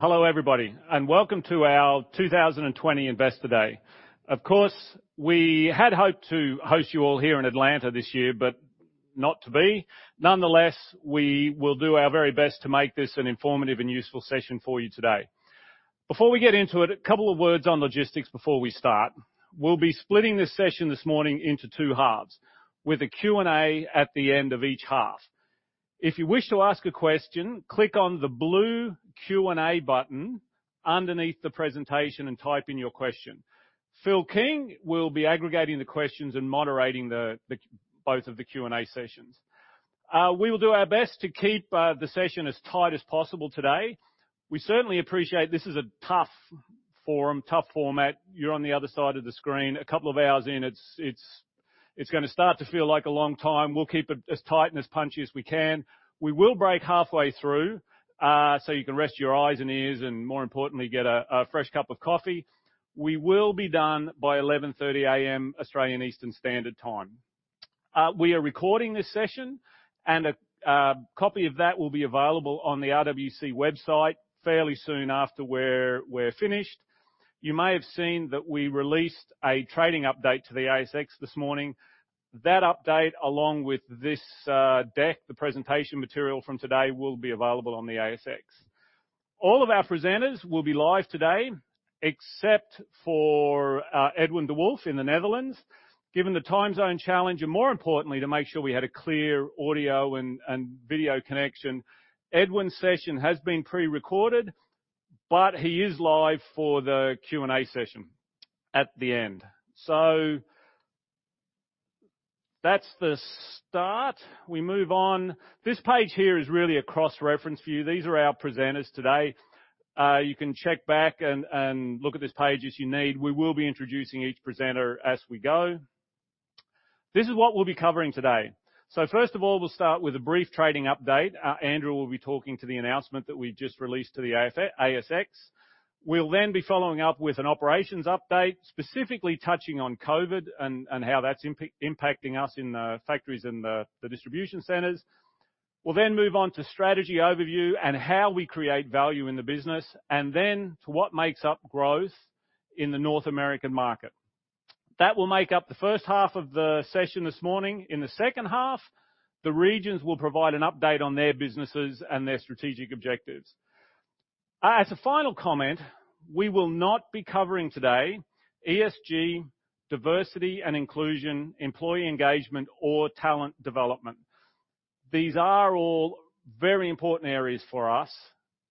Hello everybody, welcome to our 2020 Investor Day. We had hoped to host you all here in Atlanta this year, not to be. We will do our very best to make this an informative and useful session for you today. Before we get into it, a couple of words on logistics before we start. We'll be splitting this session this morning into two halves, with a Q&A at the end of each half. If you wish to ask a question, click on the blue Q&A button underneath the presentation and type in your question. Phil King will be aggregating the questions and moderating both of the Q&A sessions. We will do our best to keep the session as tight as possible today. We certainly appreciate this is a tough forum, tough format. You're on the other side of the screen. A couple of hours in, it's going to start to feel like a long time. We'll keep it as tight and as punchy as we can. We will break halfway through, so you can rest your eyes and ears, and more importantly, get a fresh cup of coffee. We will be done by 11:30 A.M. Australian Eastern Standard Time. We are recording this session, and a copy of that will be available on the RWC website fairly soon after we're finished. You may have seen that we released a trading update to the ASX this morning. That update, along with this deck, the presentation material from today, will be available on the ASX. All of our presenters will be live today, except for Edwin de Wolf in the Netherlands. Given the time zone challenge, and more importantly, to make sure we had a clear audio and video connection, Edwin's session has been pre-recorded, but he is live for the Q&A session at the end. That's the start. We move on. This page here is really a cross-reference for you. These are our presenters today. You can check back and look at this page as you need. We will be introducing each presenter as we go. This is what we'll be covering today. First of all, we'll start with a brief trading update. Andrew will be talking to the announcement that we just released to the ASX. We'll then be following up with an operations update, specifically touching on COVID and how that's impacting us in the factories and the distribution centers. We'll move on to strategy overview and how we create value in the business, and then to what makes up growth in the North American market. That will make up the first half of the session this morning. In the second half, the regions will provide an update on their businesses and their strategic objectives. As a final comment, we will not be covering today ESG, diversity and inclusion, employee engagement, or talent development. These are all very important areas for us,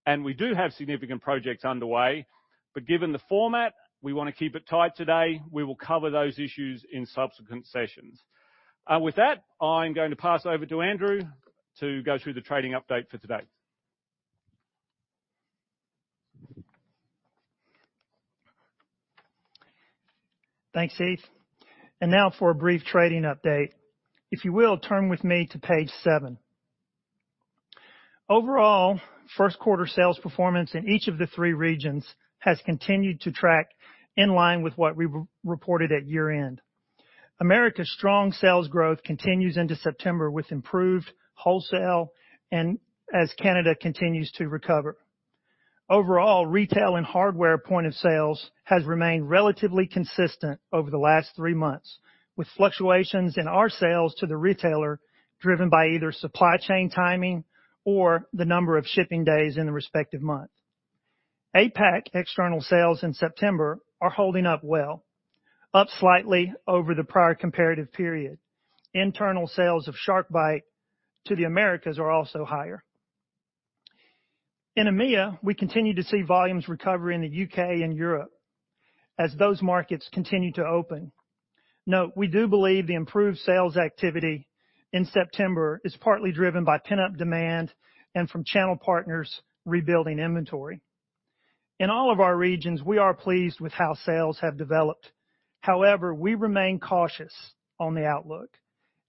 and we do have significant projects underway, but given the format, we want to keep it tight today. We will cover those issues in subsequent sessions. With that, I'm going to pass over to Andrew to go through the trading update for today. Thanks, Heath. Now for a brief trading update. If you will, turn with me to page seven. Overall, first quarter sales performance in each of the three regions has continued to track in line with what we reported at year end. Americas strong sales growth continues into September with improved wholesale and as Canada continues to recover. Overall, retail and hardware point of sales has remained relatively consistent over the last three months, with fluctuations in our sales to the retailer driven by either supply chain timing or the number of shipping days in the respective month. APAC external sales in September are holding up well, up slightly over the prior comparative period. Internal sales of SharkBite to the Americas are also higher. In EMEA, we continue to see volumes recover in the U.K. and Europe as those markets continue to open. Note, we do believe the improved sales activity in September is partly driven by pent-up demand and from channel partners rebuilding inventory. In all of our regions, we are pleased with how sales have developed. However, we remain cautious on the outlook.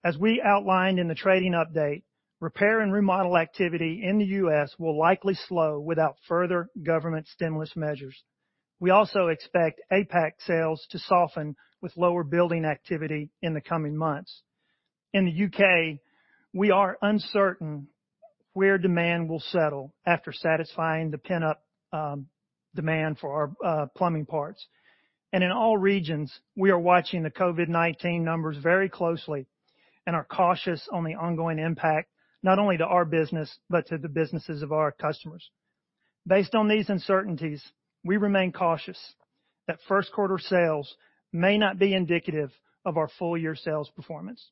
As we outlined in the trading update, repair and remodel activity in the U.S. will likely slow without further government stimulus measures. We also expect APAC sales to soften with lower building activity in the coming months. In the U.K., we are uncertain where demand will settle after satisfying the pent-up demand for our plumbing parts. In all regions, we are watching the COVID-19 numbers very closely and are cautious on the ongoing impact, not only to our business, but to the businesses of our customers. Based on these uncertainties, we remain cautious that first quarter sales may not be indicative of our full year sales performance.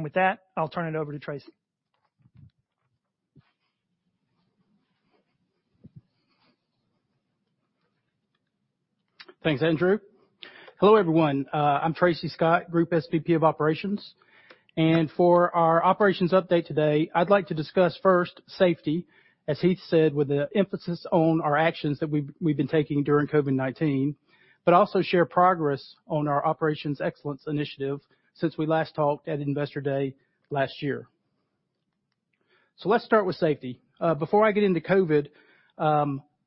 With that, I'll turn it over to Tracy. Thanks, Andrew. Hello, everyone. I'm Tracy Scott, Group SVP of Operations. For our Operations update today, I'd like to discuss first safety, as Heath said, with an emphasis on our actions that we've been taking during COVID-19, but also share progress on our Operations Excellence initiative since we last talked at Investor Day last year. Let's start with safety. Before I get into COVID,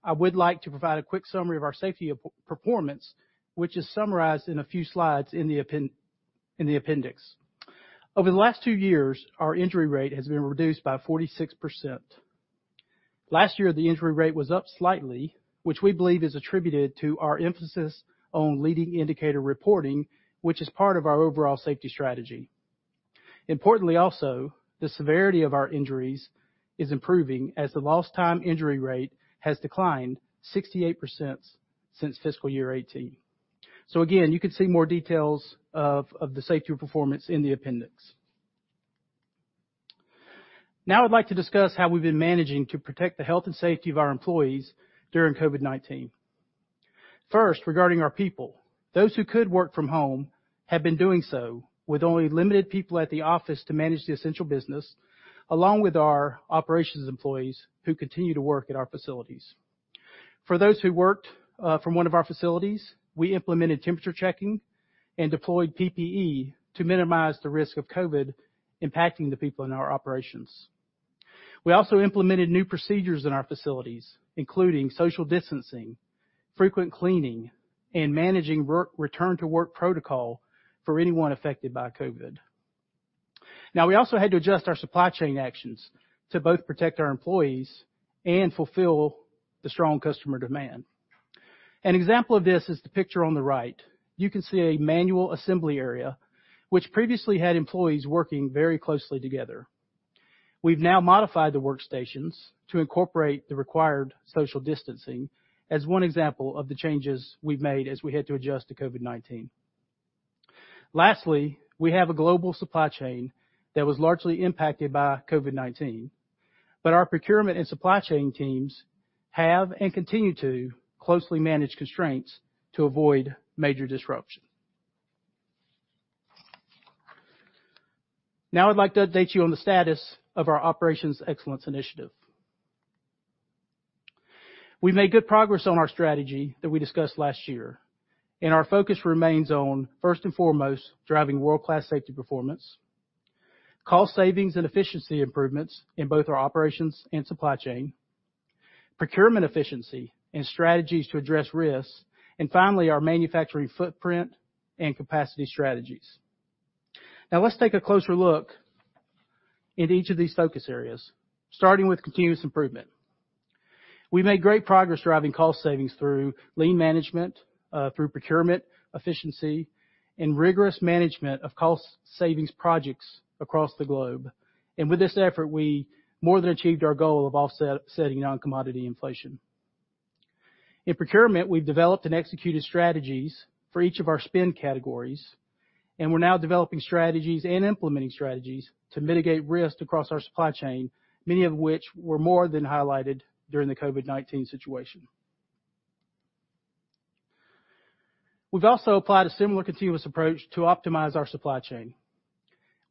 I would like to provide a quick summary of our safety performance, which is summarized in a few slides in the appendix. Over the last two years, our injury rate has been reduced by 46%. Last year, the injury rate was up slightly, which we believe is attributed to our emphasis on leading indicator reporting, which is part of our overall safety strategy. Importantly, also, the severity of our injuries is improving as the lost time injury rate has declined 68% since fiscal year 2018. Again, you can see more details of the safety performance in the appendix. Now I'd like to discuss how we've been managing to protect the health and safety of our employees during COVID-19. First, regarding our people, those who could work from home have been doing so with only limited people at the office to manage the essential business, along with our operations employees who continue to work at our facilities. For those who worked from one of our facilities, we implemented temperature checking and deployed PPE to minimize the risk of COVID impacting the people in our operations. We also implemented new procedures in our facilities, including social distancing, frequent cleaning, and managing return-to-work protocol for anyone affected by COVID. We also had to adjust our supply chain actions to both protect our employees and fulfill the strong customer demand. An example of this is the picture on the right. You can see a manual assembly area, which previously had employees working very closely together. We've now modified the workstations to incorporate the required social distancing as one example of the changes we've made as we had to adjust to COVID-19. We have a global supply chain that was largely impacted by COVID-19, but our procurement and supply chain teams have and continue to closely manage constraints to avoid major disruption. I'd like to update you on the status of our Operations Excellence initiative. We made good progress on our strategy that we discussed last year. Our focus remains on, first and foremost, driving world-class safety performance, cost savings, and efficiency improvements in both our operations and supply chain, procurement efficiency and strategies to address risks, and finally, our manufacturing footprint and capacity strategies. Let's take a closer look into each of these focus areas, starting with continuous improvement. We made great progress driving cost savings through lean management, through procurement efficiency, and rigorous management of cost savings projects across the globe. With this effort, we more than achieved our goal of offsetting non-commodity inflation. In procurement, we've developed and executed strategies for each of our spend categories, and we're now developing strategies and implementing strategies to mitigate risk across our supply chain, many of which were more than highlighted during the COVID-19 situation. We've also applied a similar continuous approach to optimize our supply chain.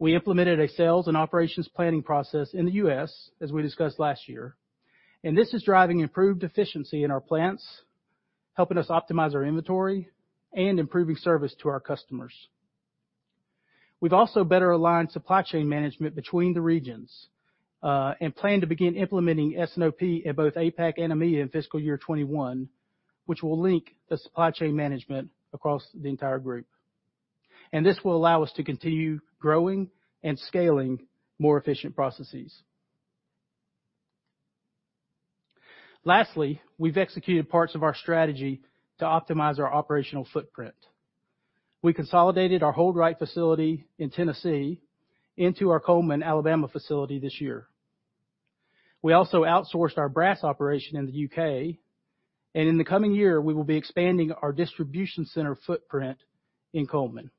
We implemented a Sales and Operations Planning process in the U.S., as we discussed last year, and this is driving improved efficiency in our plants, helping us optimize our inventory, and improving service to our customers. We've also better aligned supply chain management between the regions, and plan to begin implementing S&OP in both APAC and EMEA in fiscal year 2021, which will link the supply chain management across the entire group. This will allow us to continue growing and scaling more efficient processes. Lastly, we've executed parts of our strategy to optimize our operational footprint. We consolidated our HoldRite facility in Tennessee into our Cullman, Alabama facility this year. We also outsourced our brass operation in the U.K., and in the coming year, we will be expanding our distribution center footprint in Cullman.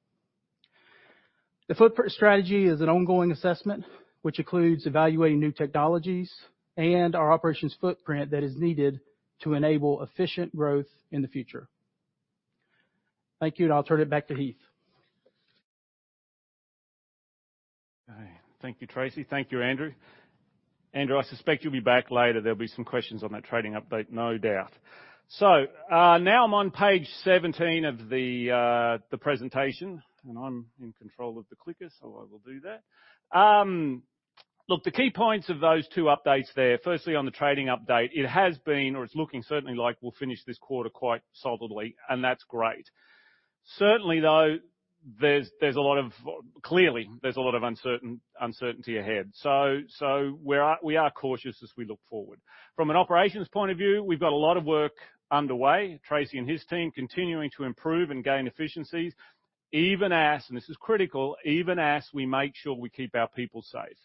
The footprint strategy is an ongoing assessment, which includes evaluating new technologies and our operations footprint that is needed to enable efficient growth in the future. Thank you, and I'll turn it back to Heath. Okay. Thank you, Tracy. Thank you, Andrew. Andrew, I suspect you'll be back later. There'll be some questions on that trading update, no doubt. Now I'm on page 17 of the presentation, and I'm in control of the clicker, so I will do that. Look, the key points of those two updates there, firstly, on the trading update, it has been, or it's looking certainly like we'll finish this quarter quite solidly, and that's great. Certainly, though, clearly there's a lot of uncertainty ahead. We are cautious as we look forward. From an operations point of view, we've got a lot of work underway. Tracy and his team continuing to improve and gain efficiencies even as, and this is critical, even as we make sure we keep our people safe.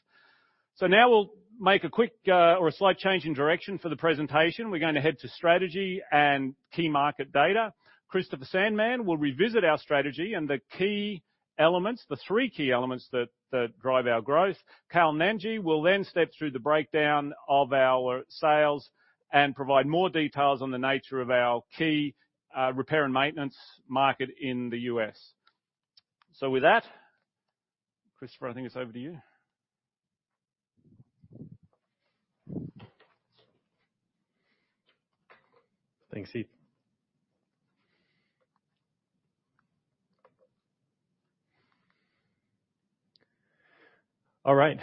Now we'll make a quick or a slight change in direction for the presentation. We're going to head to strategy and key market data. Christopher Sandman will revisit our strategy and the key elements, the three key elements that drive our growth. Kal Nanji will then step through the breakdown of our sales and provide more details on the nature of our key repair and maintenance market in the U.S. With that, Christopher, I think it's over to you. Thanks, Heath. All right.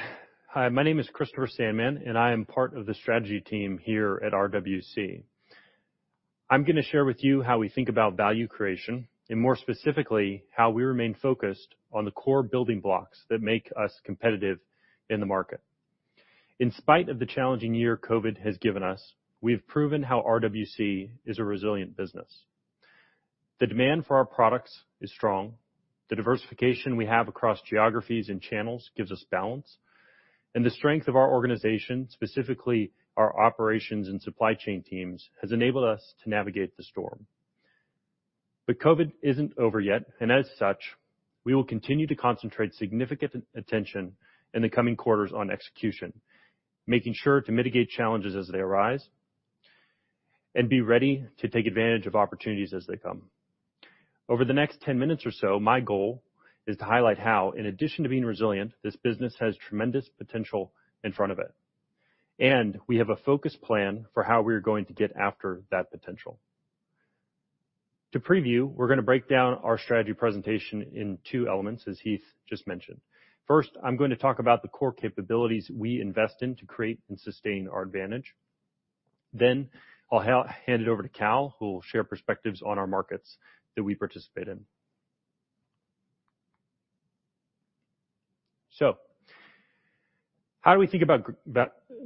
Hi, my name is Christopher Sandman. I am part of the strategy team here at RWC. I'm going to share with you how we think about value creation, and more specifically, how we remain focused on the core building blocks that make us competitive in the market. In spite of the challenging year COVID has given us, we have proven how RWC is a resilient business. The demand for our products is strong. The diversification we have across geographies and channels gives us balance, and the strength of our organization, specifically our operations and supply chain teams, has enabled us to navigate the storm. COVID isn't over yet. As such, we will continue to concentrate significant attention in the coming quarters on execution, making sure to mitigate challenges as they arise and be ready to take advantage of opportunities as they come. Over the next 10 minutes or so, my goal is to highlight how, in addition to being resilient, this business has tremendous potential in front of it. We have a focused plan for how we are going to get after that potential. To preview, we're going to break down our strategy presentation in two elements, as Heath just mentioned. First, I'm going to talk about the core capabilities we invest in to create and sustain our advantage. I'll hand it over to Kal, who will share perspectives on our markets that we participate in. How do we think about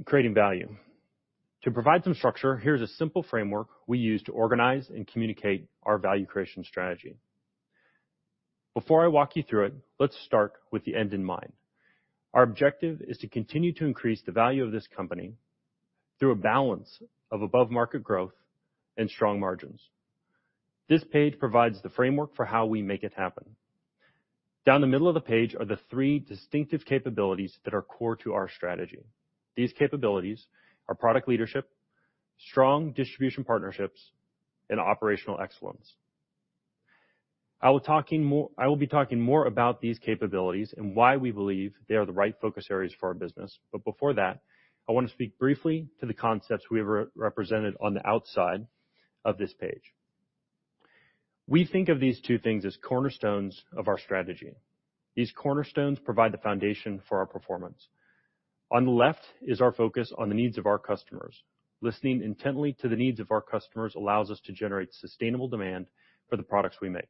creating value? To provide some structure, here's a simple framework we use to organize and communicate our value creation strategy. Before I walk you through it, let's start with the end in mind. Our objective is to continue to increase the value of this company through a balance of above-market growth and strong margins. This page provides the framework for how we make it happen. Down the middle of the page are the three distinctive capabilities that are core to our strategy. These capabilities are product leadership, strong distribution partnerships, and operational excellence. I will be talking more about these capabilities and why we believe they are the right focus areas for our business. Before that, I want to speak briefly to the concepts we have represented on the outside of this page. We think of these two things as cornerstones of our strategy. These cornerstones provide the foundation for our performance. On the left is our focus on the needs of our customers. Listening intently to the needs of our customers allows us to generate sustainable demand for the products we make.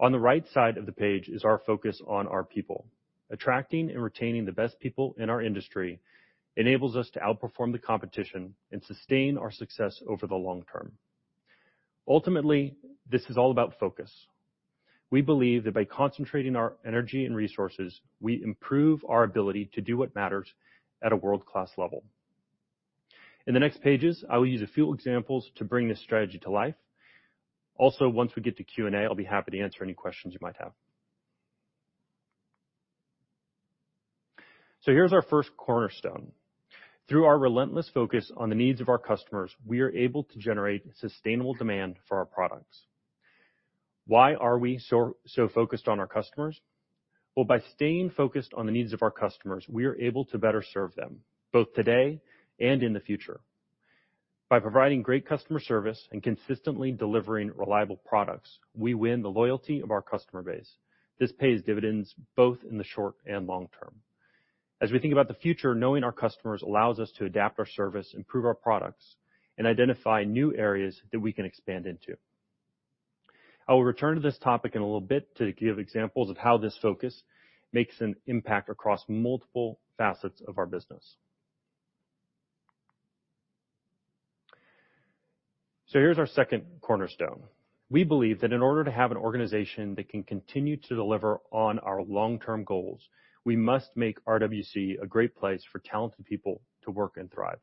On the right side of the page is our focus on our people. Attracting and retaining the best people in our industry enables us to outperform the competition and sustain our success over the long term. Ultimately, this is all about focus. We believe that by concentrating our energy and resources, we improve our ability to do what matters at a world-class level. In the next pages, I will use a few examples to bring this strategy to life. Once we get to Q&A, I'll be happy to answer any questions you might have. Here's our first cornerstone. Through our relentless focus on the needs of our customers, we are able to generate sustainable demand for our products. Why are we so focused on our customers? Well, by staying focused on the needs of our customers, we are able to better serve them, both today and in the future. By providing great customer service and consistently delivering reliable products, we win the loyalty of our customer base. This pays dividends both in the short and long term. As we think about the future, knowing our customers allows us to adapt our service, improve our products, and identify new areas that we can expand into. I will return to this topic in a little bit to give examples of how this focus makes an impact across multiple facets of our business. Here's our second cornerstone. We believe that in order to have an organization that can continue to deliver on our long-term goals, we must make RWC a great place for talented people to work and thrive.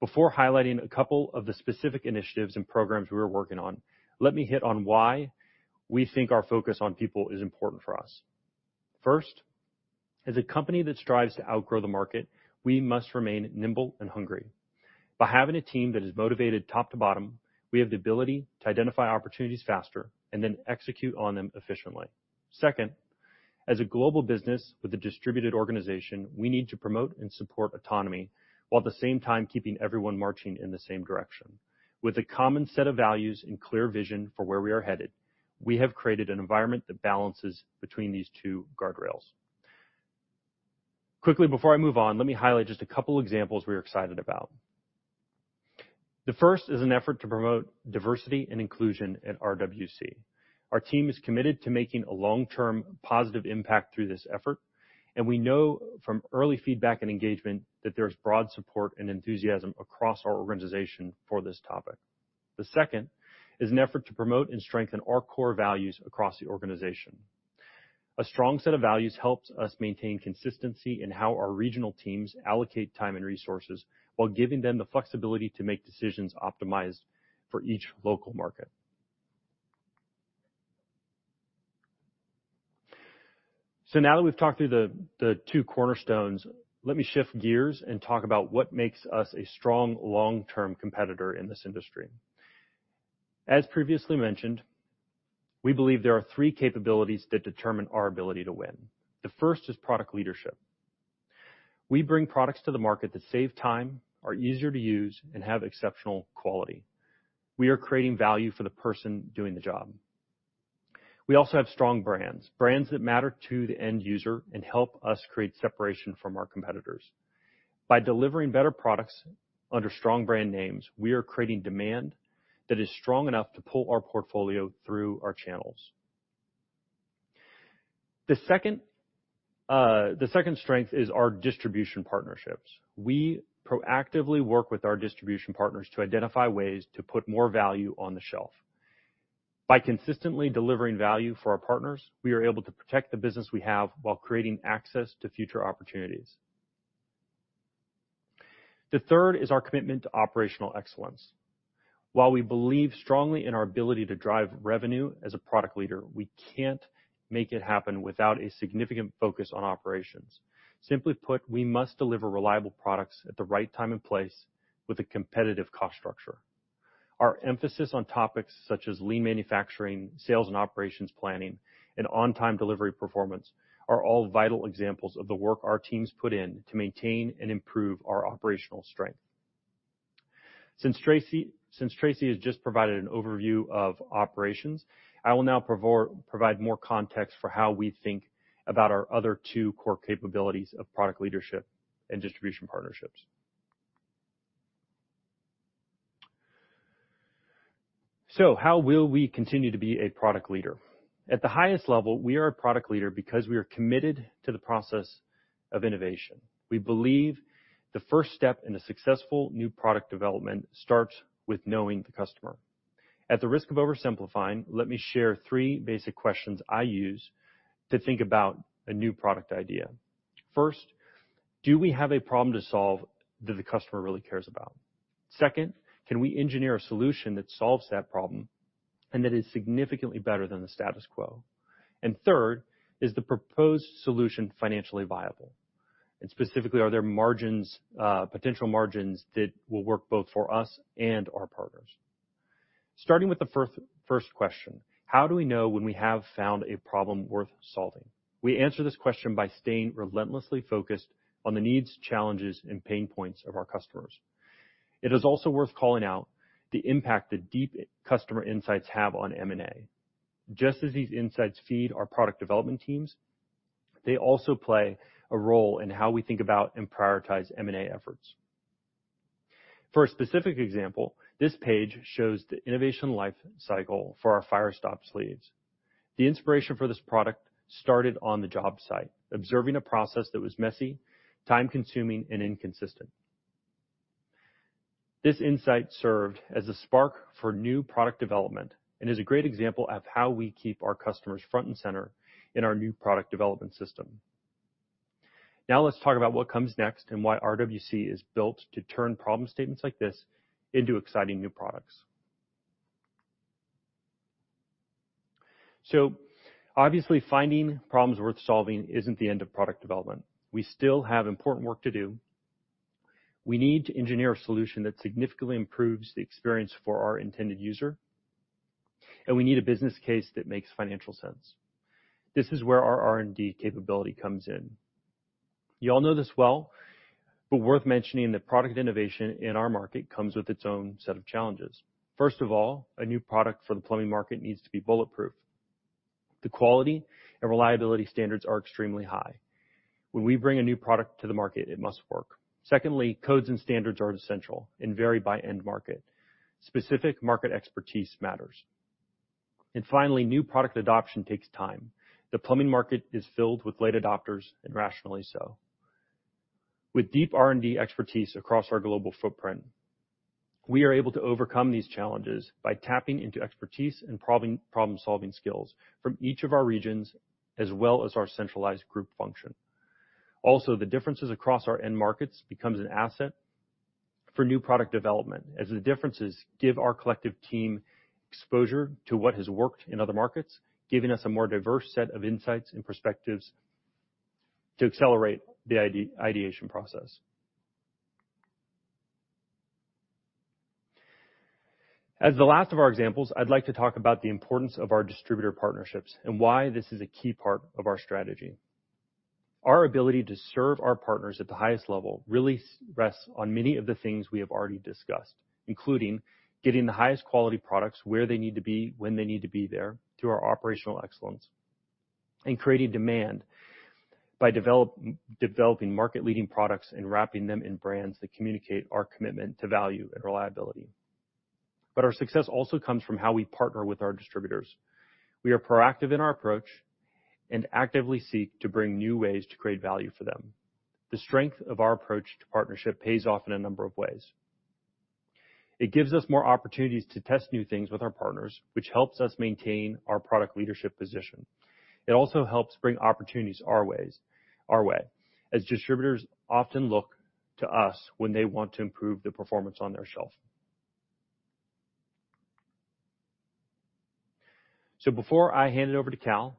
Before highlighting a couple of the specific initiatives and programs we are working on, let me hit on why we think our focus on people is important for us. First, as a company that strives to outgrow the market, we must remain nimble and hungry. By having a team that is motivated top to bottom, we have the ability to identify opportunities faster and then execute on them efficiently. Second, as a global business with a distributed organization, we need to promote and support autonomy while at the same time keeping everyone marching in the same direction. With a common set of values and clear vision for where we are headed, we have created an environment that balances between these two guardrails. Quickly, before I move on, let me highlight just a couple examples we are excited about. The first is an effort to promote diversity and inclusion at RWC. Our team is committed to making a long-term positive impact through this effort, and we know from early feedback and engagement that there's broad support and enthusiasm across our organization for this topic. The second is an effort to promote and strengthen our core values across the organization. A strong set of values helps us maintain consistency in how our regional teams allocate time and resources while giving them the flexibility to make decisions optimized for each local market. Now that we've talked through the two cornerstones, let me shift gears and talk about what makes us a strong long-term competitor in this industry. As previously mentioned, we believe there are three capabilities that determine our ability to win. The first is product leadership. We bring products to the market that save time, are easier to use, and have exceptional quality. We are creating value for the person doing the job. We also have strong brands that matter to the end user and help us create separation from our competitors. By delivering better products under strong brand names, we are creating demand that is strong enough to pull our portfolio through our channels. The second strength is our distribution partnerships. We proactively work with our distribution partners to identify ways to put more value on the shelf. By consistently delivering value for our partners, we are able to protect the business we have while creating access to future opportunities. The third is our commitment to operational excellence. While we believe strongly in our ability to drive revenue as a product leader, we can't make it happen without a significant focus on operations. Simply put, we must deliver reliable products at the right time and place with a competitive cost structure. Our emphasis on topics such as lean manufacturing, sales and operations planning, and on-time delivery performance are all vital examples of the work our teams put in to maintain and improve our operational strength. Since Tracy has just provided an overview of operations, I will now provide more context for how we think about our other two core capabilities of product leadership and distribution partnerships. How will we continue to be a product leader? At the highest level, we are a product leader because we are committed to the process of innovation. We believe the first step in a successful new product development starts with knowing the customer. At the risk of oversimplifying, let me share three basic questions I use to think about a new product idea. First, do we have a problem to solve that the customer really cares about? Can we engineer a solution that solves that problem and that is significantly better than the status quo? Third, is the proposed solution financially viable? Specifically, are there potential margins that will work both for us and our partners? Starting with the first question, how do we know when we have found a problem worth solving? We answer this question by staying relentlessly focused on the needs, challenges, and pain points of our customers. It is also worth calling out the impact that deep customer insights have on M&A. Just as these insights feed our product development teams, they also play a role in how we think about and prioritize M&A efforts. For a specific example, this page shows the innovation life cycle for our firestop sleeves. The inspiration for this product started on the job site, observing a process that was messy, time-consuming, and inconsistent. This insight served as the spark for new product development and is a great example of how we keep our customers front and center in our new product development system. Let's talk about what comes next and why RWC is built to turn problem statements like this into exciting new products. Obviously, finding problems worth solving isn't the end of product development. We still have important work to do. We need to engineer a solution that significantly improves the experience for our intended user, and we need a business case that makes financial sense. This is where our R&D capability comes in. You all know this well, but worth mentioning that product innovation in our market comes with its own set of challenges. First of all, a new product for the plumbing market needs to be bulletproof. The quality and reliability standards are extremely high. When we bring a new product to the market, it must work. Secondly, codes and standards are essential and vary by end market. Specific market expertise matters. Finally, new product adoption takes time. The plumbing market is filled with late adopters, and rationally so. With deep R&D expertise across our global footprint, we are able to overcome these challenges by tapping into expertise and problem-solving skills from each of our regions, as well as our centralized group function. The differences across our end markets becomes an asset for new product development as the differences give our collective team exposure to what has worked in other markets, giving us a more diverse set of insights and perspectives to accelerate the ideation process. As the last of our examples, I'd like to talk about the importance of our distributor partnerships and why this is a key part of our strategy. Our ability to serve our partners at the highest level really rests on many of the things we have already discussed, including getting the highest quality products where they need to be, when they need to be there through our operational excellence, and creating demand by developing market-leading products and wrapping them in brands that communicate our commitment to value and reliability. Our success also comes from how we partner with our distributors. We are proactive in our approach and actively seek to bring new ways to create value for them. The strength of our approach to partnership pays off in a number of ways. It gives us more opportunities to test new things with our partners, which helps us maintain our product leadership position. It also helps bring opportunities our way, as distributors often look to us when they want to improve the performance on their shelf. Before I hand it over to Kal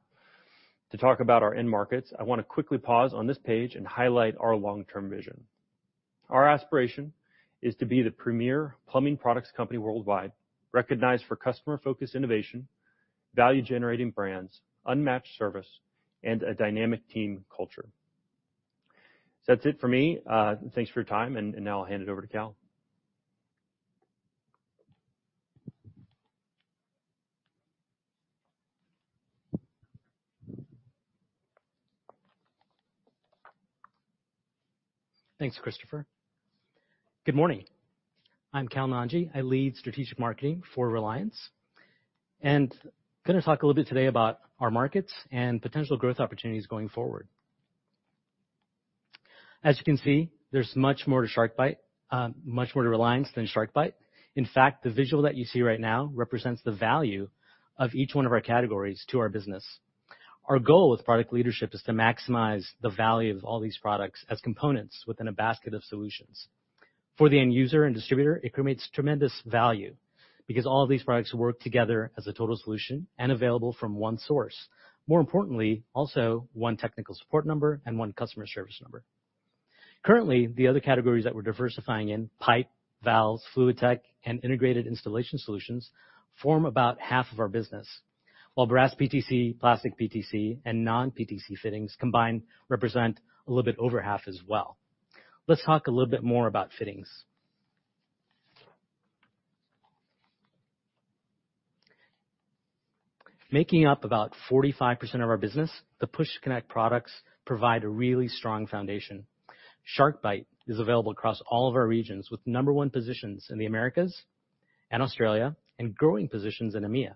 to talk about our end markets, I want to quickly pause on this page and highlight our long-term vision. Our aspiration is to be the premier plumbing products company worldwide, recognized for customer-focused innovation, value-generating brands, unmatched service, and a dynamic team culture. That's it for me. Thanks for your time, and now I'll hand it over to Kal. Thanks, Christopher. Good morning. I'm Kal Nanji. I lead strategic marketing for Reliance. Going to talk a little bit today about our markets and potential growth opportunities going forward. As you can see, there's much more to Reliance than SharkBite. In fact, the visual that you see right now represents the value of each one of our categories to our business. Our goal with product leadership is to maximize the value of all these products as components within a basket of solutions. For the end user and distributor, it creates tremendous value because all of these products work together as a total solution and available from one source, more importantly, also one technical support number and one customer service number. Currently, the other categories that we're diversifying in, pipe, valves, FluidTech, and integrated installation solutions, form about half of our business. While brass PTC, plastic PTC, and non-PTC fittings combined represent a little bit over half as well. Let's talk a little bit more about fittings. Making up about 45% of our business, the Push-to-Connect products provide a really strong foundation. SharkBite is available across all of our regions with number one positions in the Americas and Australia and growing positions in EMEA.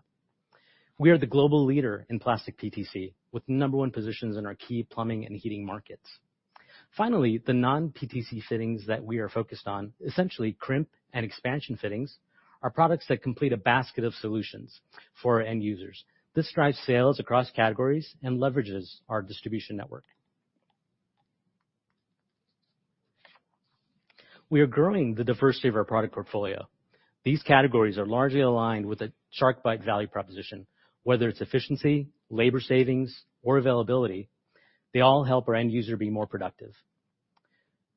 We are the global leader in plastic PTC, with number one positions in our key plumbing and heating markets. Finally, the non-PTC fittings that we are focused on, essentially crimp and expansion fittings, are products that complete a basket of solutions for our end users. This drives sales across categories and leverages our distribution network. We are growing the diversity of our product portfolio. These categories are largely aligned with a SharkBite value proposition. Whether it's efficiency, labor savings, or availability, they all help our end user be more productive.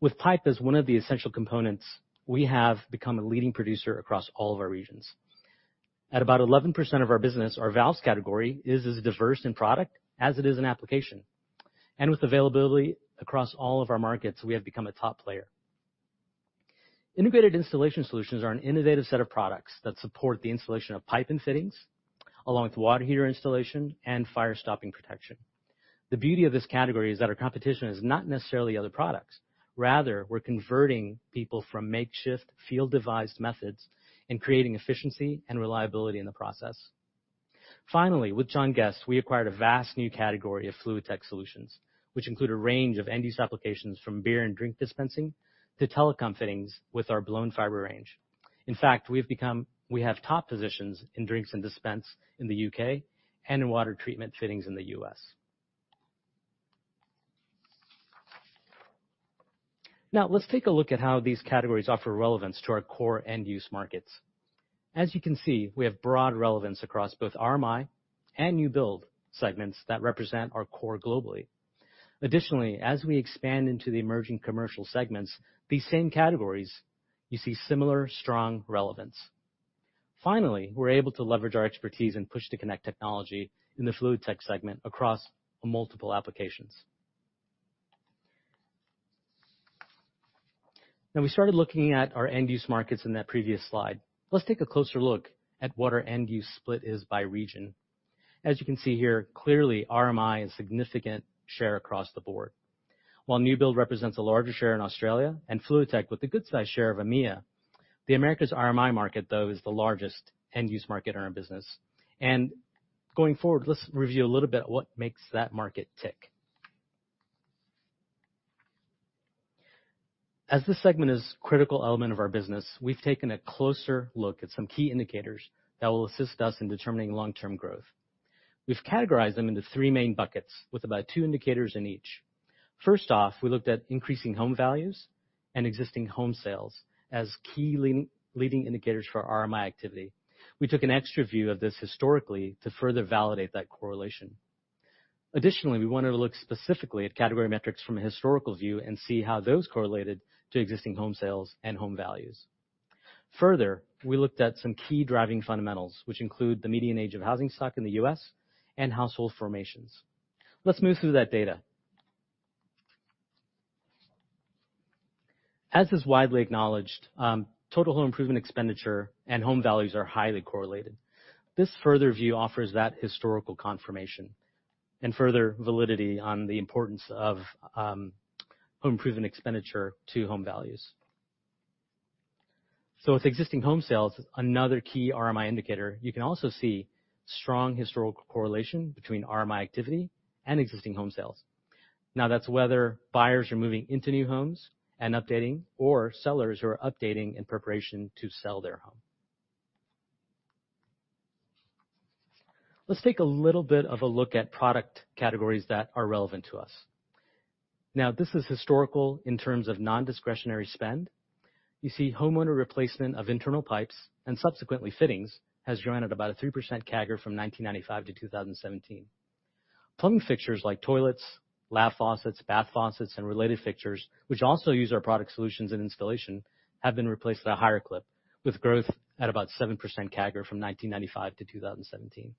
With pipe as one of the essential components, we have become a leading producer across all of our regions. At about 11% of our business, our valves category is as diverse in product as it is in application. With availability across all of our markets, we have become a top player. Innovative installation solutions are an innovative set of products that support the installation of pipe and fittings, along with water heater installation and fire stopping protection. The beauty of this category is that our competition is not necessarily other products. Rather, we're converting people from makeshift field device methods and creating efficiency and reliability in the process. Finally, with John Guest, we acquired a vast new category of FluidTech solutions, which include a range of end-use applications from beer and drink dispensing to telecom fittings with our blown fiber range. In fact, we have top positions in drinks and dispense in the U.K. and in water treatment fittings in the U.S. Now, let's take a look at how these categories offer relevance to our core end-use markets. As you can see, we have broad relevance across both RMI and new build segments that represent our core globally. Additionally, as we expand into the emerging commercial segments, these same categories, you see similar strong relevance. Finally, we're able to leverage our expertise in Push-to-Connect technology in the FluidTech segment across multiple applications. Now we started looking at our end-use markets in that previous slide. Let's take a closer look at what our end-use split is by region. As you can see here, clearly RMI is significant share across the board. While new build represents a larger share in Australia and FluidTech with a good size share of EMEA, the Americas RMI market, though, is the largest end-use market in our business. Going forward, let's review a little bit what makes that market tick. As this segment is a critical element of our business, we've taken a closer look at some key indicators that will assist us in determining long-term growth. We've categorized them into three main buckets with about two indicators in each. First off, we looked at increasing home values and existing home sales as key leading indicators for RMI activity. We took an extra view of this historically to further validate that correlation. Additionally, we wanted to look specifically at category metrics from a historical view and see how those correlated to existing home sales and home values. We looked at some key driving fundamentals, which include the median age of housing stock in the U.S. and household formations. Let's move through that data. As is widely acknowledged, total home improvement expenditure and home values are highly correlated. This further view offers that historical confirmation and further validity on the importance of home improvement expenditure to home values. With existing home sales, another key RMI indicator, you can also see strong historical correlation between RMI activity and existing home sales. That's whether buyers are moving into new homes and updating, or sellers who are updating in preparation to sell their home. Let's take a little bit of a look at product categories that are relevant to us. Now, this is historical in terms of non-discretionary spend. You see homeowner replacement of internal pipes, and subsequently fittings, has grown at about a 3% CAGR from 1995 to 2017. Plumbing fixtures like toilets, lav faucets, bath faucets, and related fixtures, which also use our product solutions and installation, have been replaced at a higher clip, with growth at about 7% CAGR from 1995 to 2017.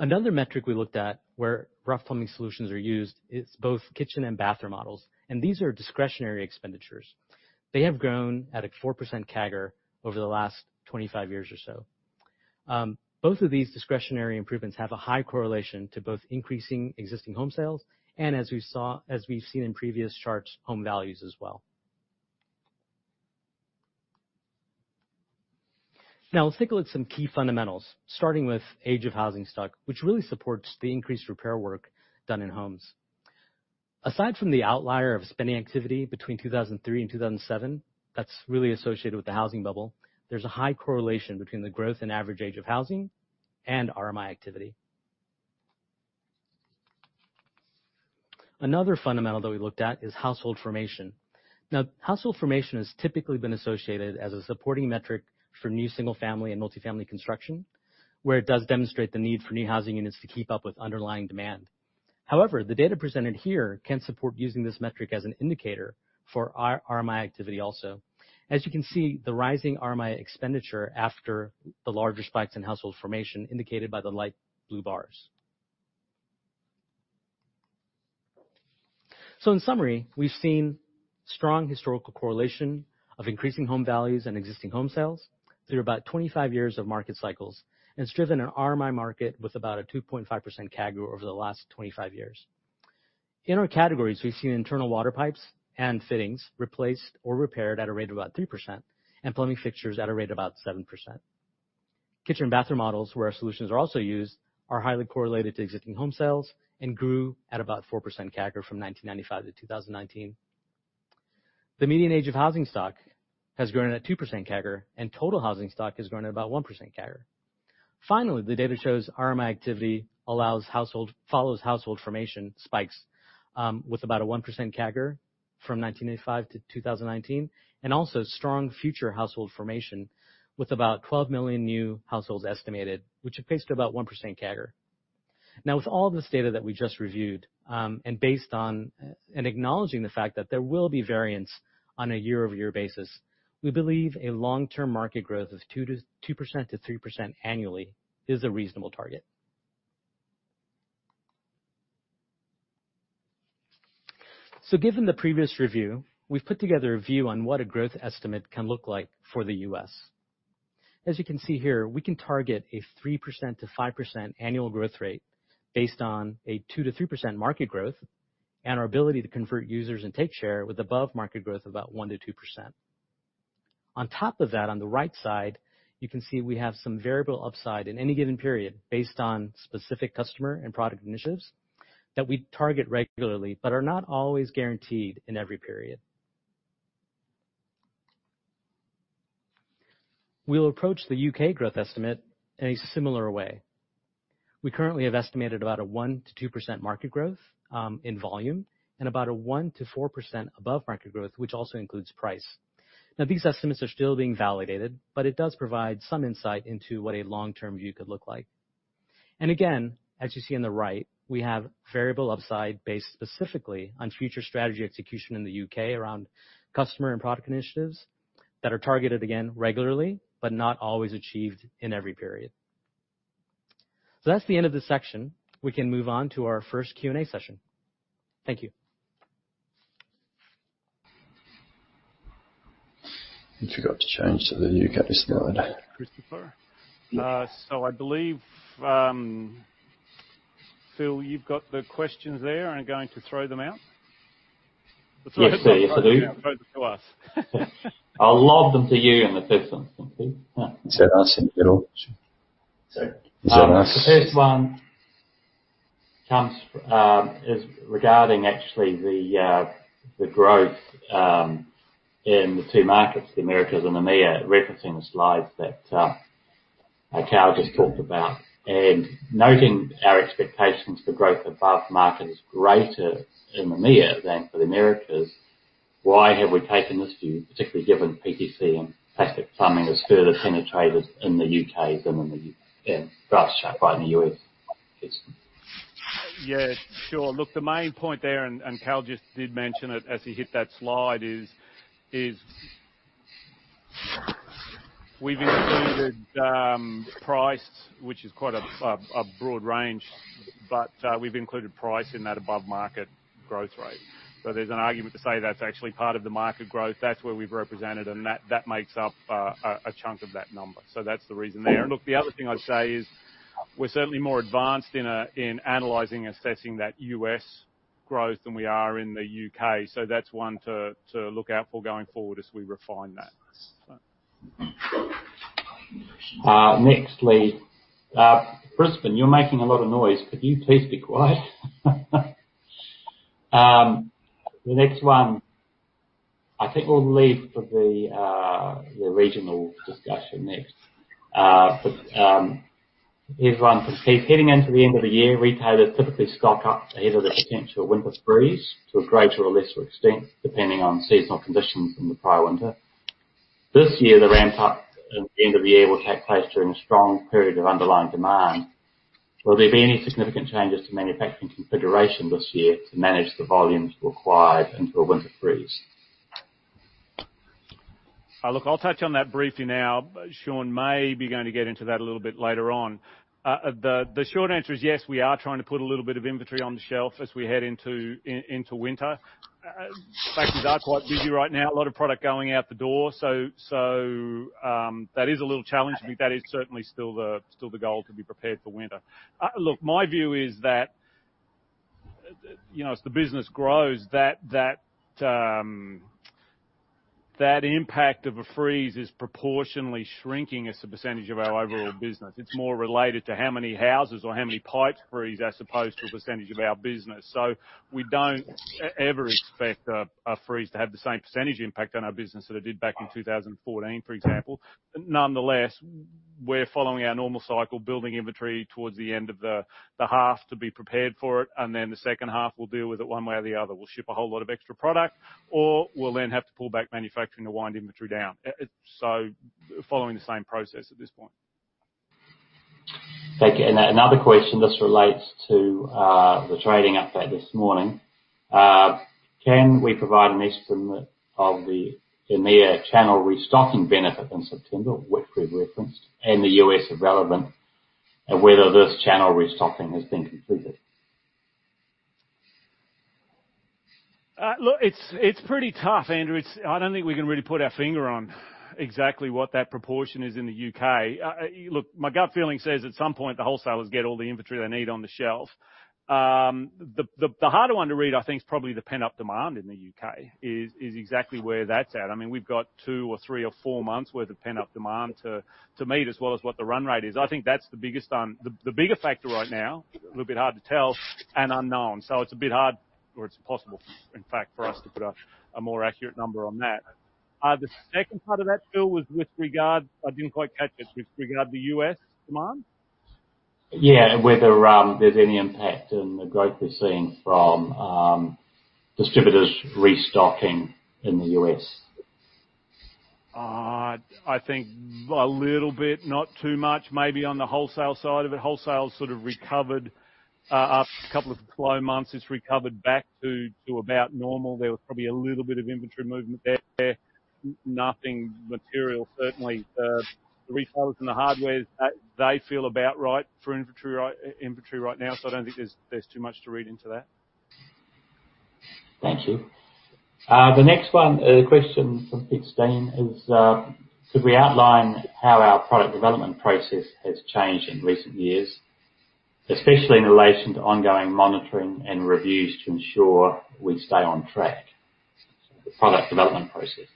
Another metric we looked at where rough plumbing solutions are used is both kitchen and bathroom remodels, and these are discretionary expenditures. They have grown at a 4% CAGR over the last 25 years or so. Both of these discretionary improvements have a high correlation to both increasing existing home sales and, as we've seen in previous charts, home values as well. Let's take a look at some key fundamentals, starting with age of housing stock, which really supports the increased repair work done in homes. Aside from the outlier of spending activity between 2003 and 2007, that's really associated with the housing bubble, there's a high correlation between the growth in average age of housing and RMI activity. Another fundamental that we looked at is household formation. Household formation has typically been associated as a supporting metric for new single-family and multifamily construction, where it does demonstrate the need for new housing units to keep up with underlying demand. The data presented here can support using this metric as an indicator for RMI activity also. As you can see, the rising RMI expenditure after the larger spikes in household formation indicated by the light blue bars. In summary, we've seen strong historical correlation of increasing home values and existing home sales through about 25 years of market cycles, and it's driven an RMI market with about a 2.5% CAGR over the last 25 years. In our categories, we've seen internal water pipes and fittings replaced or repaired at a rate of about 3%, and plumbing fixtures at a rate of about 7%. Kitchen bathroom remodels, where our solutions are also used, are highly correlated to existing home sales and grew at about 4% CAGR from 1995 to 2019. The median age of housing stock has grown at a 2% CAGR, and total housing stock has grown at about 1% CAGR. The data shows RMI activity follows household formation spikes with about a 1% CAGR from 1995 to 2019, and also strong future household formation with about 12 million new households estimated, which equates to about 1% CAGR. With all this data that we just reviewed, and acknowledging the fact that there will be variance on a year-over-year basis, we believe a long-term market growth of 2%-3% annually is a reasonable target. Given the previous review, we've put together a view on what a growth estimate can look like for the U.S. As you can see here, we can target a 3%-5% annual growth rate based on a 2%-3% market growth, and our ability to convert users and take share with above-market growth of about 1%-2%. On top of that, on the right side, you can see we have some variable upside in any given period based on specific customer and product initiatives that we target regularly but are not always guaranteed in every period. We'll approach the U.K. growth estimate in a similar way. We currently have estimated about a 1%-2% market growth in volume and about a 1%-4% above market growth, which also includes price. These estimates are still being validated. It does provide some insight into what a long-term view could look like. Again, as you see on the right, we have variable upside based specifically on future strategy execution in the U.K. around customer and product initiatives that are targeted again regularly but not always achieved in every period. That's the end of this section. We can move on to our first Q&A session. Thank you. You forgot to change to the new guide slide. Christopher. I believe, Phil, you've got the questions there and are going to throw them out. Yes, I do. Throw them to us. I'll lob them to you in the first instance, Brad. Is that us in the middle? Sorry. Is that us? The first one is regarding actually the growth in the two markets, the Americas and the EMEA, referencing the slides that Kal just talked about. Noting our expectations for growth above market is greater in the EMEA than for the Americas, why have we taken this view, particularly given PTC and plastic plumbing is further penetrated in the U.K. than in the U.S.? Yeah, sure. Look, the main point there, Kal just did mention it as he hit that slide, is we've included price, which is quite a broad range, but we've included price in that above-market growth rate. There's an argument to say that's actually part of the market growth. That's where we've represented, that makes up a chunk of that number. That's the reason there. Look, the other thing I'd say is we're certainly more advanced in analyzing and assessing that U.S. growth than we are in the U.K. That's one to look out for going forward as we refine that. Brisbane, you're making a lot of noise. Could you please be quiet? The next one, I think we'll leave for the regional discussion next. Here's one from Heath. Heading into the end of the year, retailers typically stock up ahead of the potential winter freeze to a greater or lesser extent, depending on seasonal conditions in the prior winter. This year, the ramp-up at the end of the year will take place during a strong period of underlying demand. Will there be any significant changes to manufacturing configuration this year to manage the volumes required until winter freeze? Look, I'll touch on that briefly now. Sean may be going to get into that a little bit later on. The short answer is yes, we are trying to put a little bit of inventory on the shelf as we head into winter. Factories are quite busy right now. A lot of product going out the door. That is a little challenging, but that is certainly still the goal, to be prepared for winter. Look, my view is that as the business grows, that impact of a freeze is proportionally shrinking as a percentage of our overall business. It's more related to how many houses or how many pipes freeze as opposed to a percentage of our business. We don't ever expect a freeze to have the same percentage impact on our business that it did back in 2014, for example. Nonetheless, we're following our normal cycle, building inventory towards the end of the half to be prepared for it, and then the second half, we'll deal with it one way or the other. We'll ship a whole lot of extra product, or we'll then have to pull back manufacturing to wind inventory down. Following the same process at this point. Thank you. Another question, this relates to the trading update this morning. Can we provide an estimate of the EMEA channel restocking benefit in September, which we’ve referenced, and the U.S. if relevant, and whether this channel restocking has been completed? Look, it's pretty tough, Andrew. I don't think we can really put our finger on exactly what that proportion is in the U.K. Look, my gut feeling says at some point, the wholesalers get all the inventory they need on the shelf. The harder one to read, I think, is probably the pent-up demand in the U.K., is exactly where that's at. We've got two or three or four months worth of pent-up demand to meet as well as what the run rate is. I think that's the biggest one. The bigger factor right now, a little bit hard to tell and unknown. It's a bit hard or it's impossible, in fact, for us to put a more accurate number on that. The second part of that, Phil, was with regard I didn't quite catch it. With regard to U.S. demand? Yeah. Whether there's any impact in the growth we're seeing from distributors restocking in the U.S. I think a little bit, not too much. Maybe on the wholesale side of it. Wholesale sort of recovered. After a couple of slow months, it's recovered back to about normal. There was probably a little bit of inventory movement there. Nothing material certainly. The retailers and the hardwares, they feel about right for inventory right now. I don't think there's too much to read into that. Thank you. The next one, a question from Peter Steyn is, could we outline how our product development process has changed in recent years, especially in relation to ongoing monitoring and reviews to ensure we stay on track? The product development process.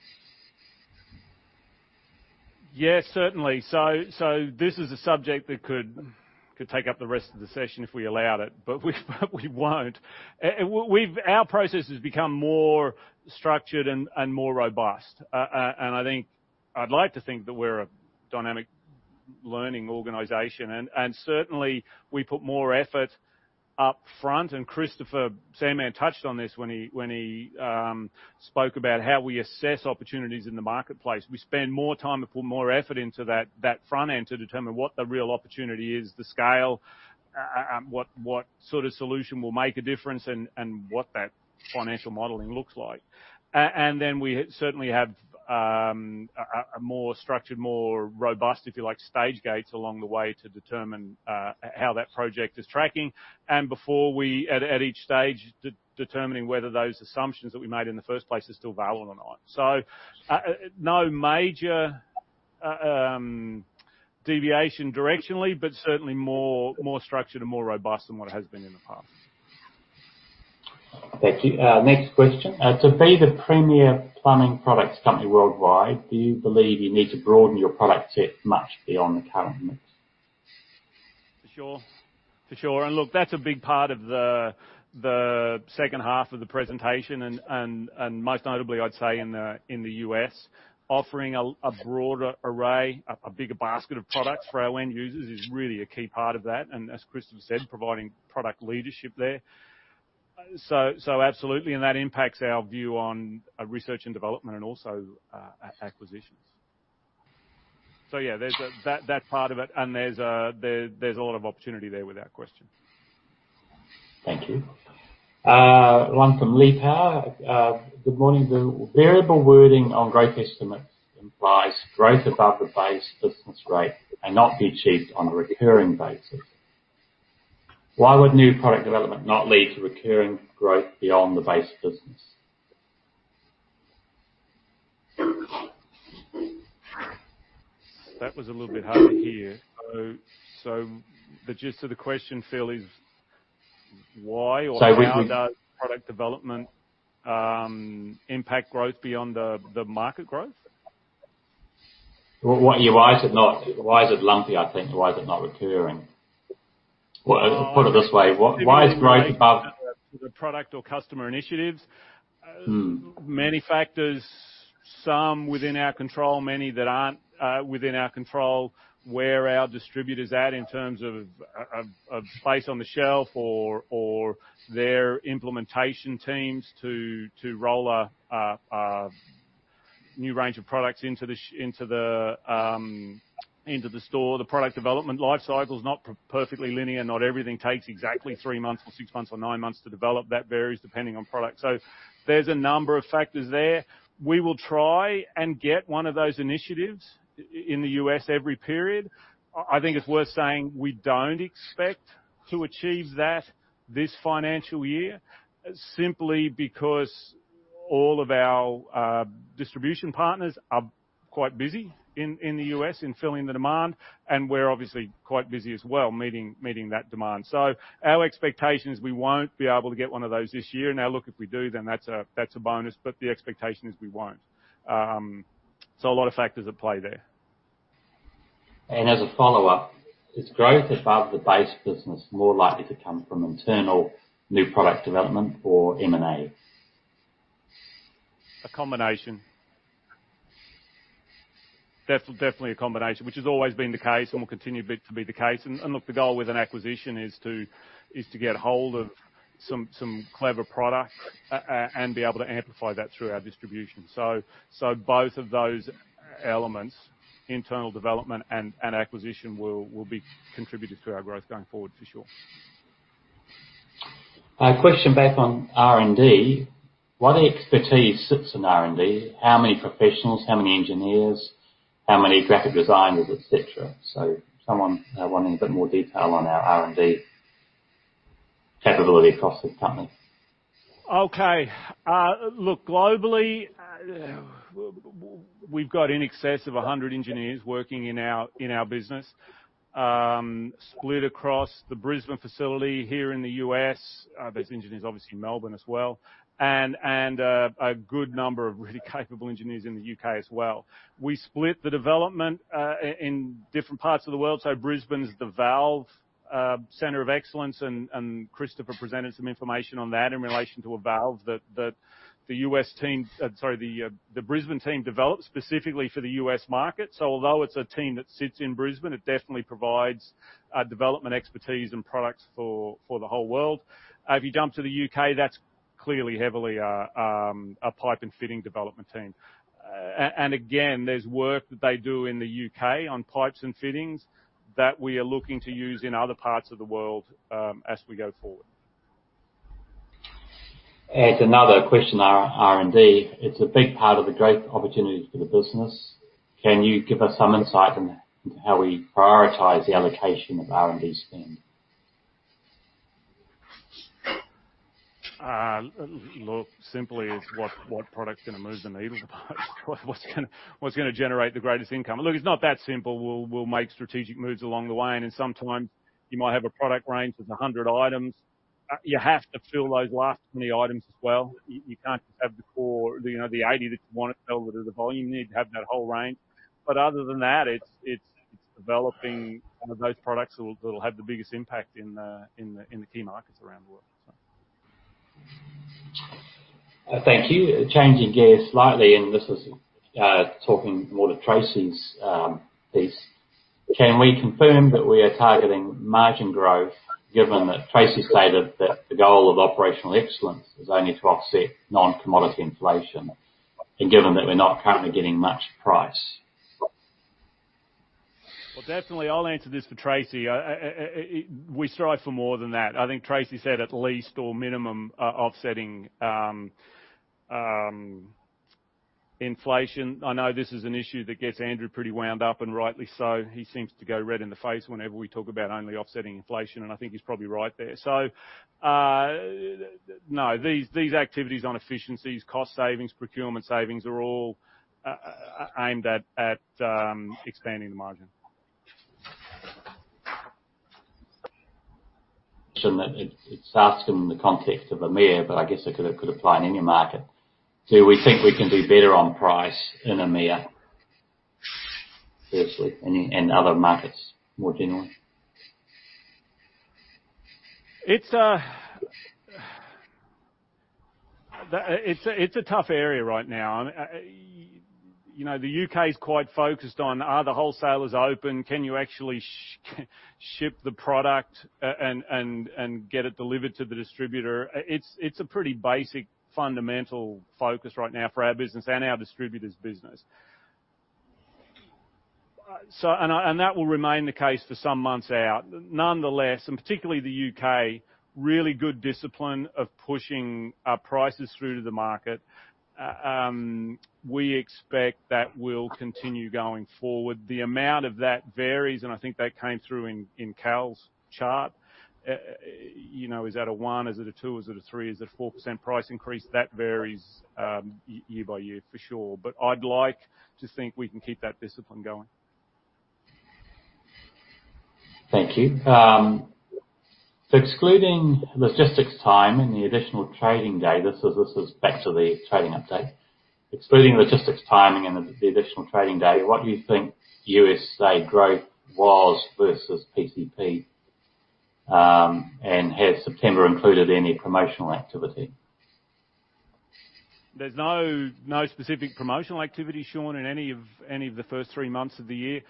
Yeah, certainly. This is a subject that could take up the rest of the session if we allowed it, but we won't. Our process has become more structured and more robust. I'd like to think that we're a dynamic learning organization, and certainly we put more effort up front. Christopher Sandman touched on this when he spoke about how we assess opportunities in the marketplace. We spend more time and put more effort into that front end to determine what the real opportunity is, the scale, what sort of solution will make a difference, and what that financial modeling looks like. We certainly have a more structured, more robust, if you like, stage gates along the way to determine how that project is tracking, and before we at each stage determining whether those assumptions that we made in the first place are still valid or not. No major deviation directionally, but certainly more structured and more robust than what it has been in the past. Thank you. Next question. To be the premier plumbing products company worldwide, do you believe you need to broaden your product set much beyond the current mix? For sure. Look, that's a big part of the second half of the presentation, and most notably, I'd say in the U.S. Offering a broader array, a bigger basket of products for our end users is really a key part of that and, as Christopher said, providing product leadership there. Absolutely, that impacts our view on research and development and also acquisitions. Yeah, that part of it, and there's a lot of opportunity there without question. Thank you. One from Lee Power. Good morning. The variable wording on growth estimates implies growth above the base business rate may not be achieved on a recurring basis. Why would new product development not lead to recurring growth beyond the base business? That was a little bit hard to hear. The gist of the question, Phil, is why or how does product development impact growth beyond the market growth? Why is it lumpy, I think. Why is it not recurring? Put it this way, why is growth above? The product or customer initiatives? Many factors, some within our control, many that aren't within our control, where our distributor's at in terms of space on the shelf or their implementation teams to roll a new range of products into the store. The product development life cycle is not perfectly linear. Not everything takes exactly three months or six months or nine months to develop. That varies depending on product. There's a number of factors there. We will try and get one of those initiatives in the U.S. every period. I think it's worth saying we don't expect to achieve that this financial year, simply because all of our distribution partners are quite busy in the U.S. in filling the demand, and we're obviously quite busy as well meeting that demand. Our expectation is we won't be able to get one of those this year. Look, if we do, then that's a bonus, but the expectation is we won't. A lot of factors at play there. As a follow-up, is growth above the base business more likely to come from internal new product development or M&A? A combination. Definitely a combination, which has always been the case and will continue to be the case. Look, the goal with an acquisition is to get a hold of some clever product and be able to amplify that through our distribution. Both of those elements, internal development and acquisition, will be contributed to our growth going forward for sure. A question back on R&D. What expertise sits in R&D? How many professionals, how many engineers, how many graphic designers, et cetera? someone wanting a bit more detail on our R&D capability across the company. Okay. Look, globally, we've got in excess of 100 engineers working in our business, split across the Brisbane facility here in the U.S. There's engineers obviously in Melbourne as well, and a good number of really capable engineers in the U.K. as well. We split the development in different parts of the world. Brisbane's the valve center of excellence and Christopher presented some information on that in relation to a valve that the Brisbane team developed specifically for the U.S. market. Although it's a team that sits in Brisbane, it definitely provides development expertise and products for the whole world. If you jump to the U.K., that's clearly heavily a pipe and fitting development team. And again, there's work that they do in the U.K. on pipes and fittings that we are looking to use in other parts of the world, as we go forward. Another question on R&D. It's a big part of the growth opportunities for the business. Can you give us some insight on how we prioritize the allocation of R&D spend? Look, simply it's what product's gonna move the needle the most? What's gonna generate the greatest income? Look, it's not that simple. We'll make strategic moves along the way. Sometimes you might have a product range that's 100 items. You have to fill those last 20 items as well. You can't just have the core, the 80 that you want to sell that do the volume. You need to have that whole range. Other than that, it's developing one of those products that'll have the biggest impact in the key markets around the world. Thank you. Changing gears slightly, this is talking more to Tracy's piece. Can we confirm that we are targeting margin growth, given that Tracy stated that the goal of operational excellence is only to offset non-commodity inflation and given that we're not currently getting much price? Definitely. I'll answer this for Tracy. We strive for more than that. I think Tracy said at least or minimum offsetting inflation. I know this is an issue that gets Andrew pretty wound up, and rightly so. He seems to go red in the face whenever we talk about only offsetting inflation, and I think he's probably right there. No. These activities on efficiencies, cost savings, procurement savings are all aimed at expanding the margin. It is asked in the context of EMEA. I guess it could apply in any market. Do we think we can do better on price in EMEA, firstly, and other markets more generally? It's a tough area right now. The U.K.'s quite focused on are the wholesalers open? Can you actually ship the product and get it delivered to the distributor? It's a pretty basic, fundamental focus right now for our business and our distributors' business. That will remain the case for some months out. Nonetheless, particularly the U.K., really good discipline of pushing our prices through to the market. We expect that will continue going forward. The amount of that varies, and I think that came through in Kal's chart. Is that a one, is it a two, is it a three, is it a 4% price increase? That varies year by year for sure. I'd like to think we can keep that discipline going. Thank you. Excluding logistics time and the additional trading day, this is back to the trading update. Excluding logistics timing and the additional trading day, what do you think USA growth was versus PCP? Has September included any promotional activity? There's no specific promotional activity, Sean, in any of the first three months of the year.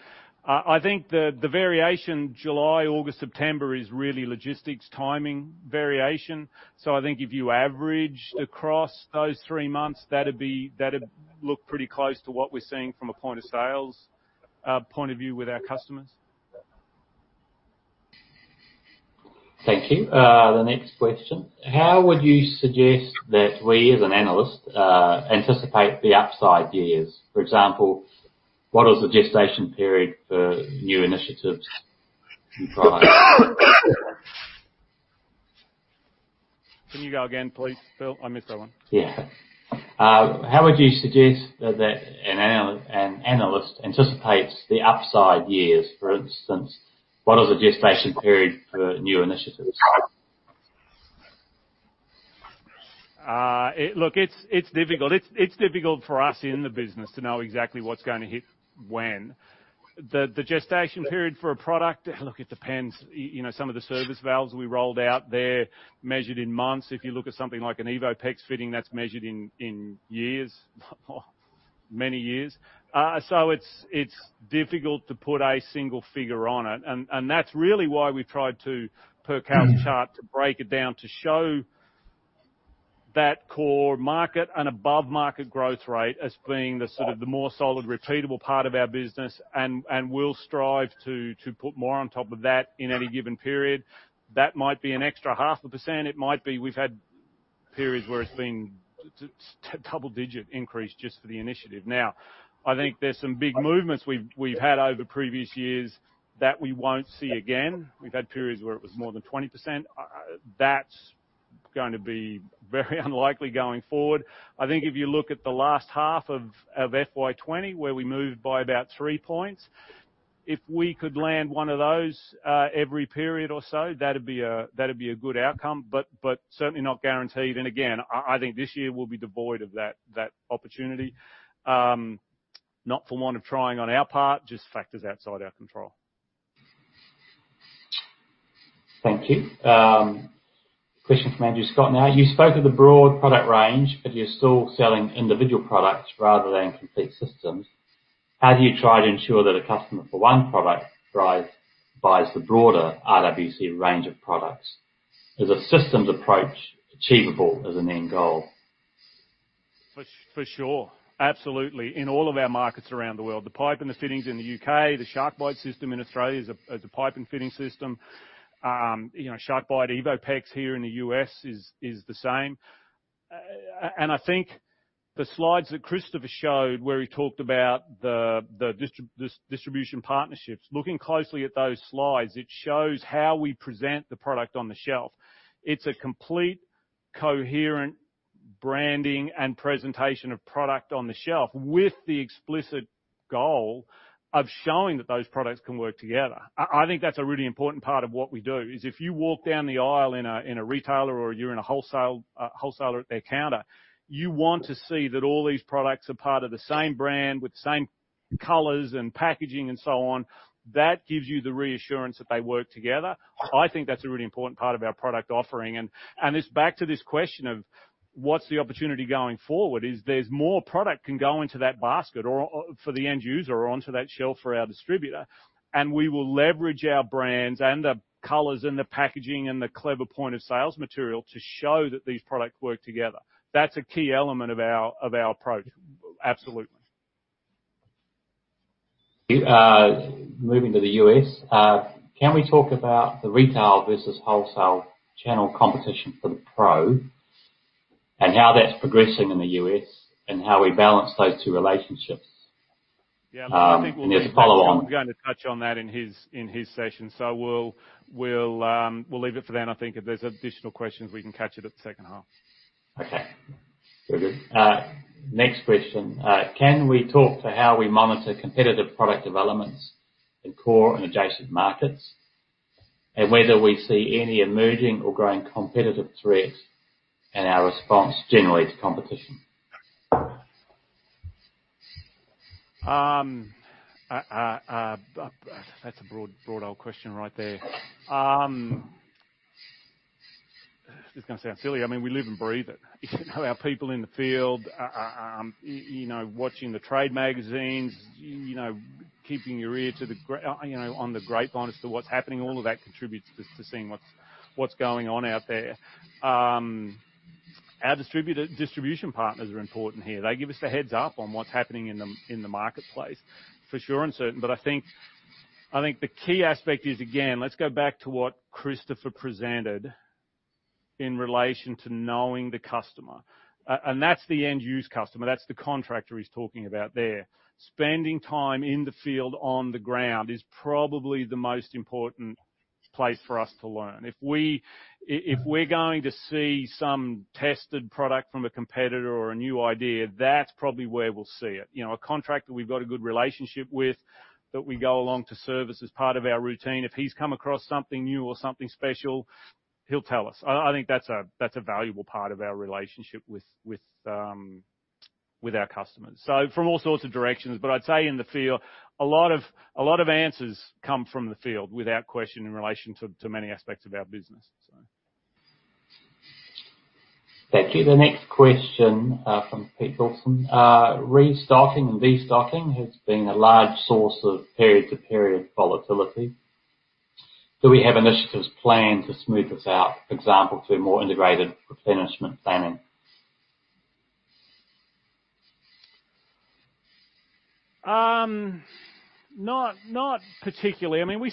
I think the variation July, August, September is really logistics timing variation. I think if you average across those three months, that'd look pretty close to what we're seeing from a point of sales point of view with our customers. Thank you. The next question: how would you suggest that we as an analyst anticipate the upside years? For example, what is the gestation period for new initiatives and products? Can you go again, please, Phil? I missed that one. Yeah. How would you suggest that an analyst anticipates the upside years? For instance, what is the gestation period for new initiatives? Look, it's difficult. It's difficult for us in the business to know exactly what's going to hit when. The gestation period for a product, look, it depends. Some of the service valves we rolled out, they're measured in months. If you look at something like an EvoPEX fitting, that's measured in years, many years. It's difficult to put a single figure on it. That's really why we tried to, per Kal's chart, to break it down to show that core market and above market growth rate as being the more solid, repeatable part of our business, and we'll strive to put more on top of that in any given period. That might be an extra half a percent. We've had periods where it's been double-digit increase just for the initiative. I think there's some big movements we've had over previous years that we won't see again. We've had periods where it was more than 20%. That's going to be very unlikely going forward. I think if you look at the last half of FY 2020, where we moved by about three points, if we could land one of those every period or so, that'd be a good outcome. Certainly not guaranteed. Again, I think this year will be devoid of that opportunity. Not for want of trying on our part, just factors outside our control. Thank you. Question from Andrew Scott now. You spoke of the broad product range, but you're still selling individual products rather than complete systems. How do you try to ensure that a customer for one product buys the broader RWC range of products? Is a systems approach achievable as an end goal? For sure. Absolutely. In all of our markets around the world. The pipe and the fittings in the U.K., the SharkBite system in Australia is a pipe and fitting system. SharkBite EvoPEX here in the U.S. is the same. I think the slides that Christopher showed where he talked about the distribution partnerships, looking closely at those slides, it shows how we present the product on the shelf. It's a complete, coherent branding and presentation of product on the shelf with the explicit goal of showing that those products can work together. I think that's a really important part of what we do, is if you walk down the aisle in a retailer or you're in a wholesaler at their counter, you want to see that all these products are part of the same brand with the same colors and packaging and so on. That gives you the reassurance that they work together. I think that's a really important part of our product offering. It's back to this question of what's the opportunity going forward is there's more product can go into that basket or for the end user or onto that shelf for our distributor, and we will leverage our brands and the colors and the packaging and the clever point of sales material to show that these products work together. That's a key element of our approach. Absolutely. Moving to the U.S. Can we talk about the retail versus wholesale channel competition for the Pro and how that is progressing in the U.S. and how we balance those two relationships? Yeah, look, I think. There's a follow on. Get to touch on that in his session. We'll leave it for then. I think if there's additional questions, we can catch it at the second half. Okay. Very good. Next question. Can we talk to how we monitor competitive product developments in core and adjacent markets, and whether we see any emerging or growing competitive threats and our response generally to competition? That's a broad old question right there. This is going to sound silly. I mean, we live and breathe it. Our people in the field, watching the trade magazines, keeping your ear on the grapevine as to what's happening, all of that contributes to seeing what's going on out there. Our distribution partners are important here. They give us a heads up on what's happening in the marketplace for sure and certain. I think the key aspect is, again, let's go back to what Christopher presented in relation to knowing the customer. That's the end-use customer. That's the contractor he's talking about there. Spending time in the field on the ground is probably the most important place for us to learn. If we're going to see some tested product from a competitor or a new idea, that's probably where we'll see it. A contractor we've got a good relationship with that we go along to service as part of our routine, if he's come across something new or something special, he'll tell us. I think that's a valuable part of our relationship with our customers. From all sorts of directions, but I'd say in the field, a lot of answers come from the field without question in relation to many aspects of our business. Thank you. The next question from Peter Wilson. Restocking and destocking has been a large source of period-to-period volatility. Do we have initiatives planned to smooth this out, for example, through more integrated replenishment planning? Not particularly. We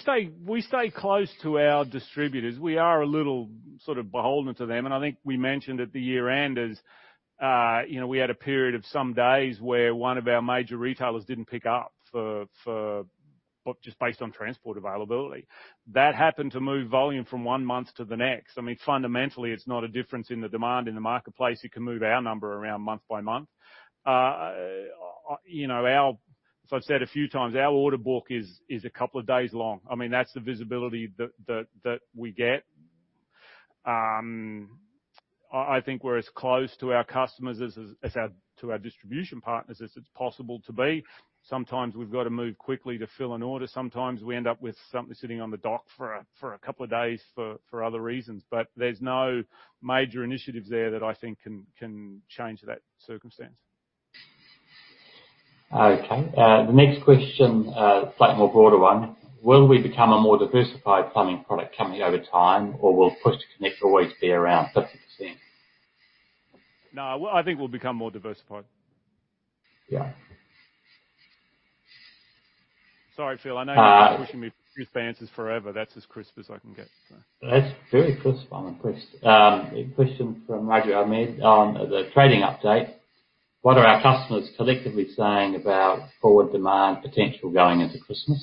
stay close to our distributors. We are a little beholden to them. I think we mentioned at the year-end, we had a period of some days where one of our major retailers didn't pick up for just based on transport availability. That happened to move volume from one month to the next. Fundamentally, it's not a difference in the demand in the marketplace. It can move our number around month by month. As I've said a few times, our order book is a couple of days long. That's the visibility that we get. I think we're as close to our customers to our distribution partners as it's possible to be. Sometimes we've got to move quickly to fill an order. Sometimes we end up with something sitting on the dock for a couple of days for other reasons. There's no major initiatives there that I think can change that circumstance. Okay. The next question, slightly more broader one. Will we become a more diversified plumbing product company over time, or will Push-to-Connect always be around 50%? No, I think we'll become more diversified. Yeah. Sorry, Phil, I know you're pushing me for crisp answers forever. That's as crisp as I can get. That's very crisp. I'm impressed. A question from Roger Ahmed on the trading update. What are our customers collectively saying about forward demand potential going into Christmas?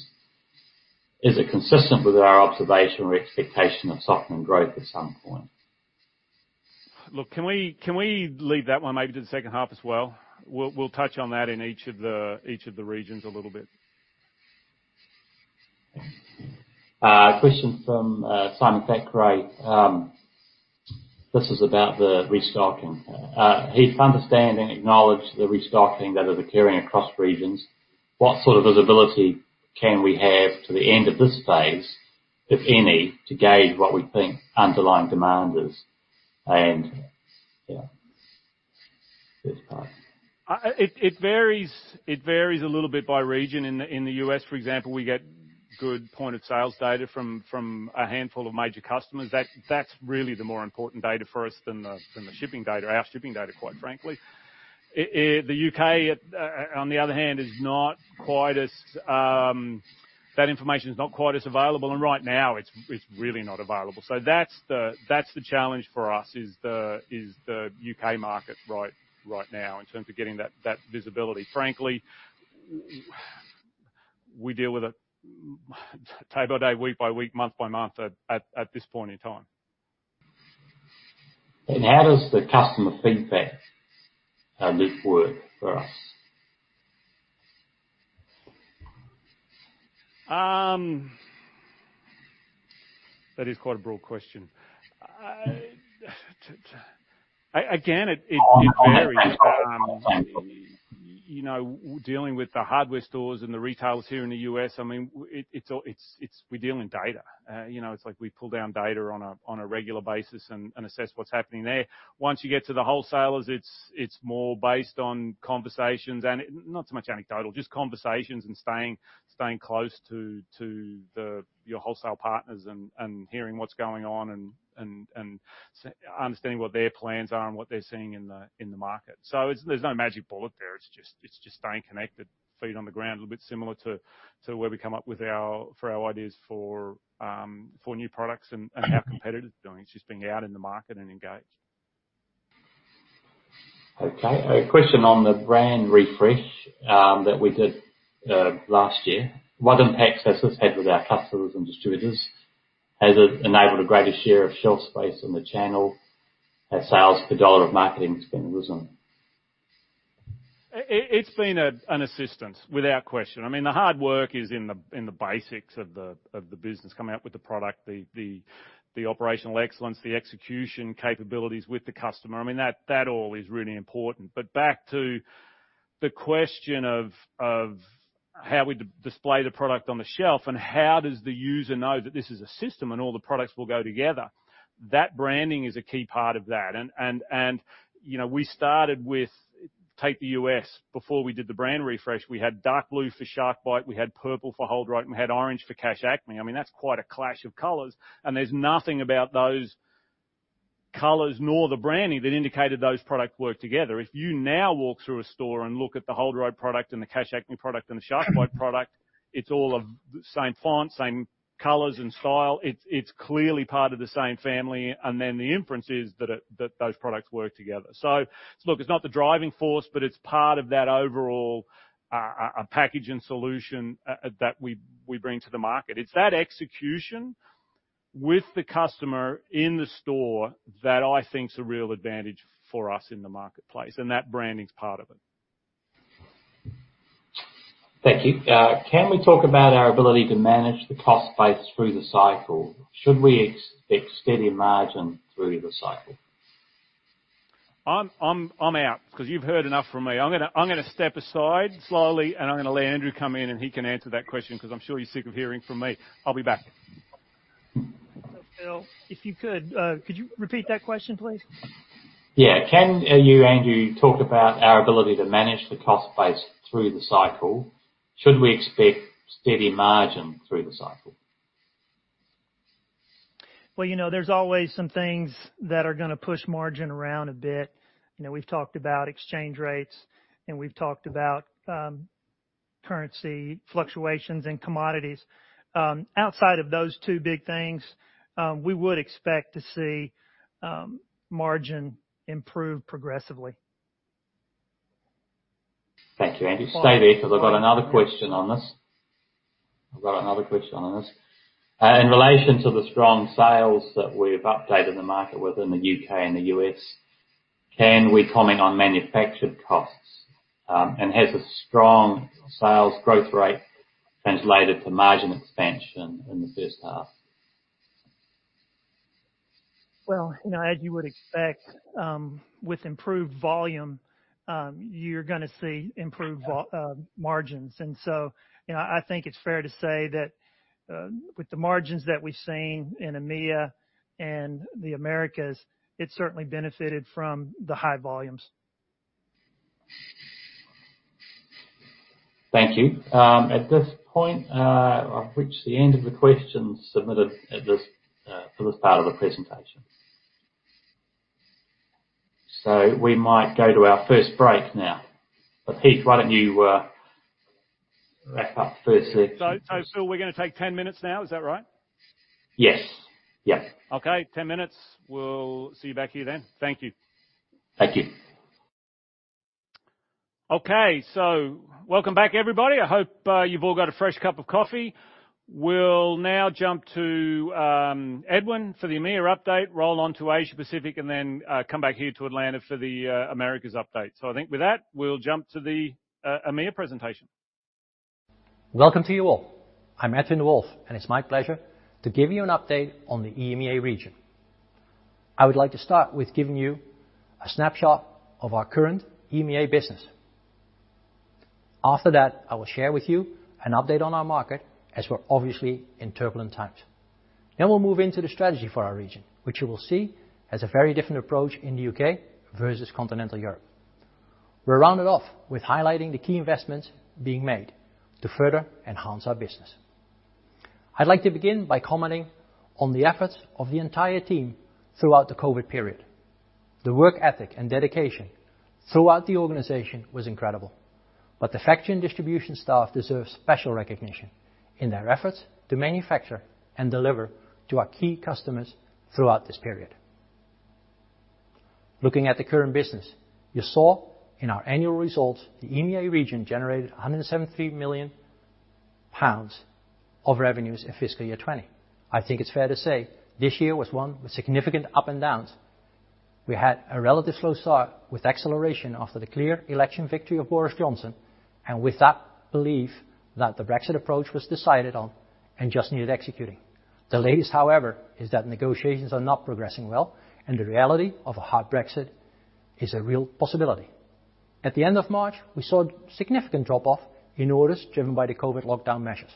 Is it consistent with our observation or expectation of softening growth at some point? Can we leave that one maybe to the second half as well? We will touch on that in each of the regions a little bit. A question from Simon Thackray. This is about the restocking. He understands and acknowledge the restocking that is occurring across regions. What sort of visibility can we have to the end of this phase, if any, to gauge what we think underlying demand is? First part. It varies a little bit by region. In the U.S., for example, we get good point of sales data from a handful of major customers. That's really the more important data for us than the shipping data. Our shipping data, quite frankly. The U.K., on the other hand, that information is not quite as available, and right now it's really not available. That's the challenge for us is the U.K. market right now in terms of getting that visibility. Frankly, we deal with it day by day, week by week, month by month at this point in time. How does the customer feedback loop work for us? That is quite a broad question. Again, it varies. Dealing with the hardware stores and the retailers here in the U.S., we deal in data. It's like we pull down data on a regular basis and assess what's happening there. Once you get to the wholesalers, it's more based on conversations and not so much anecdotal, just conversations and staying close to your wholesale partners and hearing what's going on and understanding what their plans are and what they're seeing in the market. There's no magic bullet there. It's just staying connected, feet on the ground, a little bit similar to where we come up with our ideas for new products and how competitive it's doing. It's just being out in the market and engaged. Okay, a question on the brand refresh that we did last year. What impact has this had with our customers and distributors? Has it enabled a greater share of shelf space in the channel? Has sales per dollar of marketing spend risen? It's been an assistance, without question. The hard work is in the basics of the business, coming up with the product, the operational excellence, the execution capabilities with the customer. That all is really important. Back to the question of how we display the product on the shelf and how does the user know that this is a system and all the products will go together. That branding is a key part of that. We started with, take the U.S. Before we did the brand refresh, we had dark blue for SharkBite, we had purple for HoldRite, and we had orange for Cash Acme. That's quite a clash of colors, and there's nothing about those colors nor the branding that indicated those products work together. If you now walk through a store and look at the HoldRite product and the Cash Acme product and the SharkBite product, it is all of the same font, same colors, and style. It is clearly part of the same family, the inference is that those products work together. Look, it is not the driving force, but it is part of that overall packaging solution that we bring to the market. It is that execution with the customer in the store that I think is a real advantage for us in the marketplace, and that branding is part of it. Thank you. Can we talk about our ability to manage the cost base through the cycle? Should we expect steady margin through the cycle? I'm out because you've heard enough from me. I'm going to step aside slowly, and I'm going to let Andrew come in, and he can answer that question because I'm sure you're sick of hearing from me. I'll be back. Phil, if you could you repeat that question, please? Can you, Andrew, talk about our ability to manage the cost base through the cycle? Should we expect steady margin through the cycle? Well, there's always some things that are going to push margin around a bit. We've talked about exchange rates, and we've talked about currency fluctuations in commodities. Outside of those two big things, we would expect to see margin improve progressively. Thank you, Andy. Stay there, because I've got another question on this. In relation to the strong sales that we've updated the market with in the U.K. and the U.S., can we comment on manufactured costs? Has a strong sales growth rate translated to margin expansion in the first half? Well, as you would expect, with improved volume, you're going to see improved margins. I think it's fair to say that with the margins that we've seen in EMEA and the Americas, it certainly benefited from the high volumes. Thank you. At this point, I've reached the end of the questions submitted for this part of the presentation. We might go to our first break now. Heath, why don't you wrap up firstly? Phil, we're going to take 10 minutes now. Is that right? Yes. Okay. 10 minutes. We'll see you back here then. Thank you. Thank you. Okay, welcome back, everybody. I hope you've all got a fresh cup of coffee. We'll now jump to Edwin for the EMEA update, roll on to Asia Pacific, and then come back here to Atlanta for the Americas update. I think with that, we'll jump to the EMEA presentation. Welcome to you all. I'm Edwin de Wolf. It's my pleasure to give you an update on the EMEA region. I would like to start with giving you a snapshot of our current EMEA business. After that, I will share with you an update on our market as we're obviously in turbulent times. We'll move into the strategy for our region, which you will see has a very different approach in the U.K. versus Continental Europe. We'll round it off with highlighting the key investments being made to further enhance our business. I'd like to begin by commenting on the efforts of the entire team throughout the COVID period. The work ethic and dedication throughout the organization was incredible. The factory distribution staff deserves special recognition in their efforts to manufacture and deliver to our key customers throughout this period. Looking at the current business, you saw in our annual results, the EMEA region generated 173 million pounds of revenues in fiscal year 2020. I think it's fair to say this year was one with significant up and downs. We had a relative slow start with acceleration after the clear election victory of Boris Johnson, and with that belief that the Brexit approach was decided on and just needed executing. The latest, however, is that negotiations are not progressing well, and the reality of a hard Brexit is a real possibility. At the end of March, we saw a significant drop-off in orders driven by the COVID lockdown measures.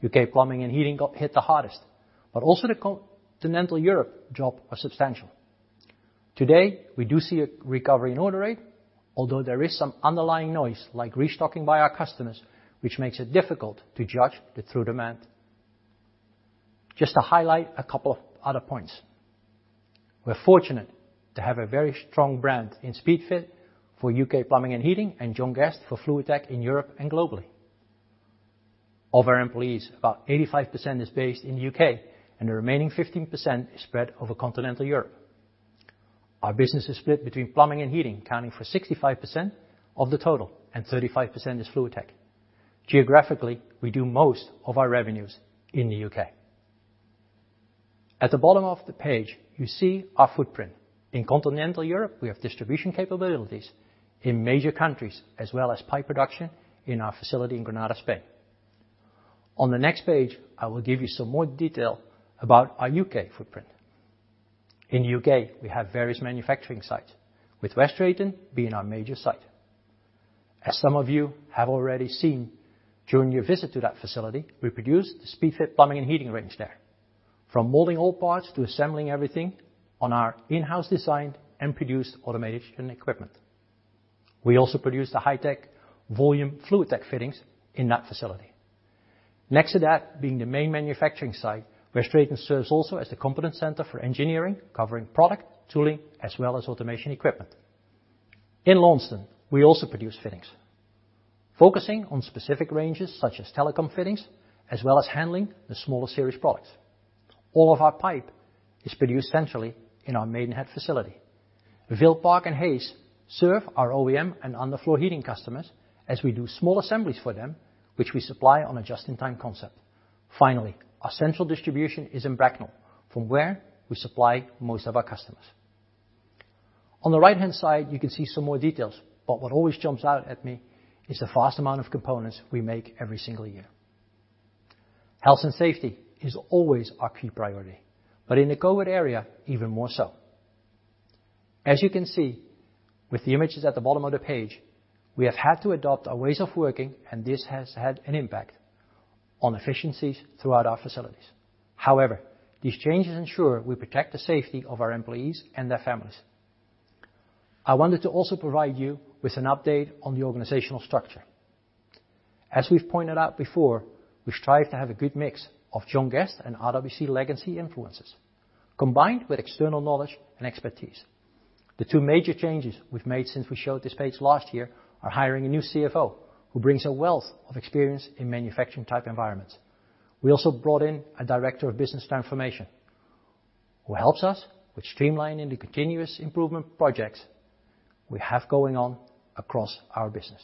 U.K. plumbing and heating got hit the hardest, but also the Continental Europe drop was substantial. Today, we do see a recovery in order rate, although there is some underlying noise like restocking by our customers, which makes it difficult to judge the true demand. Just to highlight a couple of other points. We're fortunate to have a very strong brand in Speedfit for U.K. plumbing and heating, and John Guest for FluidTech in Europe and globally. Of our employees, about 85% is based in the U.K., and the remaining 15% is spread over Continental Europe. Our business is split between plumbing and heating, accounting for 65% of the total, and 35% is FluidTech. Geographically, we do most of our revenues in the U.K. At the bottom of the page, you see our footprint. In Continental Europe, we have distribution capabilities in major countries, as well as pipe production in our facility in Granada, Spain. On the next page, I will give you some more detail about our U.K. footprint. In U.K., we have various manufacturing sites, with West Drayton being our major site. As some of you have already seen during your visit to that facility, we produce the Speedfit plumbing and heating range there. From molding all parts to assembling everything on our in-house designed and produced automation equipment. We also produce the high-tech volume FluidTech fittings in that facility. Next to that being the main manufacturing site, West Drayton serves also as the competence center for engineering, covering product, tooling, as well as automation equipment. In Launceston, we also produce fittings, focusing on specific ranges such as telecom fittings, as well as handling the smaller series products. All of our pipe is produced centrally in our Maidenhead facility. Vale Park and Hayes serve our OEM and underfloor heating customers as we do small assemblies for them, which we supply on a just-in-time concept. Finally, our central distribution is in Bracknell, from where we supply most of our customers. On the right-hand side, you can see some more details, but what always jumps out at me is the vast amount of components we make every single year. Health and safety is always our key priority, but in the COVID era, even more so. As you can see with the images at the bottom of the page, we have had to adopt our ways of working, and this has had an impact on efficiencies throughout our facilities. However, these changes ensure we protect the safety of our employees and their families. I wanted to also provide you with an update on the organizational structure. As we've pointed out before, we strive to have a good mix of John Guest and RWC legacy influences, combined with external knowledge and expertise. The two major changes we've made since we showed this page last year are hiring a new CFO who brings a wealth of experience in manufacturing-type environments. We also brought in a director of business transformation who helps us with streamlining the continuous improvement projects we have going on across our business.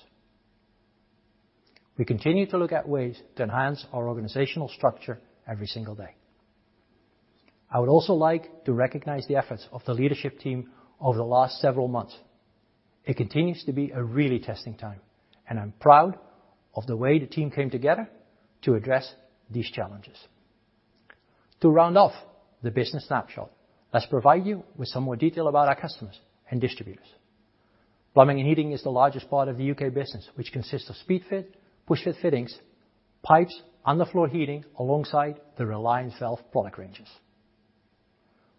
We continue to look at ways to enhance our organizational structure every single day. I would also like to recognize the efforts of the leadership team over the last several months. It continues to be a really testing time, and I'm proud of the way the team came together to address these challenges. To round off the business snapshot, let's provide you with some more detail about our customers and distributors. Plumbing and heating is the largest part of the U.K. business, which consists of Speedfit, Pushfit fittings, pipes, under-floor heating, alongside the Reliance Valves product ranges.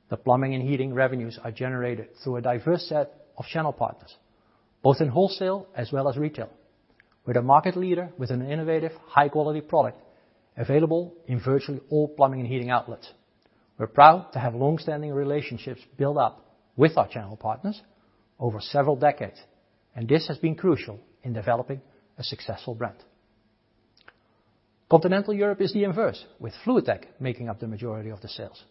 The plumbing and heating revenues are generated through a diverse set of channel partners, both in wholesale as well as retail. We're the market leader with an innovative, high-quality product available in virtually all plumbing and heating outlets. We're proud to have longstanding relationships built up with our channel partners over several decades, and this has been crucial in developing a successful brand. Continental Europe is the inverse, with FluidTech making up the majority of the sales.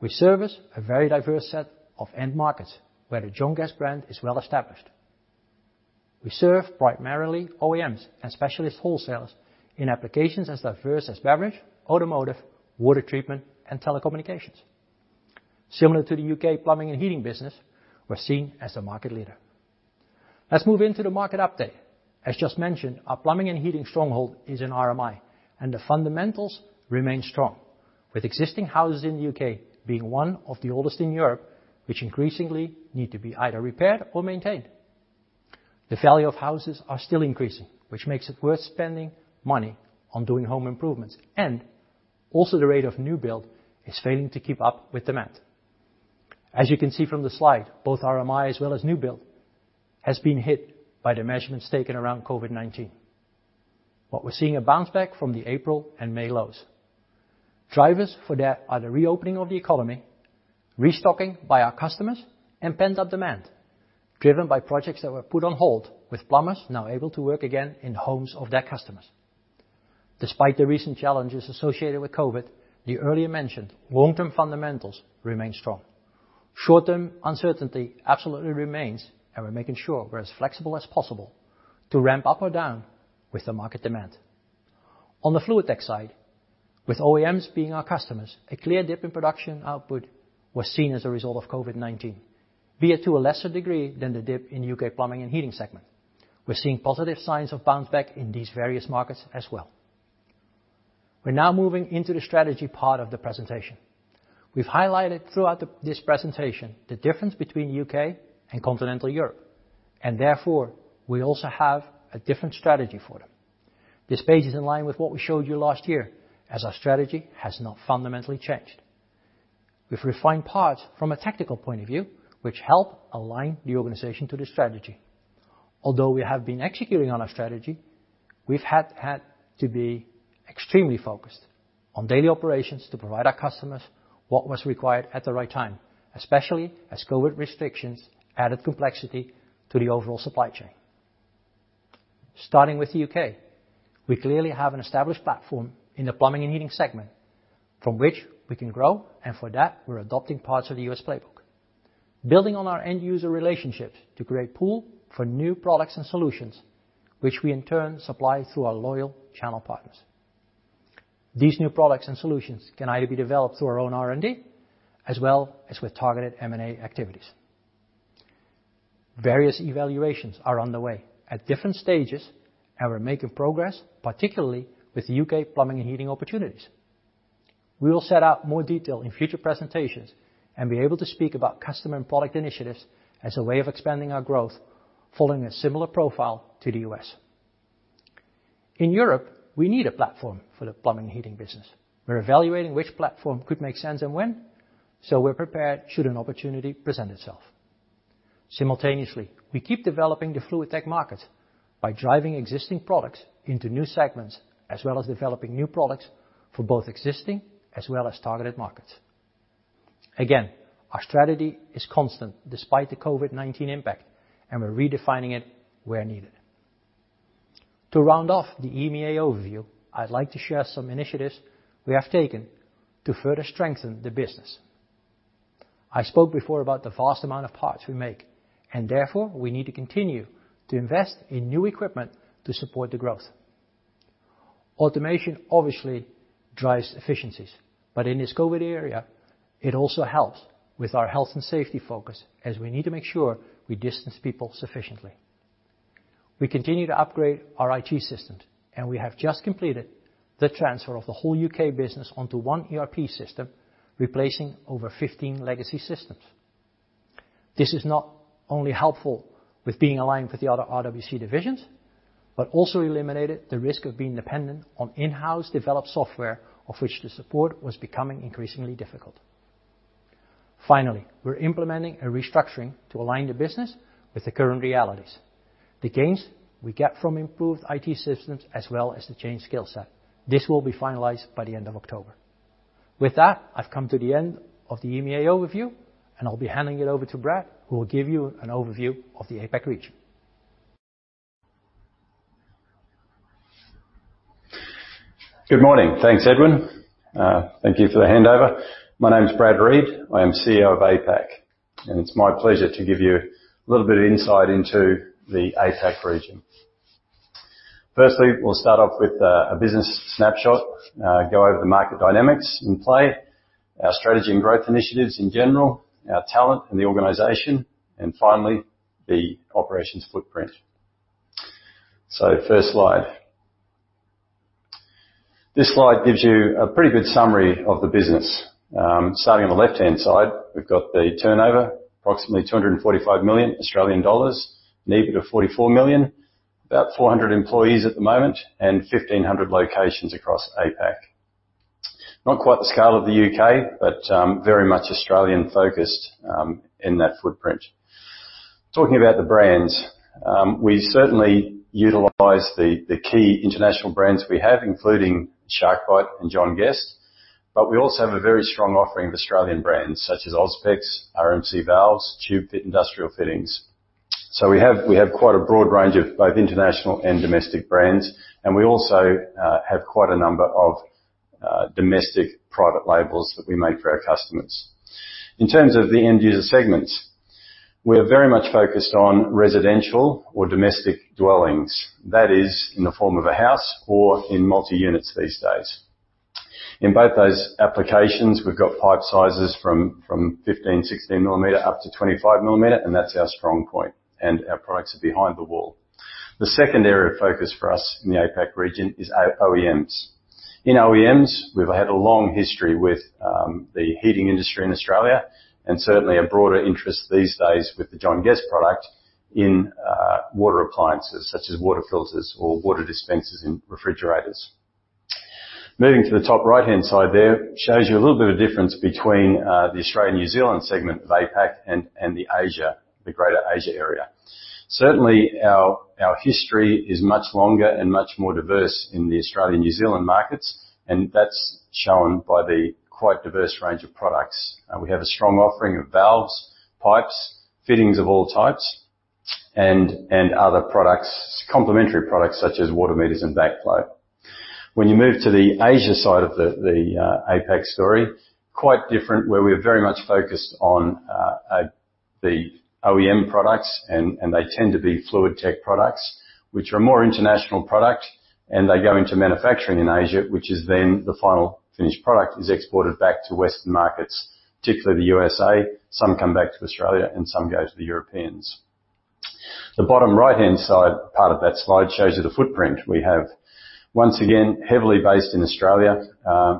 We service a very diverse set of end markets where the John Guest brand is well-established. We serve primarily OEMs and specialist wholesalers in applications as diverse as beverage, automotive, water treatment, and telecommunications. Similar to the U.K. plumbing and heating business, we're seen as a market leader. Let's move into the market update. As just mentioned, our plumbing and heating stronghold is in RMI, and the fundamentals remain strong, with existing houses in the U.K. being one of the oldest in Europe, which increasingly need to be either repaired or maintained. The value of houses are still increasing, which makes it worth spending money on doing home improvements. Also the rate of new build is failing to keep up with demand. As you can see from the slide, both RMI as well as new build has been hit by the measurements taken around COVID-19. What we're seeing a bounce back from the April and May lows. Drivers for that are the reopening of the economy, restocking by our customers, and pent-up demand driven by projects that were put on hold, with plumbers now able to work again in the homes of their customers. Despite the recent challenges associated with COVID-19, the earlier mentioned long-term fundamentals remain strong. Short-term uncertainty absolutely remains, and we're making sure we're as flexible as possible to ramp up or down with the market demand. On the FluidTech side, with OEMs being our customers, a clear dip in production output was seen as a result of COVID-19, be it to a lesser degree than the dip in U.K. plumbing and heating segment. We're seeing positive signs of bounce back in these various markets as well. We're now moving into the strategy part of the presentation. We've highlighted throughout this presentation the difference between U.K. and continental Europe, and therefore, we also have a different strategy for them. This page is in line with what we showed you last year, as our strategy has not fundamentally changed. We've refined parts from a tactical point of view, which help align the organization to the strategy. Although we have been executing on our strategy, we've had to be extremely focused on daily operations to provide our customers what was required at the right time, especially as COVID restrictions added complexity to the overall supply chain. Starting with the U.K., we clearly have an established platform in the plumbing and heating segment from which we can grow, and for that, we're adopting parts of the U.S. playbook. Building on our end-user relationships to create pool for new products and solutions, which we in turn supply through our loyal channel partners. These new products and solutions can either be developed through our own R&D as well as with targeted M&A activities. Various evaluations are underway at different stages, and we're making progress, particularly with the U.K. plumbing and heating opportunities. We will set out more detail in future presentations and be able to speak about customer and product initiatives as a way of expanding our growth following a similar profile to the U.S. In Europe, we need a platform for the plumbing and heating business. We're evaluating which platform could make sense and when, so we're prepared should an opportunity present itself. Simultaneously, we keep developing the FluidTech market by driving existing products into new segments, as well as developing new products for both existing as well as targeted markets. Our strategy is constant despite the COVID-19 impact, we're redefining it where needed. To round off the EMEA overview, I'd like to share some initiatives we have taken to further strengthen the business. I spoke before about the vast amount of parts we make, therefore, we need to continue to invest in new equipment to support the growth. Automation obviously drives efficiencies, in this COVID area, it also helps with our health and safety focus as we need to make sure we distance people sufficiently. We continue to upgrade our IT systems, we have just completed the transfer of the whole U.K. business onto one ERP system, replacing over 15 legacy systems. This is not only helpful with being aligned with the other RWC divisions, but also eliminated the risk of being dependent on in-house developed software, of which the support was becoming increasingly difficult. We're implementing a restructuring to align the business with the current realities. The gains we get from improved IT systems as well as the change skill set. This will be finalized by the end of October. With that, I've come to the end of the EMEA overview, and I'll be handing it over to Brad, who will give you an overview of the APAC region. Good morning. Thanks, Edwin. Thank you for the handover. My name is Brad Reid. I am CEO of APAC, and it's my pleasure to give you a little bit of insight into the APAC region. Firstly, we'll start off with a business snapshot, go over the market dynamics in play, our strategy and growth initiatives in general, our talent in the organization, and finally, the operations footprint. First slide. This slide gives you a pretty good summary of the business. Starting on the left-hand side, we've got the turnover, approximately 245 million Australian dollars, an EBIT of 44 million, about 400 employees at the moment, and 1,500 locations across APAC. Not quite the scale of the U.K., but very much Australian-focused in that footprint. Talking about the brands, we certainly utilize the key international brands we have, including SharkBite and John Guest. We also have a very strong offering of Australian brands such as Auspex, RMC Valves, TubeFit Industrial Fittings. We have quite a broad range of both international and domestic brands, and we also have quite a number of domestic private labels that we make for our customers. In terms of the end user segments, we are very much focused on residential or domestic dwellings. That is, in the form of a house or in multi-units these days. In both those applications, we've got pipe sizes from 15, 16 millimeter up to 25 millimeter, and that's our strong point, and our products are behind the wall. The second area of focus for us in the APAC region is OEMs. In OEMs, we've had a long history with the heating industry in Australia, and certainly a broader interest these days with the John Guest product in water appliances such as water filters or water dispensers in refrigerators. Moving to the top right-hand side there, shows you a little bit of difference between the Australia-New Zealand segment of APAC and the Asia, the greater Asia area. Certainly, our history is much longer and much more diverse in the Australian-New Zealand markets, and that's shown by the quite diverse range of products. We have a strong offering of valves, pipes, fittings of all types, and other products, complementary products such as water meters and backflow. You move to the Asia side of the APAC story, quite different, where we are very much focused on the OEM products, and they tend to be FluidTech products, which are a more international product, and they go into manufacturing in Asia, which is then the final finished product is exported back to Western markets, particularly the U.S.A. Some come back to Australia and some go to the Europeans. The bottom right-hand side part of that slide shows you the footprint we have. Once again, heavily based in Australia,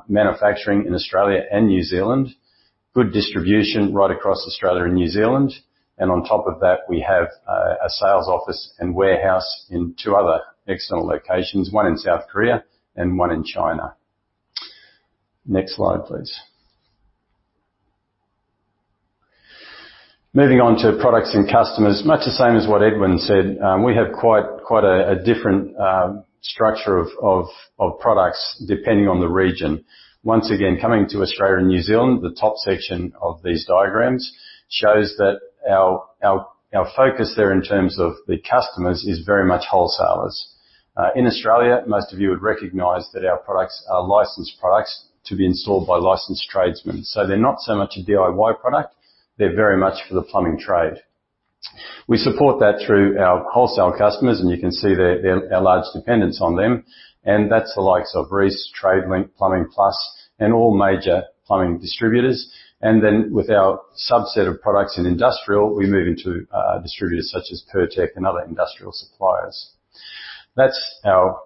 manufacturing in Australia and New Zealand. Good distribution right across Australia and New Zealand. On top of that, we have a sales office and warehouse in two other external locations, one in South Korea and one in China. Next slide, please. Moving on to products and customers. Much the same as what Edwin said, we have quite a different structure of products depending on the region. Coming to Australia and New Zealand, the top section of these diagrams shows that our focus there in terms of the customers is very much wholesalers. In Australia, most of you would recognize that our products are licensed products to be installed by licensed tradesmen. They're not so much a DIY product, they're very much for the plumbing trade. We support that through our wholesale customers, and you can see there, our large dependence on them, and that's the likes of Reece, Tradelink, Plumbing Plus, and all major plumbing distributors. With our subset of products in industrial, we move into distributors such as Pirtek and other industrial suppliers. That's our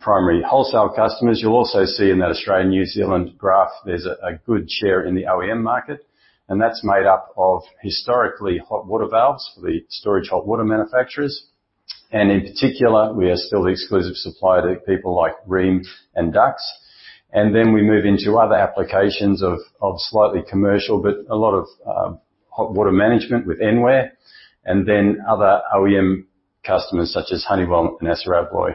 primary wholesale customers. You'll also see in that Australia-New Zealand graph there's a good share in the OEM market, and that's made up of historically hot water valves for the storage hot water manufacturers. In particular, we are still the exclusive supplier to people like Rheem and Dux. We move into other applications of slightly commercial, but a lot of hot water management with Enware, and then other OEM customers such as Honeywell and ASSA ABLOY.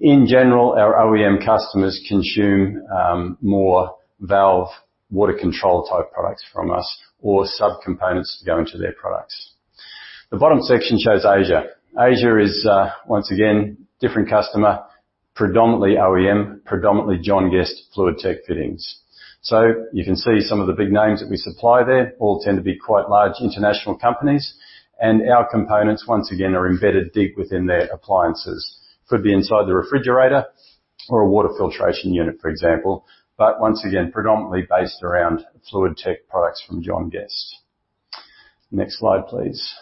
In general, our OEM customers consume more valve water control-type products from us or sub-components that go into their products. The bottom section shows Asia. Asia is, once again, different customer, predominantly OEM, predominantly John Guest FluidTech fittings. You can see some of the big names that we supply there all tend to be quite large international companies, and our components, once again, are embedded deep within their appliances. Could be inside the refrigerator or a water filtration unit, for example. Once again, predominantly based around FluidTech products from John Guest. Next slide, please.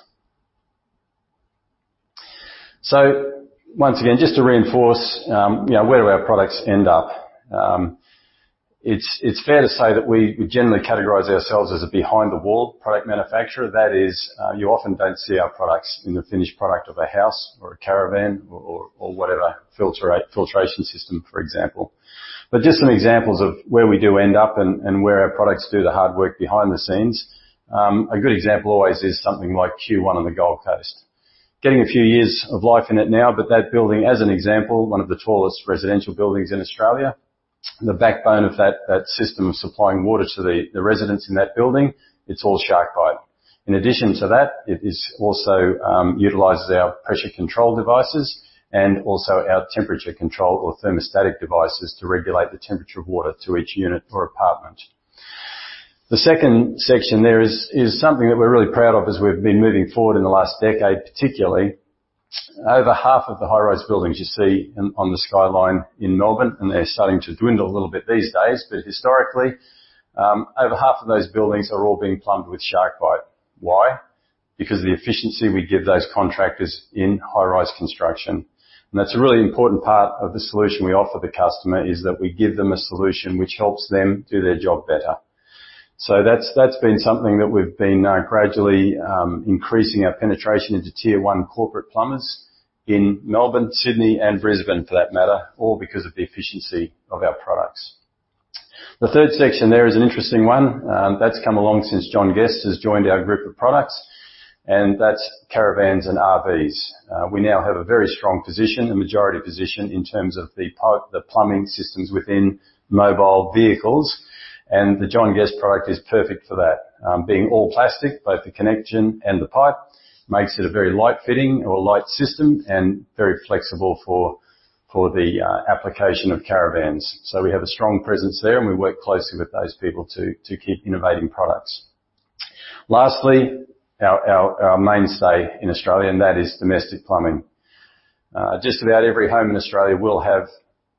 Once again, just to reinforce where do our products end up? It's fair to say that we generally categorize ourselves as a behind the wall product manufacturer. That is, you often don't see our products in the finished product of a house or a caravan or whatever, filtration system, for example. Just some examples of where we do end up and where our products do the hard work behind the scenes. A good example always is something like Q1 on the Gold Coast. Getting a few years of life in it now, but that building, as an example, one of the tallest residential buildings in Australia, the backbone of that system of supplying water to the residents in that building, it's all SharkBite. In addition to that, it also utilizes our pressure control devices and also our temperature control or thermostatic devices to regulate the temperature of water to each unit or apartment. The second section there is something that we're really proud of as we've been moving forward in the last decade, particularly. Over half of the high-rise buildings you see on the skyline in Melbourne, and they're starting to dwindle a little bit these days, but historically, over half of those buildings are all being plumbed with SharkBite. Why? Because of the efficiency we give those contractors in high-rise construction. That's a really important part of the solution we offer the customer, is that we give them a solution which helps them do their job better. That's been something that we've been gradually increasing our penetration into Tier 1 corporate plumbers in Melbourne, Sydney, and Brisbane, for that matter, all because of the efficiency of our products. The third section there is an interesting one. That's come along since John Guest has joined our group of products, and that's caravans and RVs. We now have a very strong position, a majority position in terms of the plumbing systems within mobile vehicles, and the John Guest product is perfect for that. Being all plastic, both the connection and the pipe, makes it a very light fitting or a light system and very flexible for the application of caravans. We have a strong presence there and we work closely with those people to keep innovating products. Lastly, our mainstay in Australia, and that is domestic plumbing. Just about every home in Australia will have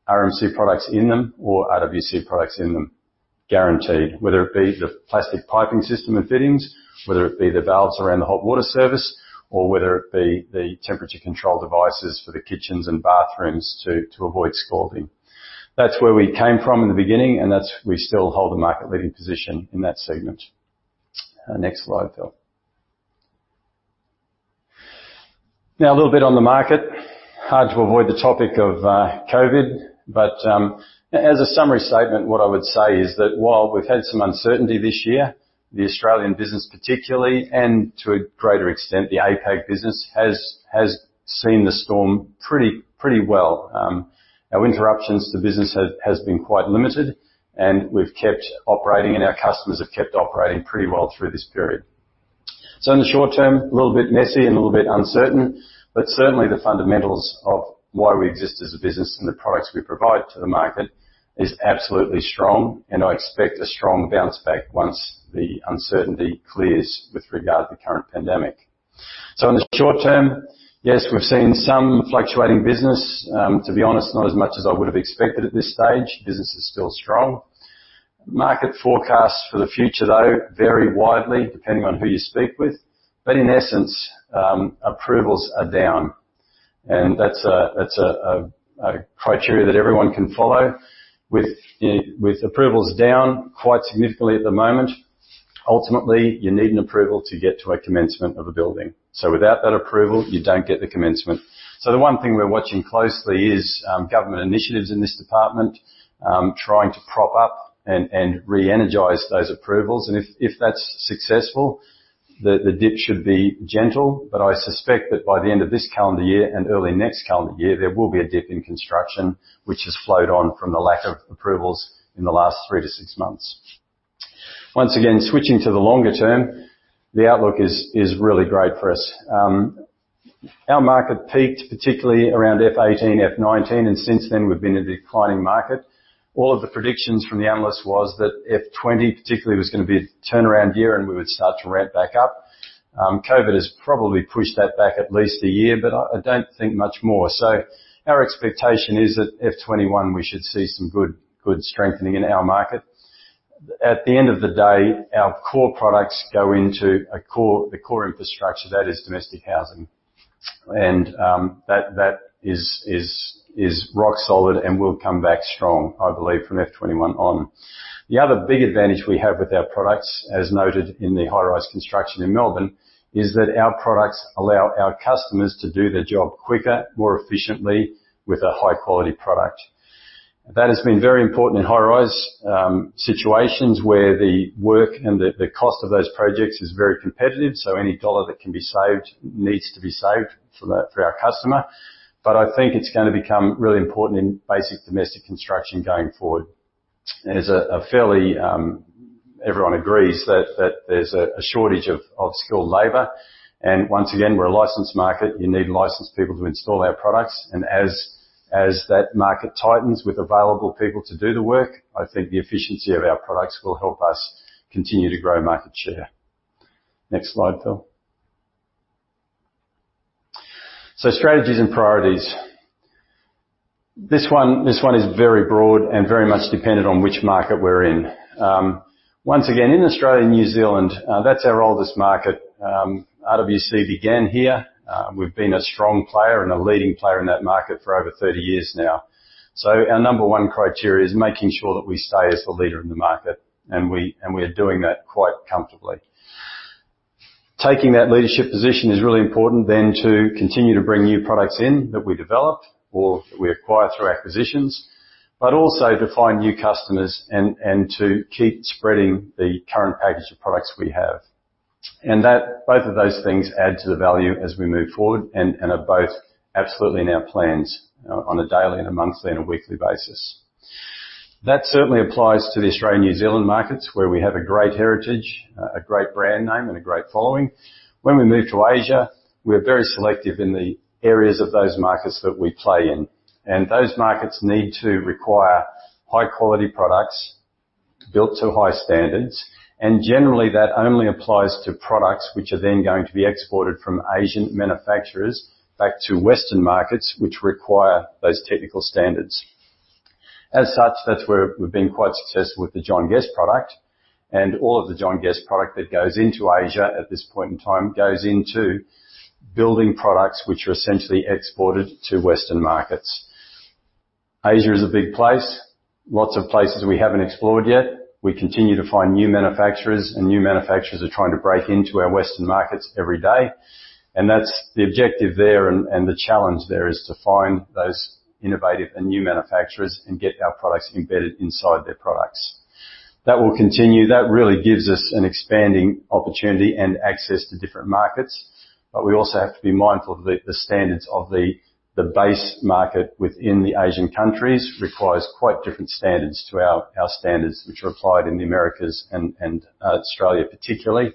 RMC products in them or RWC products in them, guaranteed, whether it be the plastic piping system and fittings, whether it be the valves around the hot water service, or whether it be the temperature control devices for the kitchens and bathrooms to avoid scalding. That's where we came from in the beginning, and we still hold a market-leading position in that segment. Next slide, Phil. A little bit on the market. Hard to avoid the topic of COVID-19, but as a summary statement, what I would say is that while we've had some uncertainty this year, the Australian business particularly, and to a greater extent, the APAC business, has seen the storm pretty well. Our interruptions to business has been quite limited, and we've kept operating and our customers have kept operating pretty well through this period. In the short term, a little bit messy and a little bit uncertain, but certainly the fundamentals of why we exist as a business and the products we provide to the market is absolutely strong, and I expect a strong bounce back once the uncertainty clears with regard to the current pandemic. In the short term, yes, we've seen some fluctuating business. To be honest, not as much as I would have expected at this stage. Business is still strong. Market forecasts for the future, though, vary widely depending on who you speak with. In essence, approvals are down, and that's a criteria that everyone can follow. With approvals down quite significantly at the moment, ultimately, you need an approval to get to a commencement of a building. Without that approval, you don't get the commencement. The one thing we're watching closely is government initiatives in this department, trying to prop up and re-energize those approvals. If that's successful, the dip should be gentle. I suspect that by the end of this calendar year and early next calendar year, there will be a dip in construction, which has flowed on from the lack of approvals in the last three to six months. Once again, switching to the longer term, the outlook is really great for us. Our market peaked particularly around FY 2018, FY 2019, and since then we've been in a declining market. All of the predictions from the analysts was that FY 2020 particularly was going to be a turnaround year and we would start to ramp back up. COVID-19 has probably pushed that back at least a year, but I don't think much more. Our expectation is that FY 2021, we should see some good strengthening in our market. At the end of the day, our core products go into the core infrastructure, that is domestic housing. That is rock solid and will come back strong, I believe, from FY 2021 on. The other big advantage we have with our products, as noted in the high-rise construction in Melbourne, is that our products allow our customers to do their job quicker, more efficiently with a high-quality product. That has been very important in high-rise situations where the work and the cost of those projects is very competitive. Any AUD that can be saved needs to be saved for our customer. I think it's going to become really important in basic domestic construction going forward. Everyone agrees that there's a shortage of skilled labor. Once again, we're a licensed market. You need licensed people to install our products. As that market tightens with available people to do the work, I think the efficiency of our products will help us continue to grow market share. Next slide, Phil. Strategies and priorities. This one is very broad and very much dependent on which market we're in. Once again, in Australia and New Zealand, that's our oldest market. RWC began here. We've been a strong player and a leading player in that market for over 30 years now. Our number one criteria is making sure that we stay as the leader in the market, and we are doing that quite comfortably. Taking that leadership position is really important then to continue to bring new products in that we developed or we acquire through acquisitions, but also to find new customers and to keep spreading the current package of products we have. Both of those things add to the value as we move forward and are both absolutely in our plans on a daily and a monthly and a weekly basis. That certainly applies to the Australian, New Zealand markets, where we have a great heritage, a great brand name and a great following. When we move to Asia, we're very selective in the areas of those markets that we play in. Those markets need to require high-quality products built to high standards. Generally, that only applies to products which are then going to be exported from Asian manufacturers back to Western markets which require those technical standards. That's where we've been quite successful with the John Guest product, and all of the John Guest product that goes into Asia at this point in time goes into building products which are essentially exported to Western markets. Asia is a big place. Lots of places we haven't explored yet. We continue to find new manufacturers, and new manufacturers are trying to break into our Western markets every day. That's the objective there and the challenge there is to find those innovative and new manufacturers and get our products embedded inside their products. That will continue. That really gives us an expanding opportunity and access to different markets. We also have to be mindful of the standards of the base market within the Asian countries requires quite different standards to our standards which are applied in the Americas and Australia particularly.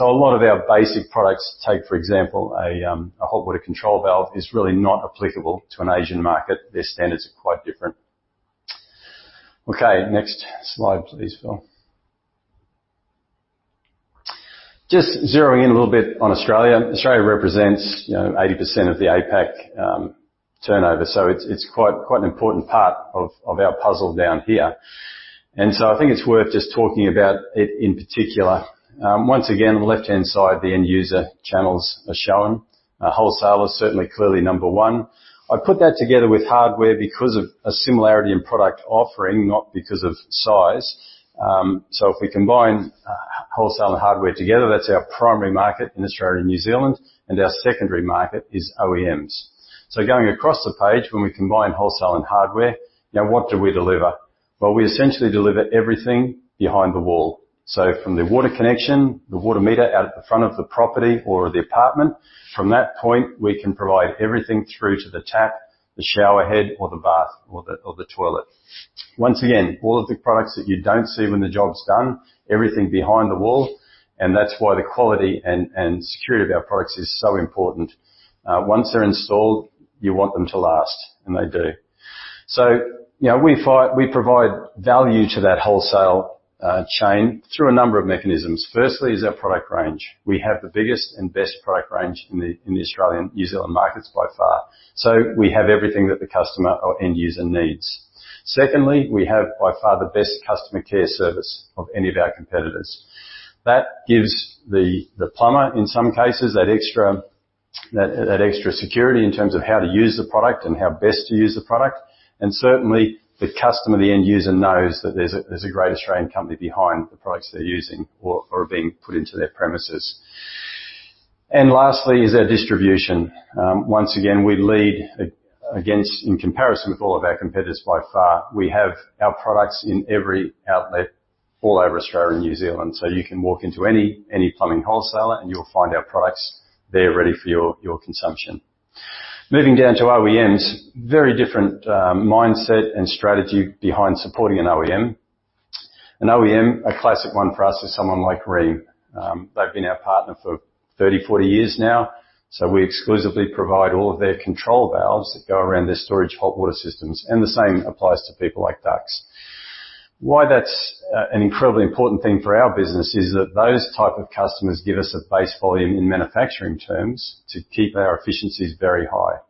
A lot of our basic products, take, for example, a hot water control valve is really not applicable to an Asian market. Their standards are quite different. Next slide, please, Kal. Just zeroing in a little bit on Australia. Australia represents 80% of the APAC turnover, so it's quite an important part of our puzzle down here. I think it's worth just talking about it in particular. Once again, the left-hand side, the end user channels are shown. Wholesaler is certainly clearly number one. I put that together with hardware because of a similarity in product offering, not because of size. If we combine wholesale and hardware together, that's our primary market in Australia and New Zealand, and our secondary market is OEMs. Going across the page, when we combine wholesale and hardware, now what do we deliver? Well, we essentially deliver everything behind the wall. From the water connection, the water meter out at the front of the property or the apartment, from that point, we can provide everything through to the tap, the shower head or the bath or the toilet. Once again, all of the products that you don't see when the job's done, everything behind the wall, and that's why the quality and security of our products is so important. Once they're installed, you want them to last, and they do. We provide value to that wholesale chain through a number of mechanisms. Firstly is our product range. We have the biggest and best product range in the Australian, New Zealand markets by far. We have everything that the customer or end user needs. Secondly, we have by far the best customer care service of any of our competitors. That gives the plumber, in some cases, that extra security in terms of how to use the product and how best to use the product. Certainly, the customer, the end user knows that there's a great Australian company behind the products they're using or are being put into their premises. Lastly is our distribution. Once again, we lead against in comparison with all of our competitors by far. We have our products in every outlet all over Australia and New Zealand. You can walk into any plumbing wholesaler and you'll find our products there ready for your consumption. Moving down to OEMs, very different mindset and strategy behind supporting an OEM. An OEM, a classic one for us is someone like Rheem. They've been our partner for 30, 40 years now. We exclusively provide all of their control valves that go around their storage hot water systems, and the same applies to people like Dux. Why that's an incredibly important thing for our business is that those type of customers give us a base volume in manufacturing terms to keep our efficiencies very high.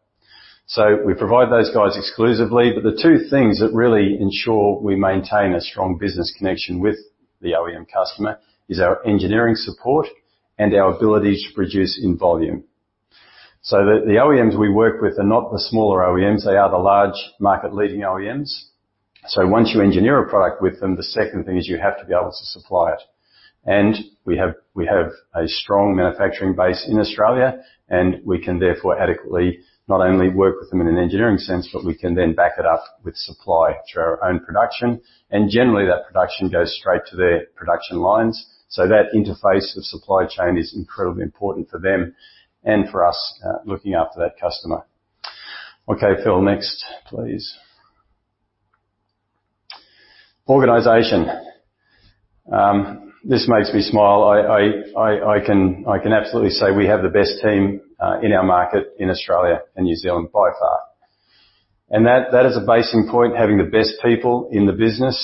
We provide those guys exclusively, but the two things that really ensure we maintain a strong business connection with the OEM customer is our engineering support and our ability to produce in volume. The OEMs we work with are not the smaller OEMs. They are the large market-leading OEMs. Once you engineer a product with them, the second thing is you have to be able to supply it. We have a strong manufacturing base in Australia, and we can therefore adequately not only work with them in an engineering sense, but we can then back it up with supply through our own production. Generally, that production goes straight to their production lines. That interface of supply chain is incredibly important for them and for us looking after that customer. Okay, Phil, next, please. Organization. This makes me smile. I can absolutely say we have the best team in our market in Australia and New Zealand by far. That is a basing point. Having the best people in the business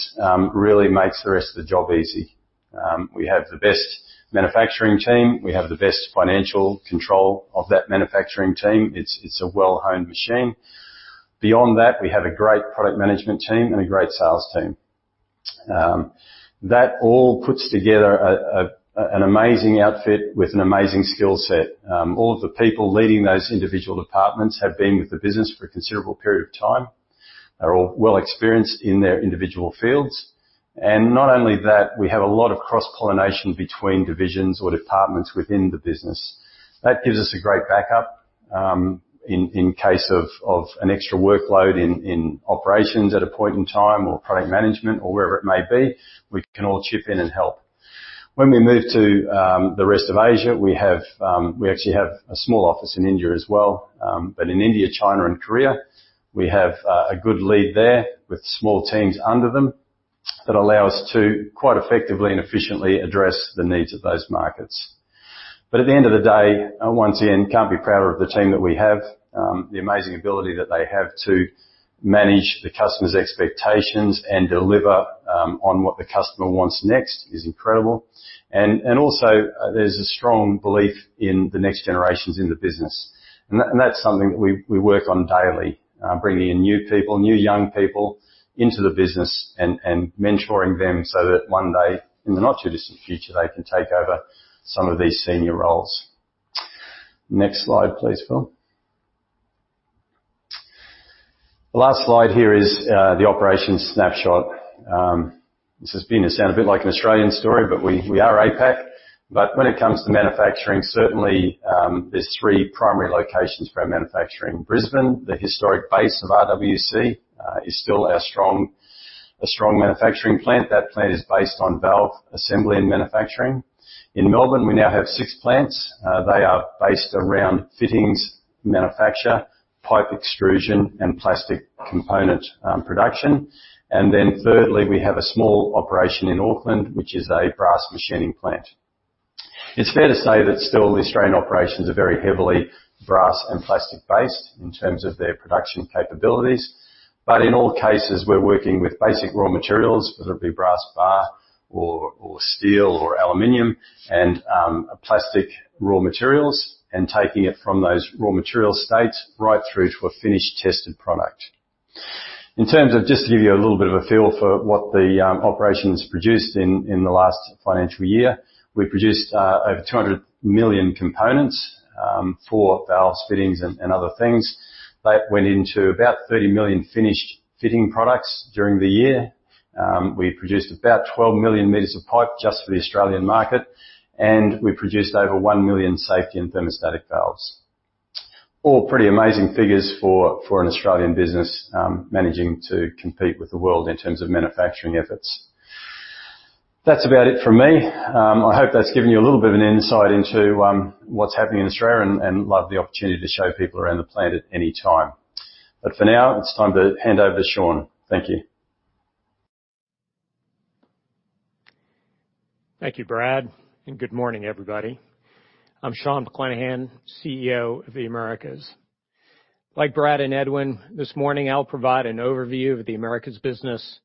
really makes the rest of the job easy. We have the best manufacturing team. We have the best financial control of that manufacturing team. It's a well-honed machine. Beyond that, we have a great product management team and a great sales team. That all puts together an amazing outfit with an amazing skill set. All of the people leading those individual departments have been with the business for a considerable period of time. They're all well experienced in their individual fields. Not only that, we have a lot of cross-pollination between divisions or departments within the business. That gives us a great backup in case of an extra workload in operations at a point in time or product management or wherever it may be, we can all chip in and help. When we move to the rest of Asia, we actually have a small office in India as well. In India, China, and Korea, we have a good lead there with small teams under them that allow us to quite effectively and efficiently address the needs of those markets. At the end of the day, once again, can't be prouder of the team that we have. The amazing ability that they have to manage the customer's expectations and deliver on what the customer wants next is incredible. Also, there's a strong belief in the next generations in the business. That's something that we work on daily. Bringing in new people, new young people into the business and mentoring them so that one day in the not too distant future, they can take over some of these senior roles. Next slide, please, Phil. The last slide here is the operations snapshot. This is going to sound a bit like an Australian story, we are APAC. When it comes to manufacturing, certainly, there's three primary locations for our manufacturing. Brisbane, the historic base of RWC, is still a strong manufacturing plant. That plant is based on valve assembly and manufacturing. In Melbourne, we now have six plants. They are based around fittings manufacture, pipe extrusion, and plastic component production. Then thirdly, we have a small operation in Auckland, which is a brass machining plant. It's fair to say that still the Australian operations are very heavily brass and plastic-based in terms of their production capabilities. In all cases, we're working with basic raw materials, whether it be brass bar or steel or aluminum and plastic raw materials, and taking it from those raw material states right through to a finished, tested product. In terms of just to give you a little bit of a feel for what the operations produced in the last financial year. We produced over 200 million components for valves, fittings, and other things. That went into about 30 million finished fitting products during the year. We produced about 12 million meters of pipe just for the Australian market, and we produced over 1 million safety and thermostatic valves. All pretty amazing figures for an Australian business managing to compete with the world in terms of manufacturing efforts. That's about it from me. I hope that's given you a little bit of an insight into what's happening in Australia and love the opportunity to show people around the plant at any time. For now, it's time to hand over to Sean. Thank you. Thank you, Brad. Good morning, everybody. I'm Sean McClenaghan, CEO of the Americas. Like Brad and Edwin, this morning I'll provide an overview of the Americas business,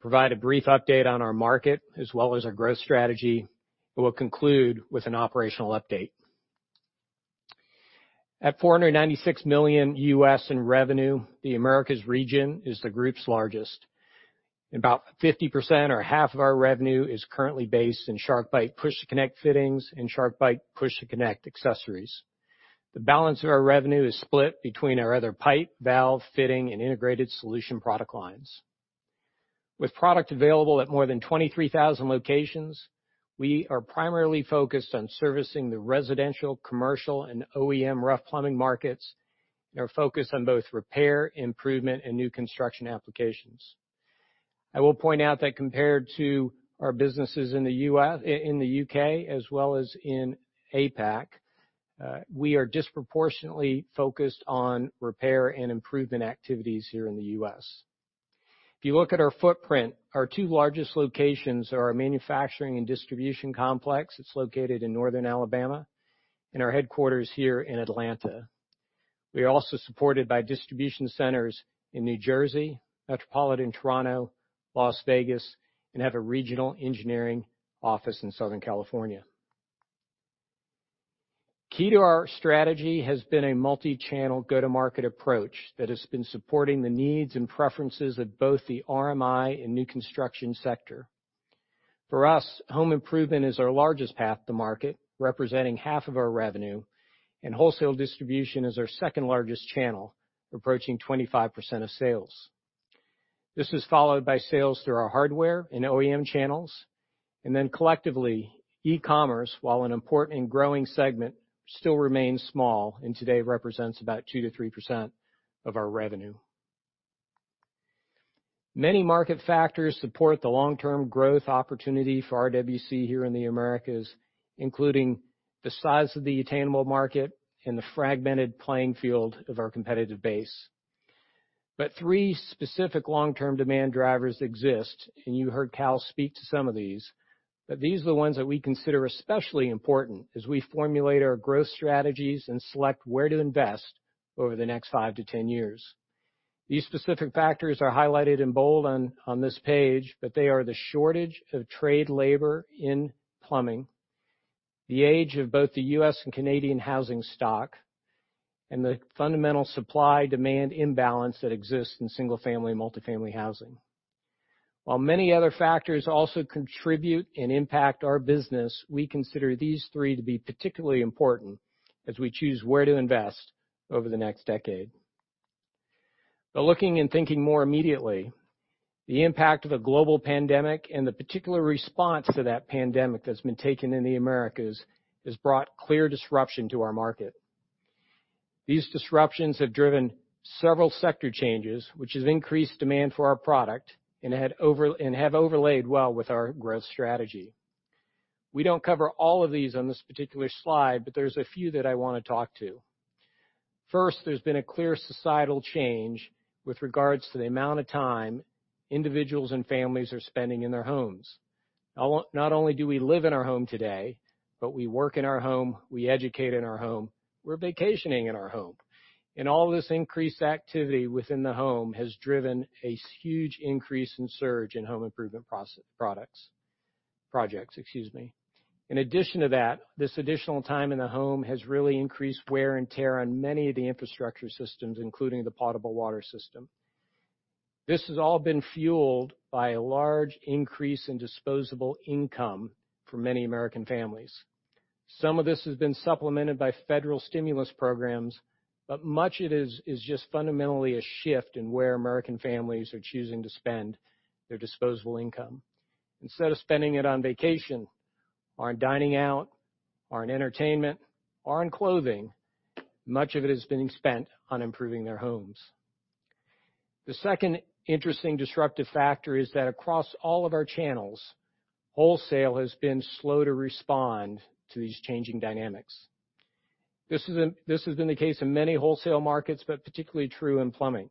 provide a brief update on our market as well as our growth strategy, and we'll conclude with an operational update. At $496 million in revenue, the Americas region is the group's largest. About 50% or half of our revenue is currently based in SharkBite Push-to-Connect fittings and SharkBite Push-to-Connect accessories. The balance of our revenue is split between our other pipe, valve, fitting, and integrated solution product lines. With product available at more than 23,000 locations, we are primarily focused on servicing the residential, commercial, and OEM rough plumbing markets and are focused on both repair, improvement, and new construction applications. I will point out that compared to our businesses in the U.K. as well as in APAC, we are disproportionately focused on repair and improvement activities here in the U.S. If you look at our footprint, our two largest locations are our manufacturing and distribution complex. It's located in northern Alabama, and our headquarters here in Atlanta. We are also supported by distribution centers in New Jersey, metropolitan Toronto, Las Vegas, and have a regional engineering office in Southern California. Key to our strategy has been a multi-channel go-to-market approach that has been supporting the needs and preferences of both the RMI and new construction sector. For us, home improvement is our largest path to market, representing half of our revenue, and wholesale distribution is our second largest channel, approaching 25% of sales. This is followed by sales through our hardware and OEM channels. Collectively, e-commerce, while an important and growing segment, still remains small and today represents about 2% to 3% of our revenue. Many market factors support the long-term growth opportunity for RWC here in the Americas, including the size of the attainable market and the fragmented playing field of our competitive base. Three specific long-term demand drivers exist, and you heard Kal speak to some of these. These are the ones that we consider especially important as we formulate our growth strategies and select where to invest over the next five to 10 years. These specific factors are highlighted in bold on this page. They are the shortage of trade labor in plumbing, the age of both the U.S. and Canadian housing stock, and the fundamental supply-demand imbalance that exists in single-family and multifamily housing. While many other factors also contribute and impact our business, we consider these three to be particularly important as we choose where to invest over the next decade. Looking and thinking more immediately, the impact of a global pandemic and the particular response to that pandemic that's been taken in the Americas has brought clear disruption to our market. These disruptions have driven several sector changes, which has increased demand for our product and have overlaid well with our growth strategy. We don't cover all of these on this particular slide. There's a few that I want to talk to. First, there's been a clear societal change with regards to the amount of time individuals and families are spending in their homes. Not only do we live in our home today, but we work in our home, we educate in our home, we're vacationing in our home. All this increased activity within the home has driven a huge increase and surge in home improvement projects. In addition to that, this additional time in the home has really increased wear and tear on many of the infrastructure systems, including the potable water system. This has all been fueled by a large increase in disposable income for many American families. Some of this has been supplemented by federal stimulus programs, but much of it is just fundamentally a shift in where American families are choosing to spend their disposable income. Instead of spending it on vacation or on dining out or on entertainment or on clothing, much of it is being spent on improving their homes. The second interesting disruptive factor is that across all of our channels, wholesale has been slow to respond to these changing dynamics. This has been the case in many wholesale markets, but particularly true in plumbing.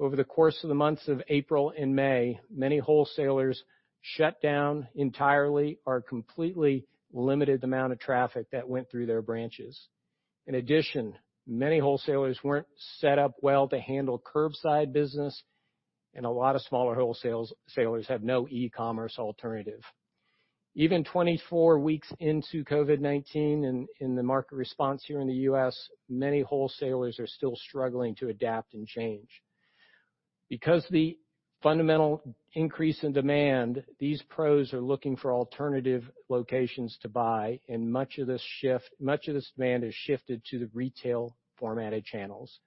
Over the course of the months of April and May, many wholesalers shut down entirely or completely limited the amount of traffic that went through their branches. In addition, many wholesalers weren't set up well to handle curbside business, and a lot of smaller wholesalers have no e-commerce alternative. Even 24 weeks into COVID-19 in the market response here in the U.S., many wholesalers are still struggling to adapt and change. Because of the fundamental increase in demand, these pros are looking for alternative locations to buy, and much of this demand has shifted to the retail formatted channels.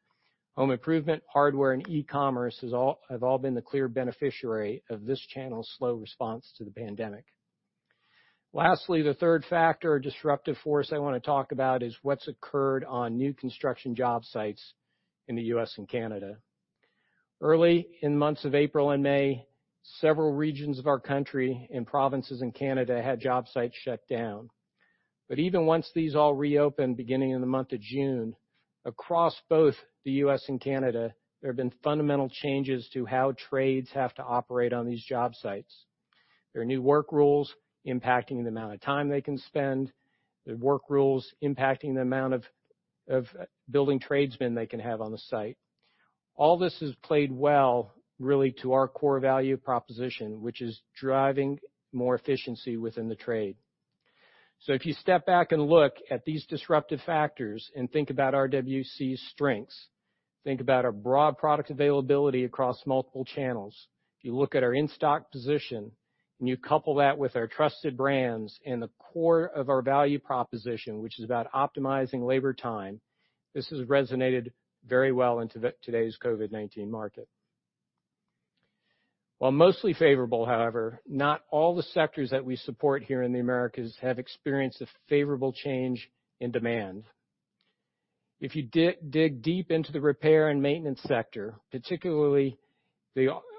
Home improvement, hardware, and e-commerce have all been the clear beneficiary of this channel's slow response to the pandemic. Lastly, the third factor or disruptive force I want to talk about is what's occurred on new construction job sites in the U.S. and Canada. Early in the months of April and May, several regions of our country and provinces in Canada had job sites shut down. Even once these all reopened, beginning in the month of June, across both the U.S. and Canada, there have been fundamental changes to how trades have to operate on these job sites. There are new work rules impacting the amount of time they can spend, the work rules impacting the amount of building tradesmen they can have on the site. All this has played well, really, to our core value proposition, which is driving more efficiency within the trade. If you step back and look at these disruptive factors and think about RWC's strengths, think about our broad product availability across multiple channels. If you look at our in-stock position and you couple that with our trusted brands and the core of our value proposition, which is about optimizing labor time, this has resonated very well in today's COVID-19 market. While mostly favorable, however, not all the sectors that we support here in the Americas have experienced a favorable change in demand. If you dig deep into the repair and maintenance sector, particularly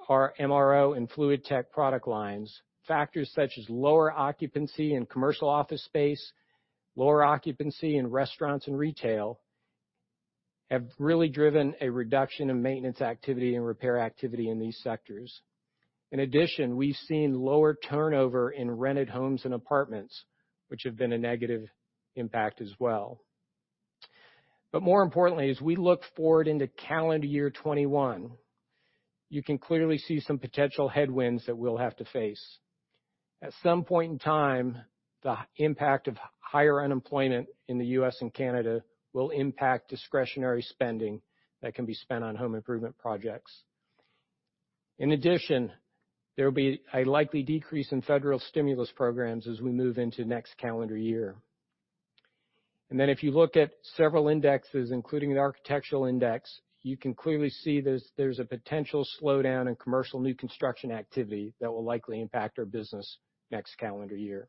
our MRO and FluidTech product lines, factors such as lower occupancy in commercial office space, lower occupancy in restaurants and retail, have really driven a reduction in maintenance activity and repair activity in these sectors. In addition, we've seen lower turnover in rented homes and apartments, which have been a negative impact as well. More importantly, as we look forward into calendar year 2021, you can clearly see some potential headwinds that we'll have to face. At some point in time the impact of higher unemployment in the U.S. and Canada will impact discretionary spending that can be spent on home improvement projects. In addition, there will be a likely decrease in federal stimulus programs as we move into next calendar year. If you look at several indexes, including an architectural index, you can clearly see there's a potential slowdown in commercial new construction activity that will likely impact our business next calendar year.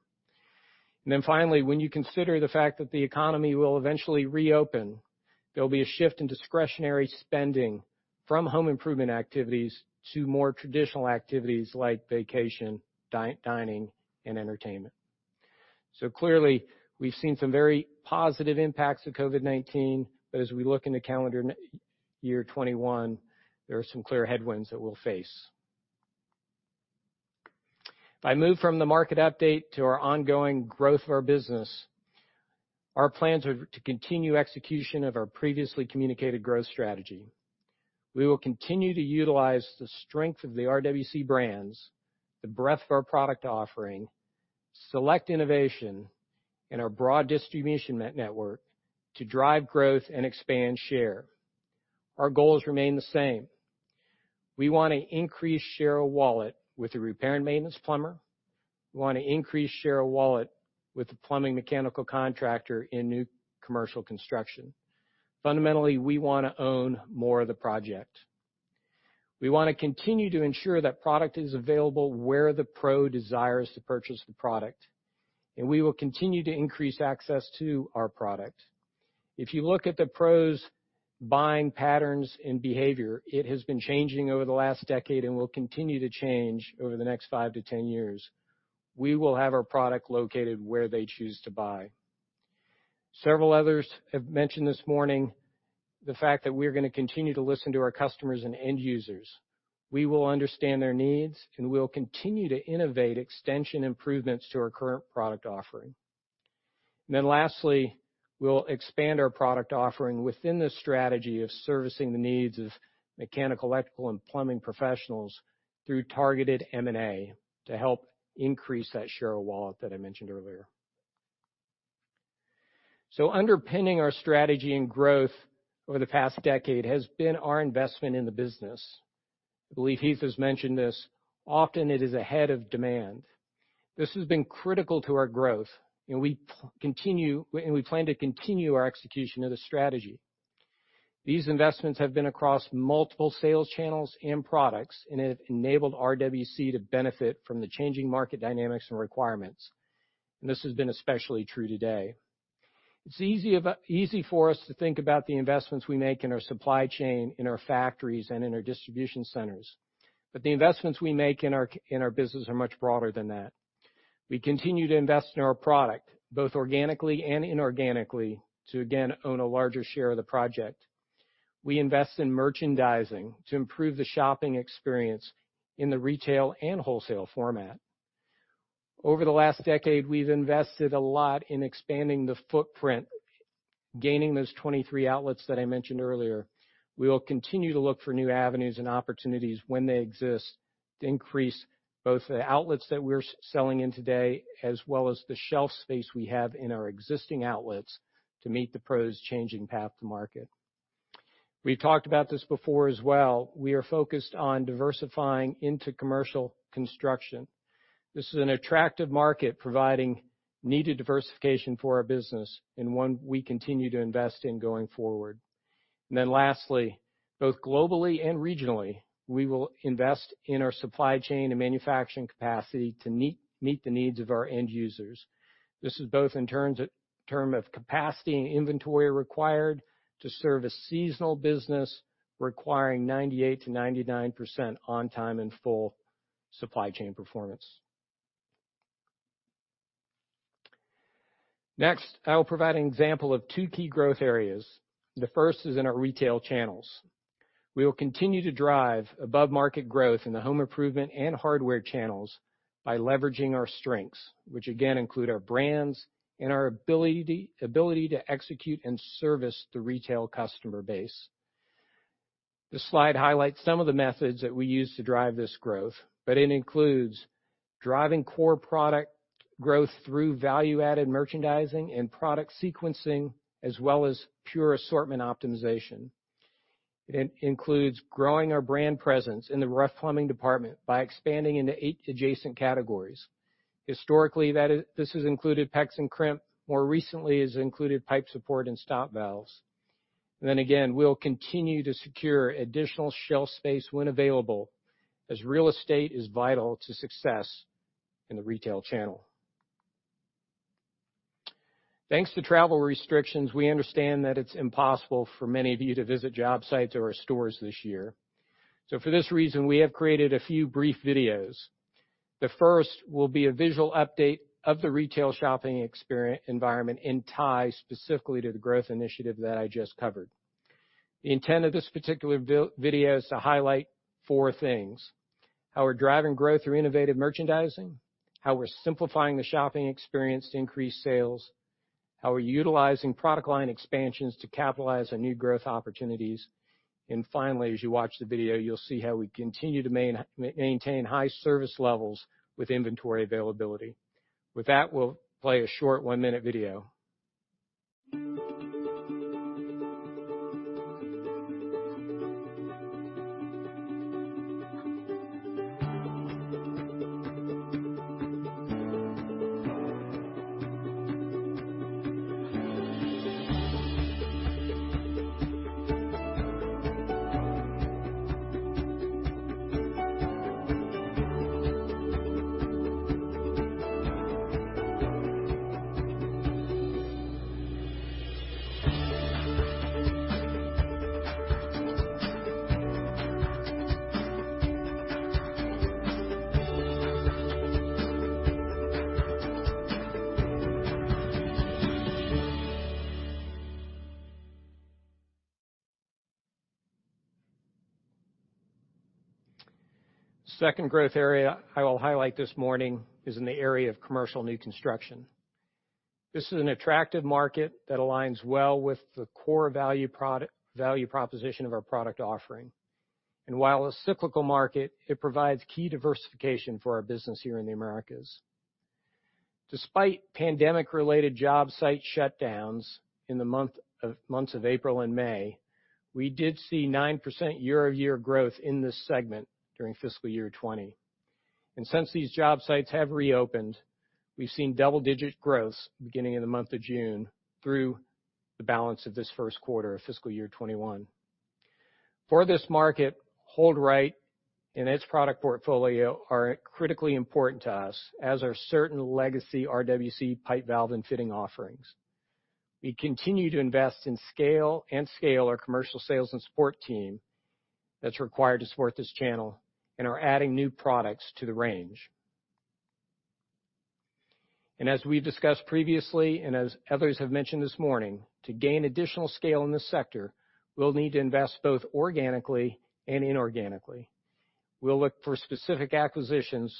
Finally, when you consider the fact that the economy will eventually reopen, there'll be a shift in discretionary spending from home improvement activities to more traditional activities like vacation, dining, and entertainment. Clearly, we've seen some very positive impacts of COVID-19. As we look into calendar year 2021, there are some clear headwinds that we'll face. If I move from the market update to our ongoing growth of our business, our plans are to continue execution of our previously communicated growth strategy. We will continue to utilize the strength of the RWC brands, the breadth of our product offering, select innovation, and our broad distribution network to drive growth and expand share. Our goals remain the same. We want to increase share of wallet with the repair and maintenance plumber. We want to increase share of wallet with the plumbing mechanical contractor in new commercial construction. Fundamentally, we want to own more of the project. We want to continue to ensure that product is available where the pro desires to purchase the product, and we will continue to increase access to our product. If you look at the pros' buying patterns and behavior, it has been changing over the last decade and will continue to change over the next five to 10 years. We will have our product located where they choose to buy. Several others have mentioned this morning, the fact that we're going to continue to listen to our customers and end users. We will understand their needs, and we'll continue to innovate extension improvements to our current product offering. Lastly, we'll expand our product offering within the strategy of servicing the needs of mechanical, electrical, and plumbing professionals through targeted M&A to help increase that share of wallet that I mentioned earlier. Underpinning our strategy and growth over the past decade has been our investment in the business. I believe Heath has mentioned this. Often, it is ahead of demand. This has been critical to our growth, and we plan to continue our execution of the strategy. These investments have been across multiple sales channels and products, and have enabled RWC to benefit from the changing market dynamics and requirements. This has been especially true today. It's easy for us to think about the investments we make in our supply chain, in our factories, and in our distribution centers. The investments we make in our business are much broader than that. We continue to invest in our product, both organically and inorganically, to again, own a larger share of the project. We invest in merchandising to improve the shopping experience in the retail and wholesale format. Over the last decade, we've invested a lot in expanding the footprint, gaining those 23 outlets that I mentioned earlier. We will continue to look for new avenues and opportunities when they exist to increase both the outlets that we're selling in today, as well as the shelf space we have in our existing outlets to meet the pros' changing path to market. We've talked about this before as well. We are focused on diversifying into commercial construction. This is an attractive market providing needed diversification for our business and one we continue to invest in going forward. Lastly, both globally and regionally, we will invest in our supply chain and manufacturing capacity to meet the needs of our end users. This is both in term of capacity and inventory required to serve a seasonal business requiring 98%-99% on time and full supply chain performance. Next, I will provide an example of two key growth areas. The first is in our retail channels. We will continue to drive above-market growth in the home improvement and hardware channels by leveraging our strengths, which again, include our brands and our ability to execute and service the retail customer base. This slide highlights some of the methods that we use to drive this growth, but it includes driving core product growth through value-added merchandising and product sequencing, as well as pure assortment optimization. It includes growing our brand presence in the rough plumbing department by expanding into 8 adjacent categories. Historically, this has included PEX and crimp. More recently, it's included pipe support and stop valves. Then again, we'll continue to secure additional shelf space when available, as real estate is vital to success in the retail channel. Thanks to travel restrictions, we understand that it's impossible for many of you to visit job sites or our stores this year. For this reason, we have created a few brief videos. The first will be a visual update of the retail shopping environment and tie specifically to the growth initiative that I just covered. The intent of this particular video is to highlight four things: how we're driving growth through innovative merchandising, how we're simplifying the shopping experience to increase sales, how we're utilizing product line expansions to capitalize on new growth opportunities, and finally, as you watch the video, you'll see how we continue to maintain high service levels with inventory availability. With that, we'll play a short one-minute video. Second growth area I will highlight this morning is in the area of commercial new construction. This is an attractive market that aligns well with the core value proposition of our product offering. While a cyclical market, it provides key diversification for our business here in the Americas. Despite pandemic-related job site shutdowns in the months of April and May, we did see 9% year-over-year growth in this segment during fiscal year 2020. Since these job sites have reopened, we've seen double-digit growth beginning in the month of June through the balance of this first quarter of fiscal year 2021. For this market, HoldRite and its product portfolio are critically important to us, as are certain legacy RWC pipe, valve, and fitting offerings. We continue to invest and scale our commercial sales and support team that's required to support this channel, and are adding new products to the range. As we discussed previously, and as others have mentioned this morning, to gain additional scale in this sector, we'll need to invest both organically and inorganically. We'll look for specific acquisitions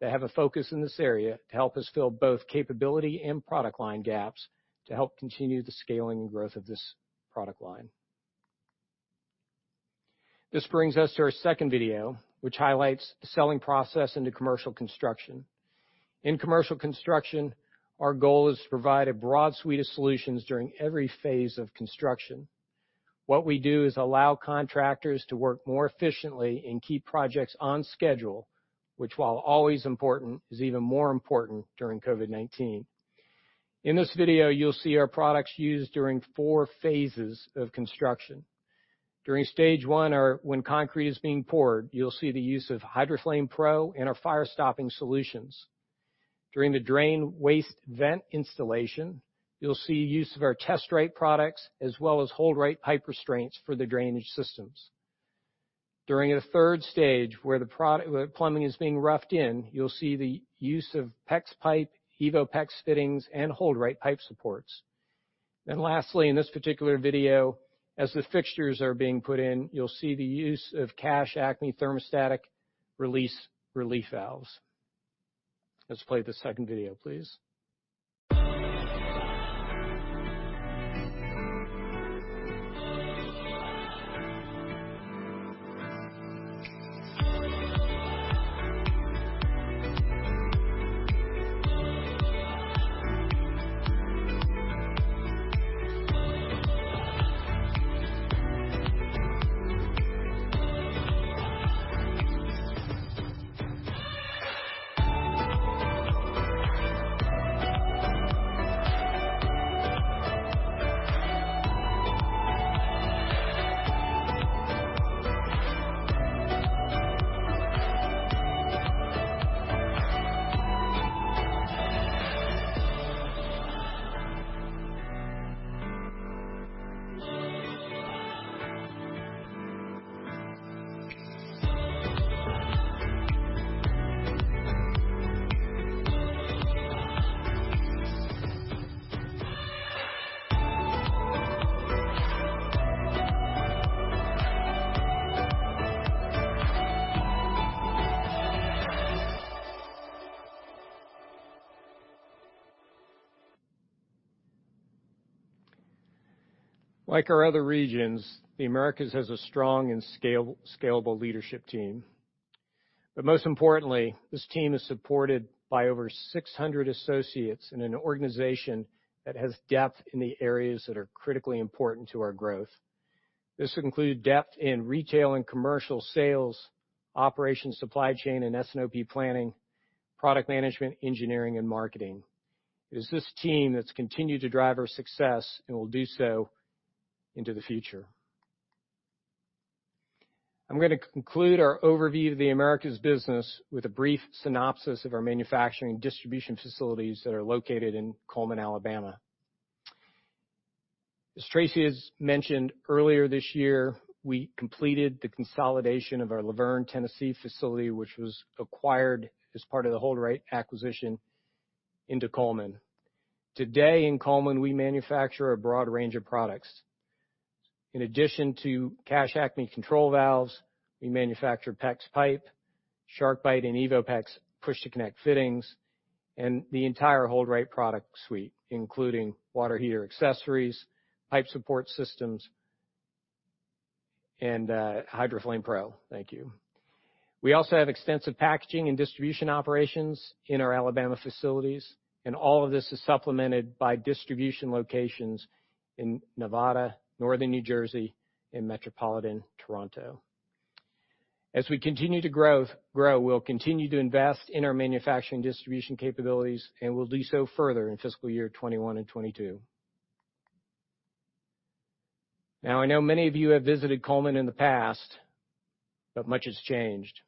that have a focus in this area to help us fill both capability and product line gaps to help continue the scaling and growth of this product line. This brings us to our second video, which highlights the selling process into commercial construction. In commercial construction, our goal is to provide a broad suite of solutions during every phase of construction. What we do is allow contractors to work more efficiently and keep projects on schedule, which while always important, is even more important during COVID-19. In this video, you'll see our products used during four phases of construction. During stage 1, or when concrete is being poured, you'll see the use of HydroFlame Pro and our fire stopping solutions. During the drain waste vent installation, you'll see use of our TestRite products, as well as HoldRite pipe restraints for the drainage systems. During a stage three, where the plumbing is being roughed in, you'll see the use of PEX pipe, EvoPEX fittings, and HoldRite pipe supports. Lastly, in this particular video, as the fixtures are being put in, you'll see the use of Cash Acme thermostatic [inaudible] valves. Let's play the second video, please. Like our other regions, the Americas has a strong and scalable leadership team. Most importantly, this team is supported by over 600 associates in an organization that has depth in the areas that are critically important to our growth. This includes depth in retail and commercial sales, operations, supply chain, and S&OP planning, product management, engineering, and marketing. It is this team that's continued to drive our success and will do so into the future. I'm going to conclude our overview of the Americas business with a brief synopsis of our manufacturing and distribution facilities that are located in Cullman, Alabama. As Tracy has mentioned, earlier this year, we completed the consolidation of our La Vergne, Tennessee facility, which was acquired as part of the HoldRite acquisition, into Cullman. Today in Cullman, we manufacture a broad range of products. In addition to Cash Acme control valves, we manufacture PEX pipe, SharkBite and EvoPEX push-to-connect fittings, and the entire HoldRite product suite, including water heater accessories, pipe support systems, and HydroFlame Pro. Thank you. We also have extensive packaging and distribution operations in our Alabama facilities, and all of this is supplemented by distribution locations in Nevada, northern New Jersey, and metropolitan Toronto. As we continue to grow, we'll continue to invest in our manufacturing distribution capabilities, and we'll do so further in fiscal year 2021 and 2022. Now, I know many of you have visited Cullman in the past. Much has changed.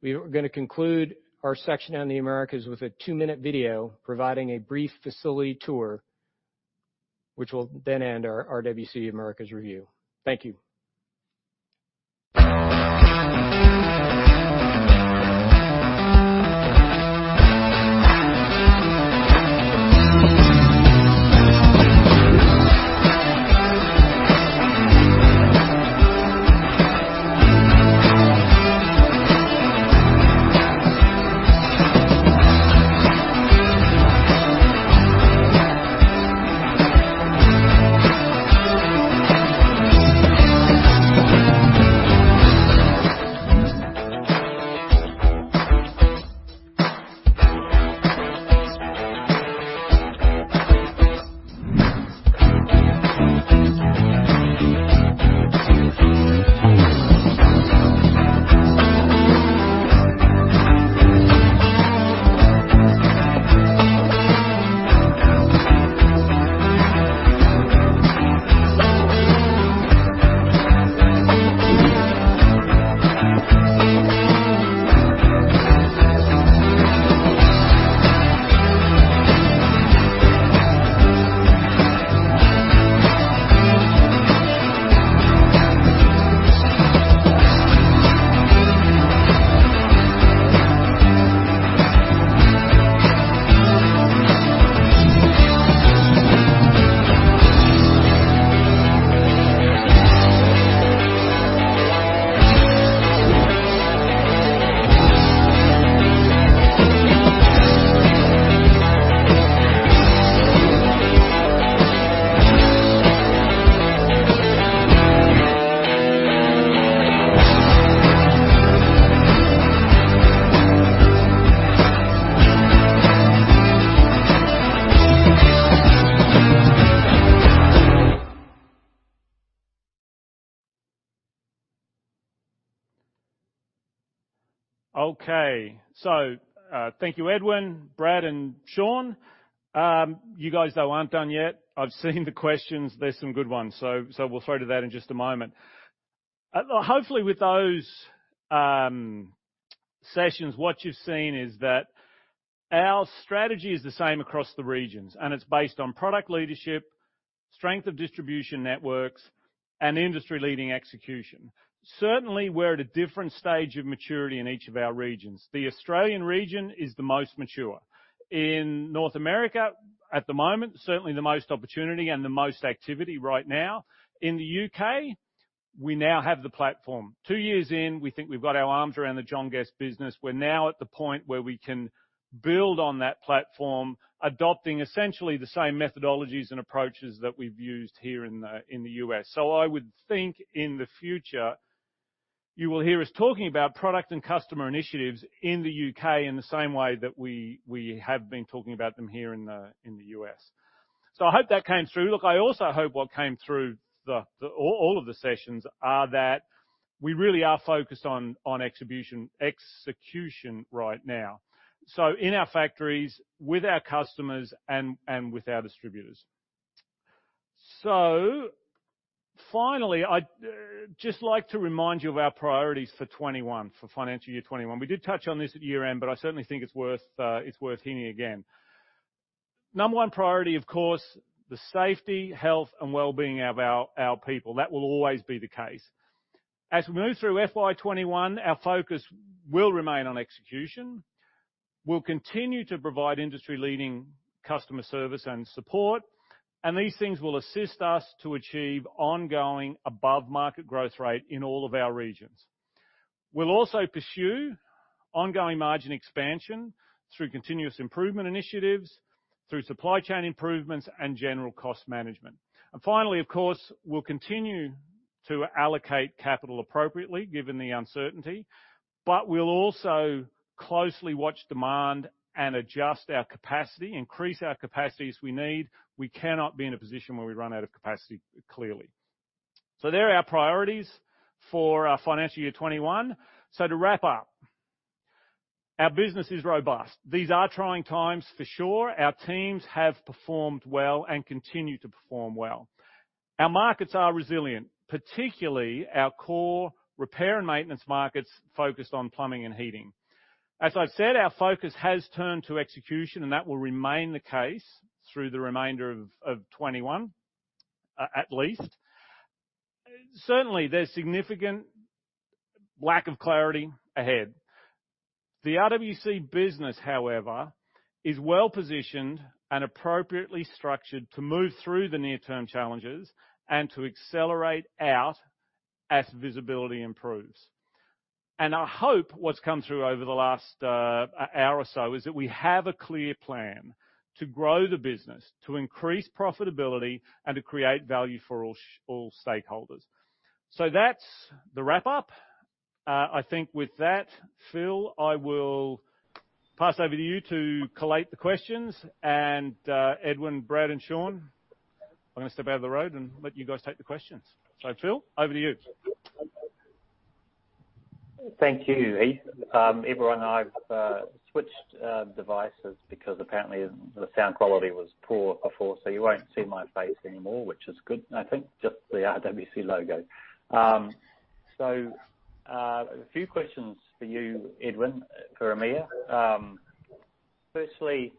We are going to conclude our section on the Americas with a two-minute video providing a brief facility tour, which will then end our RWC Americas review. Thank you. Thank you, Edwin, Brad, and Sean. You guys though aren't done yet. I've seen the questions. There's some good ones. We'll throw to that in just a moment. Hopefully, with those sessions, what you've seen is that our strategy is the same across the regions, and it's based on product leadership, strength of distribution networks, and industry-leading execution. Certainly, we're at a different stage of maturity in each of our regions. The Australian region is the most mature. In North America, at the moment, certainly the most opportunity and the most activity right now. In the U.K., we now have the platform. Two years in, we think we've got our arms around the John Guest business. We're now at the point where we can build on that platform, adopting essentially the same methodologies and approaches that we've used here in the U.S. I would think in the future, you will hear us talking about product and customer initiatives in the U.K. in the same way that we have been talking about them here in the U.S. I hope that came through. Look, I also hope what came through all of the sessions are that we really are focused on execution right now. In our factories, with our customers, and with our distributors. Finally, I'd just like to remind you of our priorities for financial year 2021. We did touch on this at year-end, but I certainly think it's worth hearing again. Number one priority, of course, the safety, health, and wellbeing of our people. That will always be the case. As we move through FY 2021, our focus will remain on execution. We'll continue to provide industry-leading customer service and support. These things will assist us to achieve ongoing above-market growth rate in all of our regions. We'll also pursue ongoing margin expansion through continuous improvement initiatives, through supply chain improvements, and general cost management. Finally, of course, we'll continue to allocate capital appropriately given the uncertainty, but we'll also closely watch demand and adjust our capacity, increase our capacity as we need. We cannot be in a position where we run out of capacity, clearly. They're our priorities for our financial year 2021. To wrap up, our business is robust. These are trying times for sure. Our teams have performed well and continue to perform well. Our markets are resilient, particularly our core repair and maintenance markets focused on plumbing and heating. As I've said, our focus has turned to execution. That will remain the case through the remainder of 2021, at least. Certainly, there's significant lack of clarity ahead. The RWC business, however, is well-positioned and appropriately structured to move through the near-term challenges and to accelerate out as visibility improves. I hope what's come through over the last hour or so is that we have a clear plan to grow the business, to increase profitability, and to create value for all stakeholders. That's the wrap-up. I think with that, Phil, I will pass over to you to collate the questions and, Edwin, Brad, and Sean, I'm gonna step out of the road and let you guys take the questions. Phil, over to you. Thank you, Heath. Everyone, I've switched devices because apparently the sound quality was poor before, so you won't see my face anymore, which is good, I think. Just the RWC logo. A few questions for you, Edwin, for EMEA. Firstly,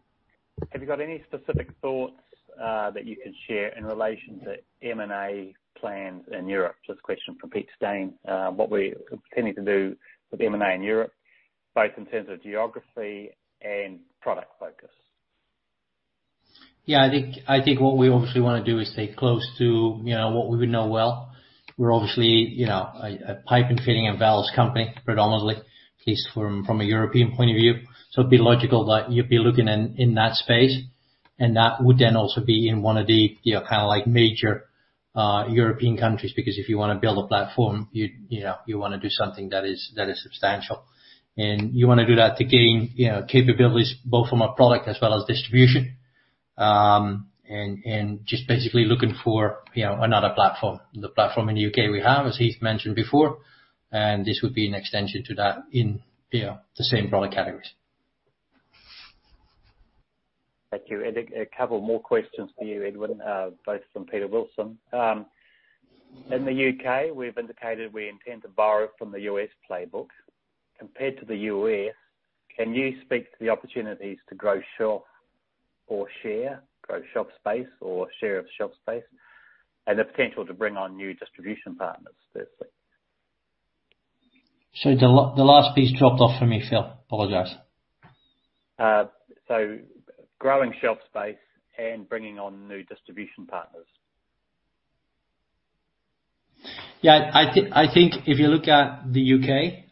have you got any specific thoughts that you can share in relation to M&A plans in Europe? Just a question from Pete Stein. What we're intending to do with M&A in Europe, both in terms of geography and product focus. Yeah, I think what we obviously want to do is stay close to what we would know well. We're obviously a pipe and fitting and valves company predominantly, at least from a European point of view. It'd be logical that you'd be looking in that space, and that would then also be in one of the major European countries, because if you want to build a platform, you want to do something that is substantial. You want to do that to gain capabilities both from a product as well as distribution. Just basically looking for another platform. The platform in the U.K. we have, as Heath mentioned before, and this would be an extension to that in the same product categories. Thank you. A couple more questions for you, Edwin, both from Peter Wilson. In the U.K., we've indicated we intend to borrow from the U.S. playbook. Compared to the U.S., can you speak to the opportunities to grow shelf or share, grow shelf space or share of shelf space, and the potential to bring on new distribution partners, firstly? Sorry, the last piece dropped off for me, Phil. Apologize. Growing shelf space and bringing on new distribution partners. Yeah. I think if you look at the U.K.,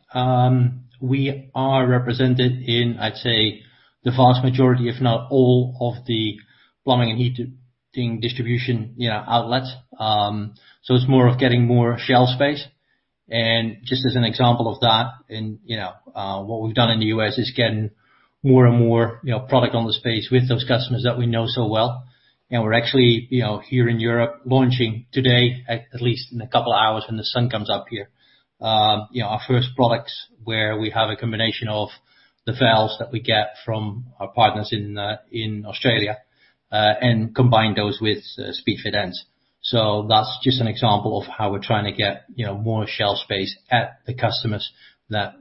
we are represented in, I'd say, the vast majority, if not all of the plumbing and heating distribution outlets. It's more of getting more shelf space. Just as an example of that, what we've done in the U.S. is getting more and more product on the space with those customers that we know so well. We're actually, here in Europe, launching today, at least in a couple of hours when the sun comes up here, our first products where we have a combination of the valves that we get from our partners in Australia, and combine those with Speedfit ends. That's just an example of how we're trying to get more shelf space at the customers that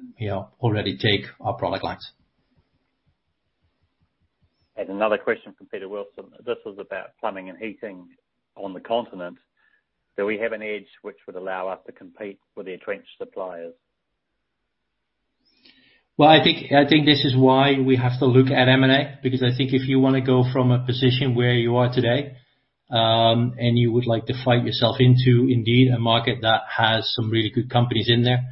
already take our product lines. Another question from Peter Wilson. This was about plumbing and heating on the continent. Do we have an edge which would allow us to compete with entrenched suppliers? I think this is why we have to look at M&A, because I think if you want to go from a position where you are today, and you would like to fight yourself into indeed a market that has some really good companies in there,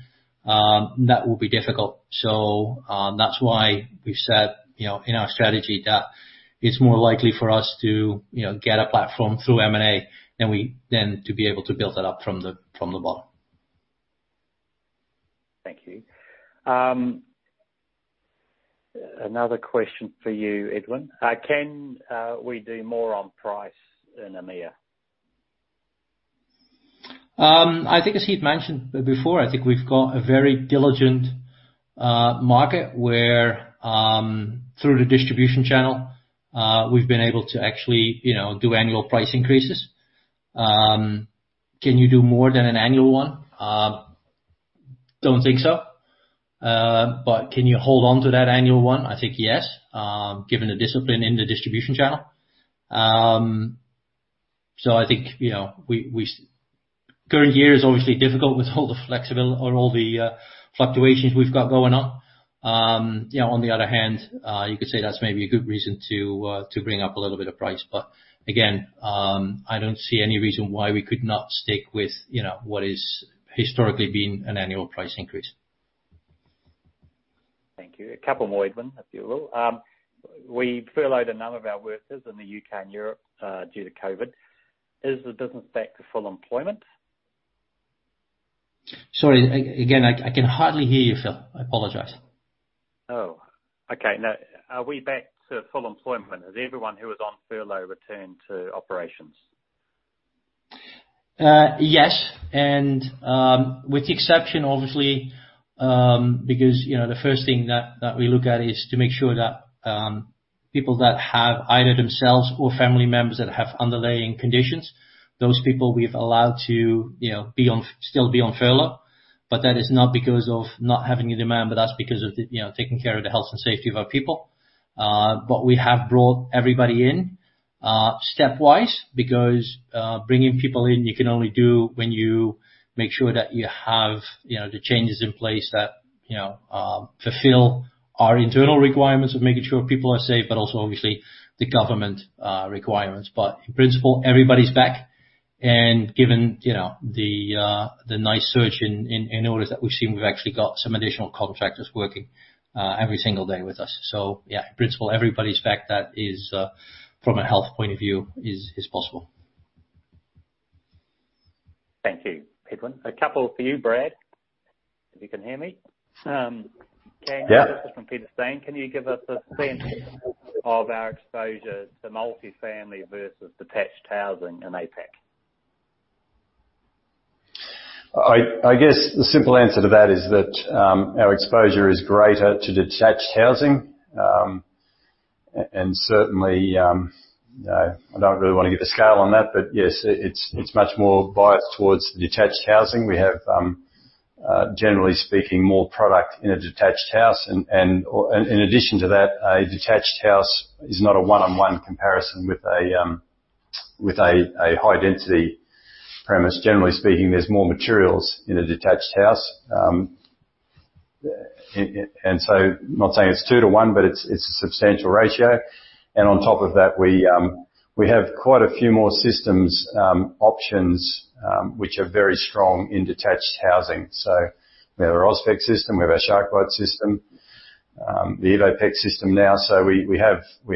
that will be difficult. That's why we've said in our strategy that it's more likely for us to get a platform through M&A than to be able to build that up from the bottom. Thank you. Another question for you, Edwin. Can we do more on price in EMEA? I think as Heath mentioned before, I think we've got a very diligent market where, through the distribution channel, we've been able to actually do annual price increases. Can you do more than an annual one? Don't think so. Can you hold on to that annual one? I think yes, given the discipline in the distribution channel. I think, current year is obviously difficult with all the fluctuations we've got going on. On the other hand, you could say that's maybe a good reason to bring up a little bit of price. Again, I don't see any reason why we could not stick with what is historically been an annual price increase. Thank you. A couple more, Edwin, if you will. We furloughed a number of our workers in the U.K. and Europe due to COVID-19. Is the business back to full employment? Sorry. Again, I can hardly hear you, Phil. I apologize. Okay. No. Are we back to full employment? Has everyone who was on furlough returned to operations? Yes. With the exception, obviously, because the first thing that we look at is to make sure that people that have either themselves or family members that have underlying conditions, those people we've allowed to still be on furlough. That is not because of not having the demand, but that's because of taking care of the health and safety of our people. We have brought everybody in stepwise because, bringing people in, you can only do when you make sure that you have the changes in place that fulfill our internal requirements of making sure people are safe, but also obviously the government requirements. In principle, everybody's back. Given the nice surge in orders that we've seen, we've actually got some additional contractors working every single day with us. Yeah, in principle, everybody's back that is, from a health point of view, is possible. Thank you, Edwin. A couple for you, Brad, if you can hear me. Yeah. This is from Peter Steyn. Can you give us a sense of our exposure to multi-family versus detached housing in APAC? I guess the simple answer to that is that our exposure is greater to detached housing. Certainly, I don't really want to give a scale on that, but yes, it's much more biased towards detached housing. We have, generally speaking, more product in a detached house and in addition to that, a detached house is not a one-on-one comparison with a high-density premise. Generally speaking, there's more materials in a detached house. I'm not saying it's two to one, but it's a substantial ratio. On top of that, we have quite a few more systems options, which are very strong in detached housing. We have our Auspex system, we have our SharkBite system, the EvoPEX system now. We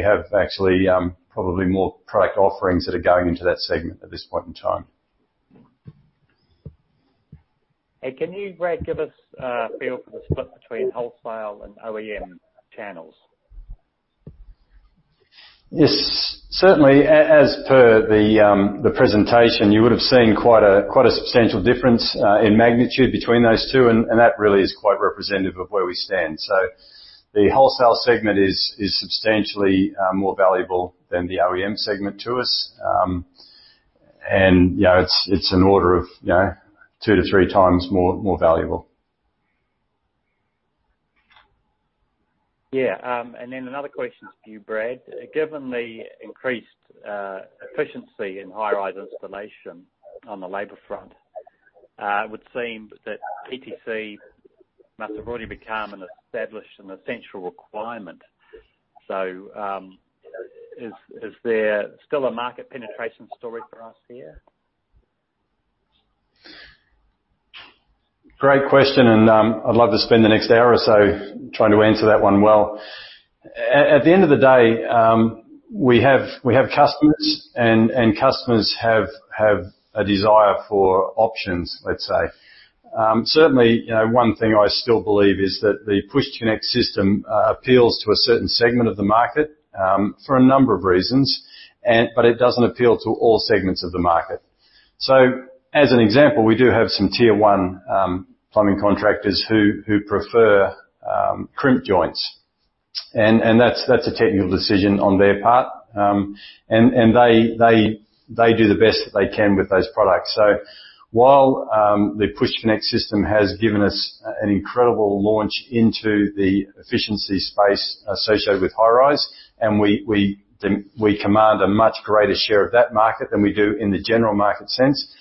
have actually probably more product offerings that are going into that segment at this point in time. Can you, Brad, give us a feel for the split between wholesale and OEM channels? Yes. Certainly, as per the presentation, you would have seen quite a substantial difference in magnitude between those two, and that really is quite representative of where we stand. The wholesale segment is substantially more valuable than the OEM segment to us. It's an order of two to three times more valuable. Yeah, another question to you, Brad. Given the increased efficiency in high-rise installation on the labor front, it would seem that PTC must have already become an established and essential requirement. Is there still a market penetration story for us here? Great question. I'd love to spend the next hour or so trying to answer that one well. At the end of the day, we have customers, and customers have a desire for options, let's say. Certainly, one thing I still believe is that the Push-to-Connect system appeals to a certain segment of the market for a number of reasons, but it doesn't appeal to all segments of the market. As an example, we do have some Tier 1 plumbing contractors who prefer crimp joints. That's a technical decision on their part. They do the best that they can with those products. While the Push-to-Connect system has given us an incredible launch into the efficiency space associated with high-rise, and we command a much greater share of that market than we do in the general market sense.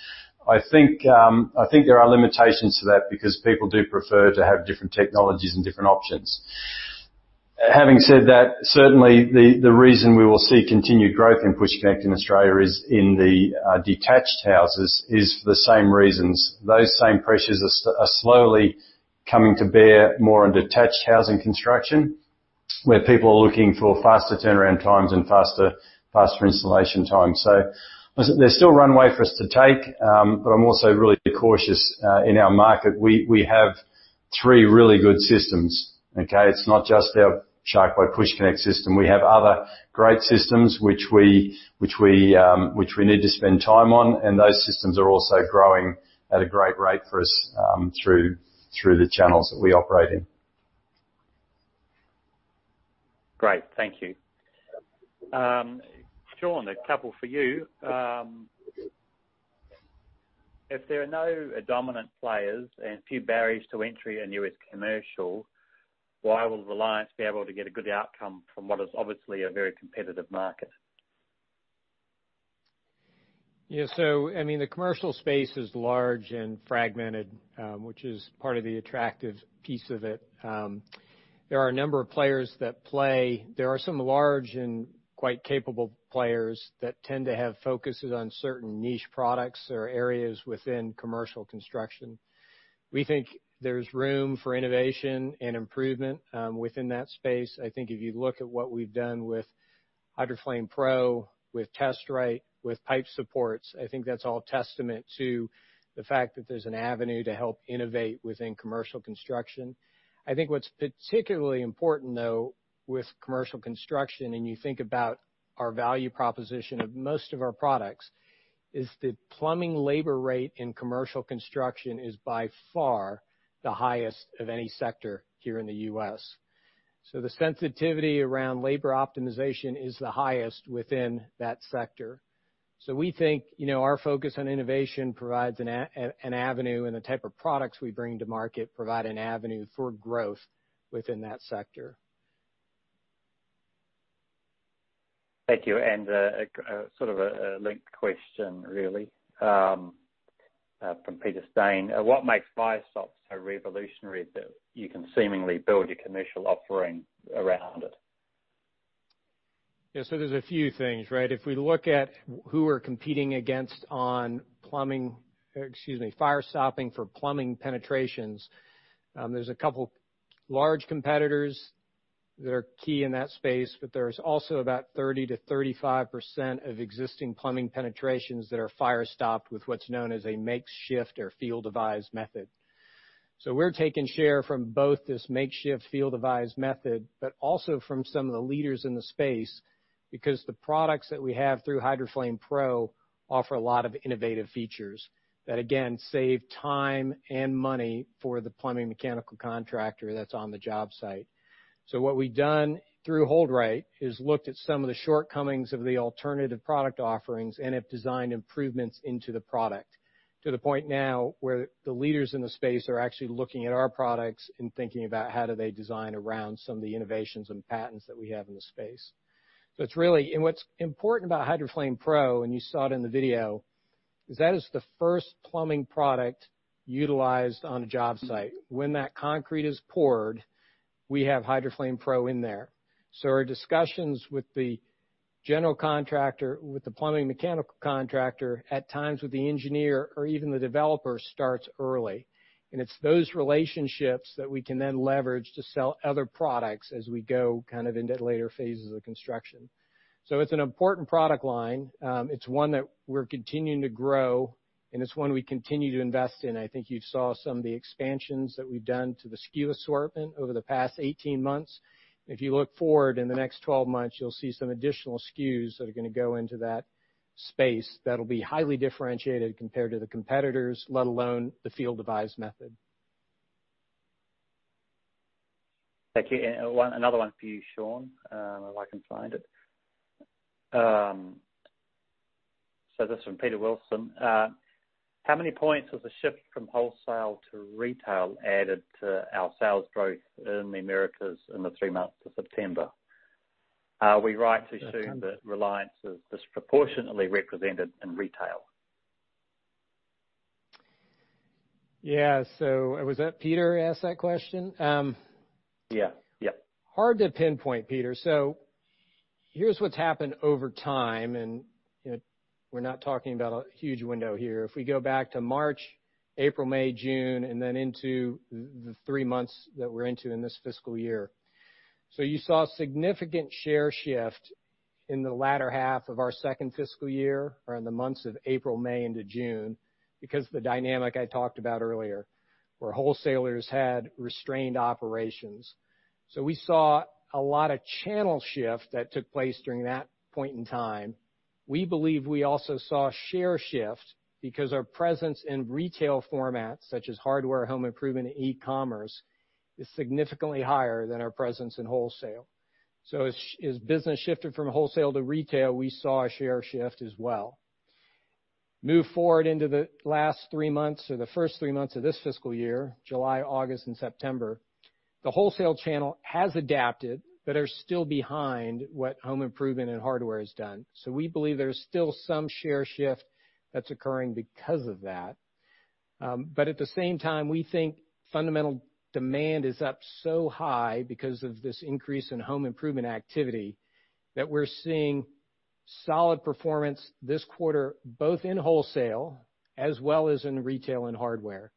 I think there are limitations to that because people do prefer to have different technologies and different options. Having said that, certainly the reason we will see continued growth in Push-to-Connect in Australia is in the detached houses is for the same reasons. Those same pressures are slowly coming to bear more on detached housing construction, where people are looking for faster turnaround times and faster installation times. There's still runway for us to take, but I'm also really cautious in our market. We have three really good systems, okay? It's not just our SharkBite Push-to-Connect system. We have other great systems which we need to spend time on, those systems are also growing at a great rate for us through the channels that we operate in. Great. Thank you. Sean, a couple for you. If there are no dominant players and few barriers to entry in U.S. commercial, why will Reliance be able to get a good outcome from what is obviously a very competitive market? Yeah. The commercial space is large and fragmented, which is part of the attractive piece of it. There are a number of players that play. There are some large and quite capable players that tend to have focuses on certain niche products or areas within commercial construction. We think there's room for innovation and improvement within that space. If you look at what we've done with HydroFlame Pro, with TestRite, with pipe supports, I think that's all testament to the fact that there's an avenue to help innovate within commercial construction. What's particularly important, though, with commercial construction, and you think about our value proposition of most of our products, is the plumbing labor rate in commercial construction is by far the highest of any sector here in the U.S. The sensitivity around labor optimization is the highest within that sector. We think our focus on innovation provides an avenue, and the type of products we bring to market provide an avenue for growth within that sector. Thank you. Sort of a linked question, really, from Peter Steyn. What makes fire stops so revolutionary that you can seemingly build your commercial offering around it? There's a few things, right? If we look at who we're competing against on plumbing, or excuse me, fire stopping for plumbing penetrations, there's a couple large competitors that are key in that space, but there's also about 30%-35% of existing plumbing penetrations that are fire stopped with what's known as a makeshift or field-devised method. We're taking share from both this makeshift field-devised method, but also from some of the leaders in the space, because the products that we have through HydroFlame Pro offer a lot of innovative features that, again, save time and money for the plumbing mechanical contractor that's on the job site. What we've done through HoldRite is looked at some of the shortcomings of the alternative product offerings and have designed improvements into the product. To the point now where the leaders in the space are actually looking at our products and thinking about how do they design around some of the innovations and patents that we have in the space. What's important about HydroFlame Pro, and you saw it in the video, is that is the first plumbing product utilized on a job site. When that concrete is poured, we have HydroFlame Pro in there. Our discussions with the general contractor with the plumbing mechanical contractor at times with the engineer or even the developer starts early. It's those relationships that we can then leverage to sell other products as we go into the later phases of construction. It's an important product line. It's one that we're continuing to grow, and it's one we continue to invest in. I think you saw some of the expansions that we've done to the SKU assortment over the past 18 months. If you look forward in the next 12 months, you'll see some additional SKUs that are going to go into that space that'll be highly differentiated compared to the competitors, let alone the field devised method. Thank you. Another one for you, Sean, if I can find it. This is from Peter Wilson. How many points has the shift from wholesale to retail added to our sales growth in the Americas in the three months of September? Are we right to assume that Reliance is disproportionately represented in retail? Yeah. Was that Peter asked that question? Hard to pinpoint, Peter. Here's what's happened over time, and we're not talking about a huge window here. If we go back to March, April, May, June, and then into the three months that we're into in this fiscal year. You saw significant share shift in the latter half of our second fiscal year or in the months of April, May into June because of the dynamic I talked about earlier where wholesalers had restrained operations. We saw a lot of channel shift that took place during that point in time. We believe we also saw share shift because our presence in retail formats such as hardware, home improvement, and e-commerce is significantly higher than our presence in wholesale. As business shifted from wholesale to retail, we saw a share shift as well. Move forward into the last three months or the first three months of this fiscal year, July, August, and September. The wholesale channel has adapted but are still behind what home improvement and hardware has done. We believe there's still some share shift that's occurring because of that. At the same time, we think fundamental demand is up so high because of this increase in home improvement activity that we're seeing solid performance this quarter, both in wholesale as well as in retail and hardware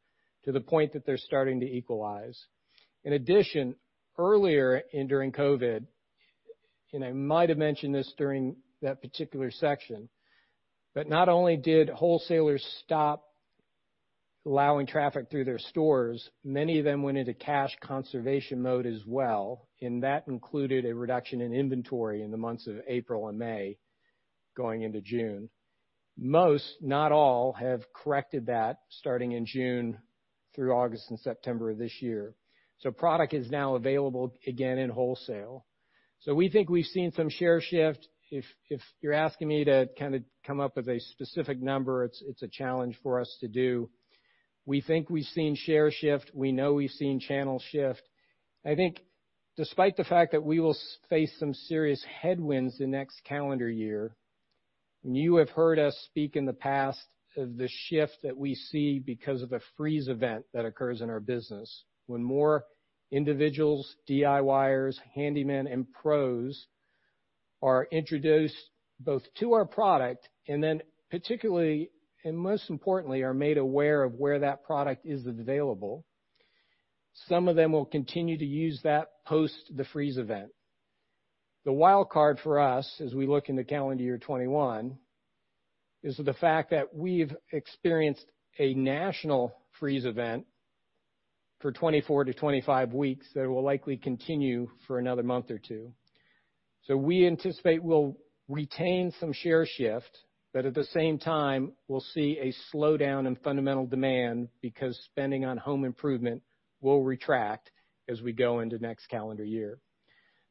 to the point that they're starting to equalize. In addition, earlier and during COVID-19, and I might have mentioned this during that particular section, but not only did wholesalers stop allowing traffic through their stores, many of them went into cash conservation mode as well and that included a reduction in inventory in the months of April and May going into June. Most, not all, have corrected that starting in June through August and September of this year. Product is now available again in wholesale. We think we've seen some share shift. If you're asking me to come up with a specific number, it's a challenge for us to do. We think we've seen share shift. We know we've seen channel shift. I think despite the fact that we will face some serious headwinds the next calendar year, and you have heard us speak in the past of the shift that we see because of the freeze event that occurs in our business when more individuals, DIYers, handymen, and pros are introduced both to our product and then particularly and most importantly are made aware of where that product is available. Some of them will continue to use that post the freeze event. The wild card for us as we look into calendar year 2021 is the fact that we've experienced a national freeze event for 24-25 weeks that will likely continue for another month or two. We anticipate we'll retain some share shift, but at the same time we'll see a slowdown in fundamental demand because spending on home improvement will retract as we go into next calendar year.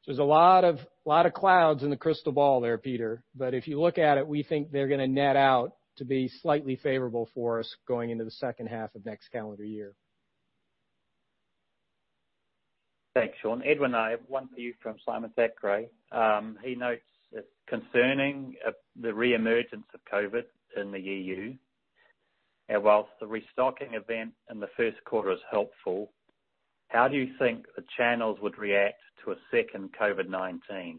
There's a lot of clouds in the crystal ball there, Peter, but if you look at it, we think they're going to net out to be slightly favorable for us going into the second half of next calendar year. Thanks, Sean. Edwin, I have one for you from Simon Thackray. He notes it's concerning the reemergence of COVID-19 in the EU. Whilst the restocking event in the first quarter is helpful, how do you think the channels would react to a second COVID-19?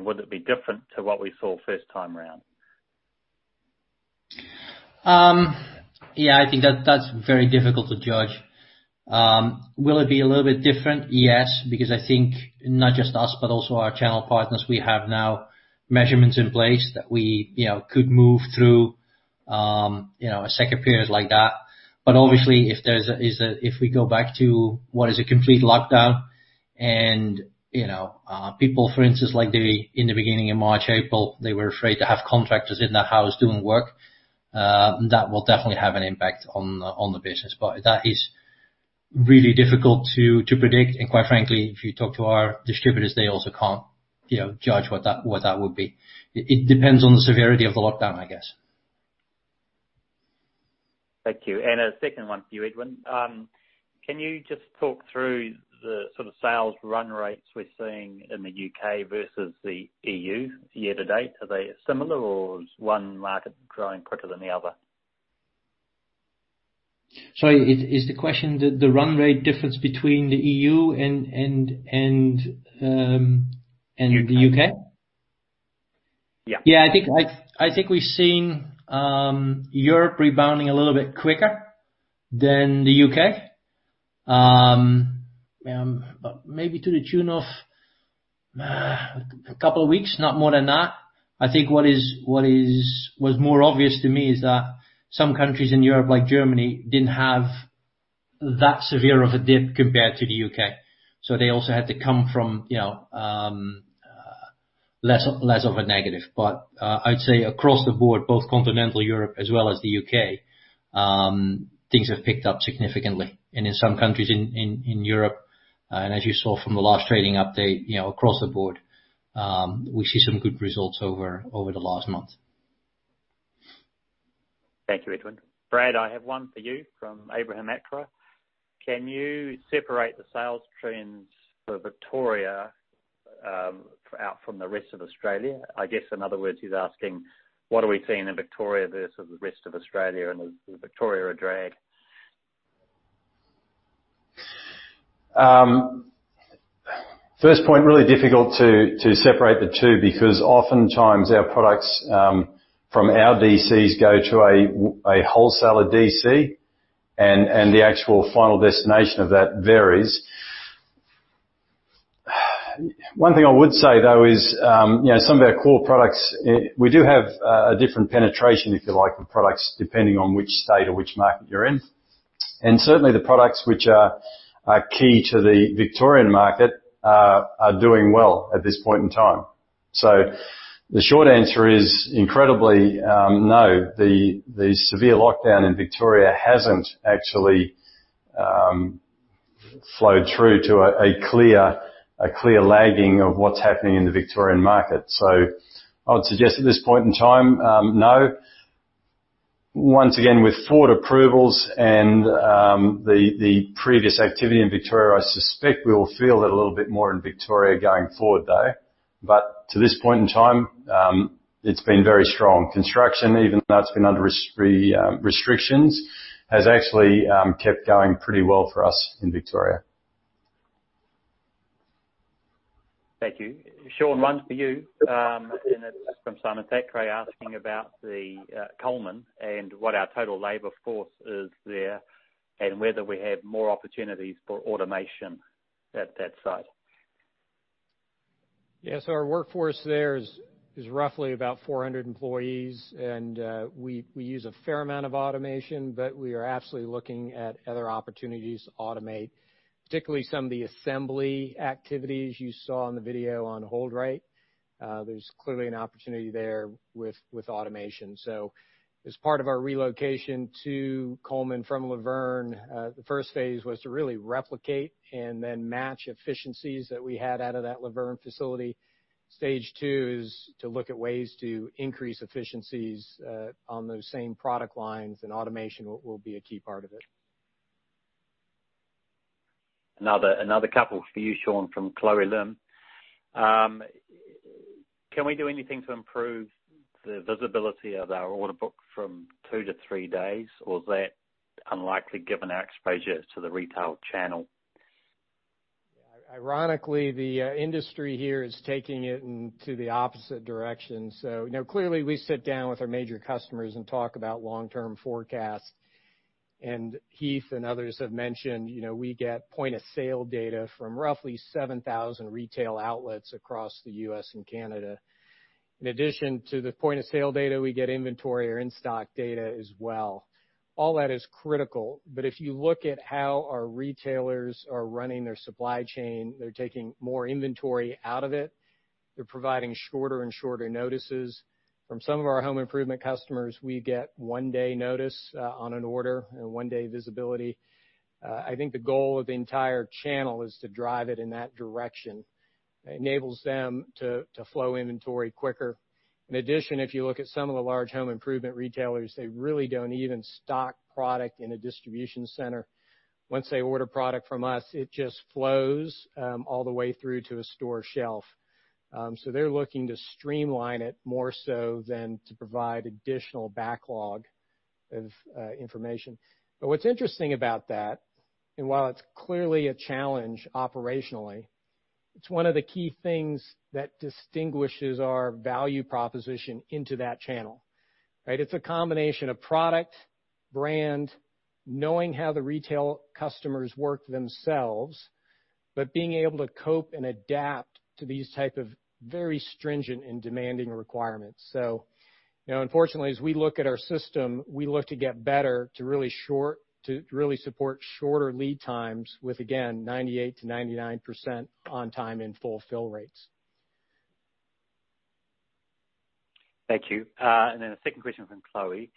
Would it be different to what we saw first time around? I think that's very difficult to judge. Will it be a little bit different? Yes, I think not just us, but also our channel partners, we have now measurements in place that we could move through a second period like that. Obviously, if we go back to what is a complete lockdown and people, for instance, like in the beginning of March, April, they were afraid to have contractors in their house doing work. That will definitely have an impact on the business. That is really difficult to predict and quite frankly, if you talk to our distributors, they also can't judge what that would be. It depends on the severity of the lockdown, I guess. Thank you. A second one for you, Edwin. Can you just talk through the sort of sales run rates we're seeing in the U.K. versus the E.U. year to date? Are they similar or is one market growing quicker than the other? Sorry, is the question the run rate difference between the E.U. and the U.K.? Yeah, I think we've seen Europe rebounding a little bit quicker than the U.K. Maybe to the tune of a couple of weeks, not more than that. I think what was more obvious to me is that some countries in Europe, like Germany, didn't have that severe of a dip compared to the U.K., so they also had to come from less of a negative. I'd say across the board, both continental Europe as well as the U.K., things have picked up significantly. In some countries in Europe, and as you saw from the last trading update, across the board, we see some good results over the last month. Thank you, Edwin. Brad, I have one for you from Abraham Atra. Can you separate the sales trends for Victoria out from the rest of Australia? I guess, in other words, he's asking, what are we seeing in Victoria versus the rest of Australia, and is Victoria a drag? First point, really difficult to separate the two, because oftentimes our products from our DCs go to a wholesaler DC and the actual final destination of that varies. One thing I would say, though, is some of our core products, we do have a different penetration, if you like, of products, depending on which state or which market you're in. Certainly, the products which are key to the Victorian market are doing well at this point in time. The short answer is incredibly, no. The severe lockdown in Victoria hasn't actually flowed through to a clear lagging of what's happening in the Victorian market. I would suggest at this point in time, no. Once again, with forward approvals and the previous activity in Victoria, I suspect we will feel it a little bit more in Victoria going forward, though. To this point in time, it's been very strong. Construction, even though it's been under restrictions, has actually kept going pretty well for us in Victoria. Thank you. Sean, one for you, and it is from Simon Thackray asking about Cullman and what our total labor force is there and whether we have more opportunities for automation at that site. Yeah. Our workforce there is roughly about 400 employees, and we use a fair amount of automation, but we are absolutely looking at other opportunities to automate, particularly some of the assembly activities you saw in the video on HoldRite. There's clearly an opportunity there with automation. As part of our relocation to Cullman from La Vergne, the first phase was to really replicate and then match efficiencies that we had out of that La Vergne facility. Stage two is to look at ways to increase efficiencies on those same product lines, and automation will be a key part of it. Another couple for you, Sean, from Chloe Lim. Can we do anything to improve the visibility of our order book from two to three days, or is that unlikely given our exposure to the retail channel? Ironically, the industry here is taking it into the opposite direction. Now, clearly, we sit down with our major customers and talk about long-term forecasts. Heath and others have mentioned we get point-of-sale data from roughly 7,000 retail outlets across the U.S. and Canada. In addition to the point-of-sale data, we get inventory or in-stock data as well. All that is critical. If you look at how our retailers are running their supply chain, they're taking more inventory out of it. They're providing shorter and shorter notices. From some of our home improvement customers, we get one-day notice on an order and one-day visibility. I think the goal of the entire channel is to drive it in that direction. It enables them to flow inventory quicker. In addition, if you look at some of the large home improvement retailers, they really don't even stock product in a distribution center. Once they order product from us, it just flows all the way through to a store shelf. They're looking to streamline it more so than to provide additional backlog of information. What's interesting about that, and while it's clearly a challenge operationally, it's one of the key things that distinguishes our value proposition into that channel. It's a combination of product, brand, knowing how the retail customers work themselves, but being able to cope and adapt to these type of very stringent and demanding requirements. Now, unfortunately, as we look at our system, we look to get better to really support shorter lead times with, again, 98%-99% on time and full fill rates. Thank you. A second question from Chloe.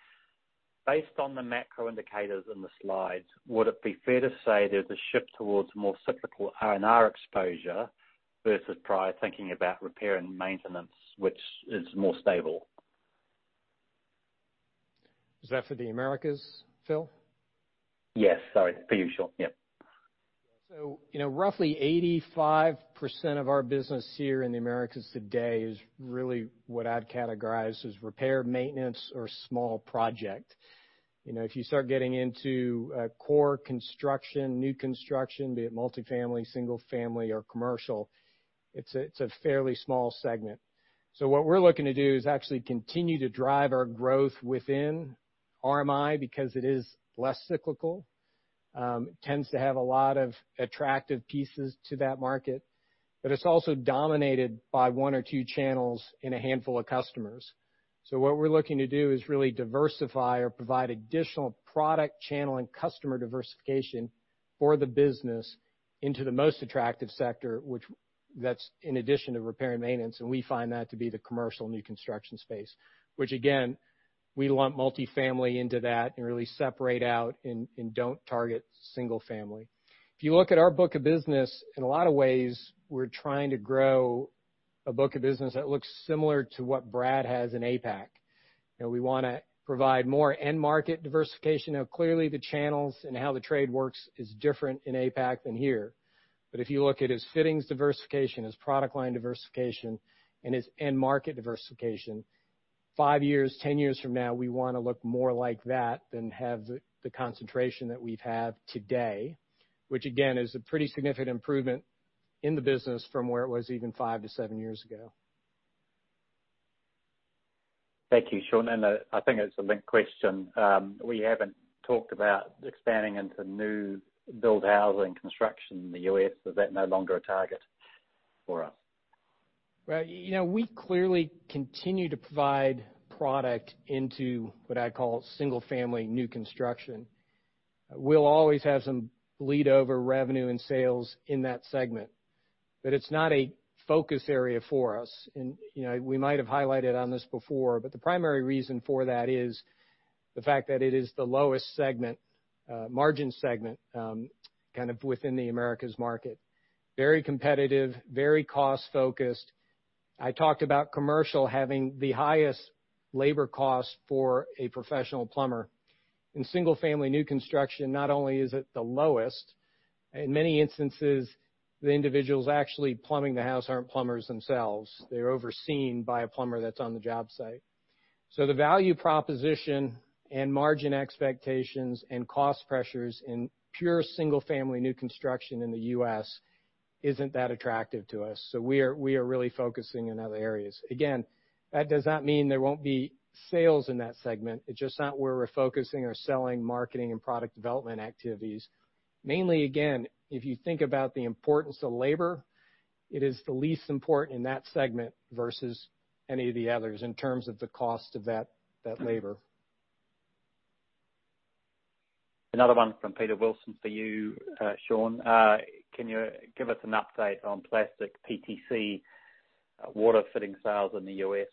Based on the macro indicators in the slides, would it be fair to say there's a shift towards more cyclical R&R exposure versus prior thinking about repair and maintenance, which is more stable? Is that for the Americas, Phil? Yes. Sorry. For you, Sean. Yep. Roughly 85% of our business here in the Americas today is really what I'd categorize as repair, maintenance, or small project. If you start getting into core construction, new construction, be it multifamily, single family, or commercial, it's a fairly small segment. What we're looking to do is actually continue to drive our growth within RMI because it is less cyclical. It tends to have a lot of attractive pieces to that market, but it's also dominated by one or two channels in a handful of customers. What we're looking to do is really diversify or provide additional product channel and customer diversification for the business into the most attractive sector, that's in addition to repair and maintenance, and we find that to be the commercial new construction space, which again, we lump multifamily into that and really separate out and don't target single family. If you look at our book of business, in a lot of ways, we're trying to grow a book of business that looks similar to what Brad has in APAC. We want to provide more end market diversification. Now clearly the channels and how the trade works is different in APAC than here. If you look at his fittings diversification, his product line diversification, and his end market diversification, five years, 10 years from now, we want to look more like that than have the concentration that we've had today. Which again, is a pretty significant improvement in the business from where it was even five to seven years ago. Thank you, Sean. I think it's a linked question. We haven't talked about expanding into new build housing construction in the U.S. Is that no longer a target for us? Right. We clearly continue to provide product into what I call single family new construction. We'll always have some bleed over revenue and sales in that segment, but it's not a focus area for us. We might have highlighted on this before, but the primary reason for that is the fact that it is the lowest margin segment within the Americas market. Very competitive, very cost focused. I talked about commercial having the highest labor cost for a professional plumber. In single family new construction, not only is it the lowest, in many instances, the individuals actually plumbing the house aren't plumbers themselves. They're overseen by a plumber that's on the job site. The value proposition and margin expectations and cost pressures in pure single family new construction in the U.S. isn't that attractive to us. We are really focusing on other areas. Again, that does not mean there won't be sales in that segment. It is just not where we are focusing our selling, marketing, and product development activities. Mainly, again, if you think about the importance of labor, it is the least important in that segment versus any of the others in terms of the cost of that labor. Another one from Peter Wilson for you, Sean. Can you give us an update on plastic PTC water fitting sales in the U.S.,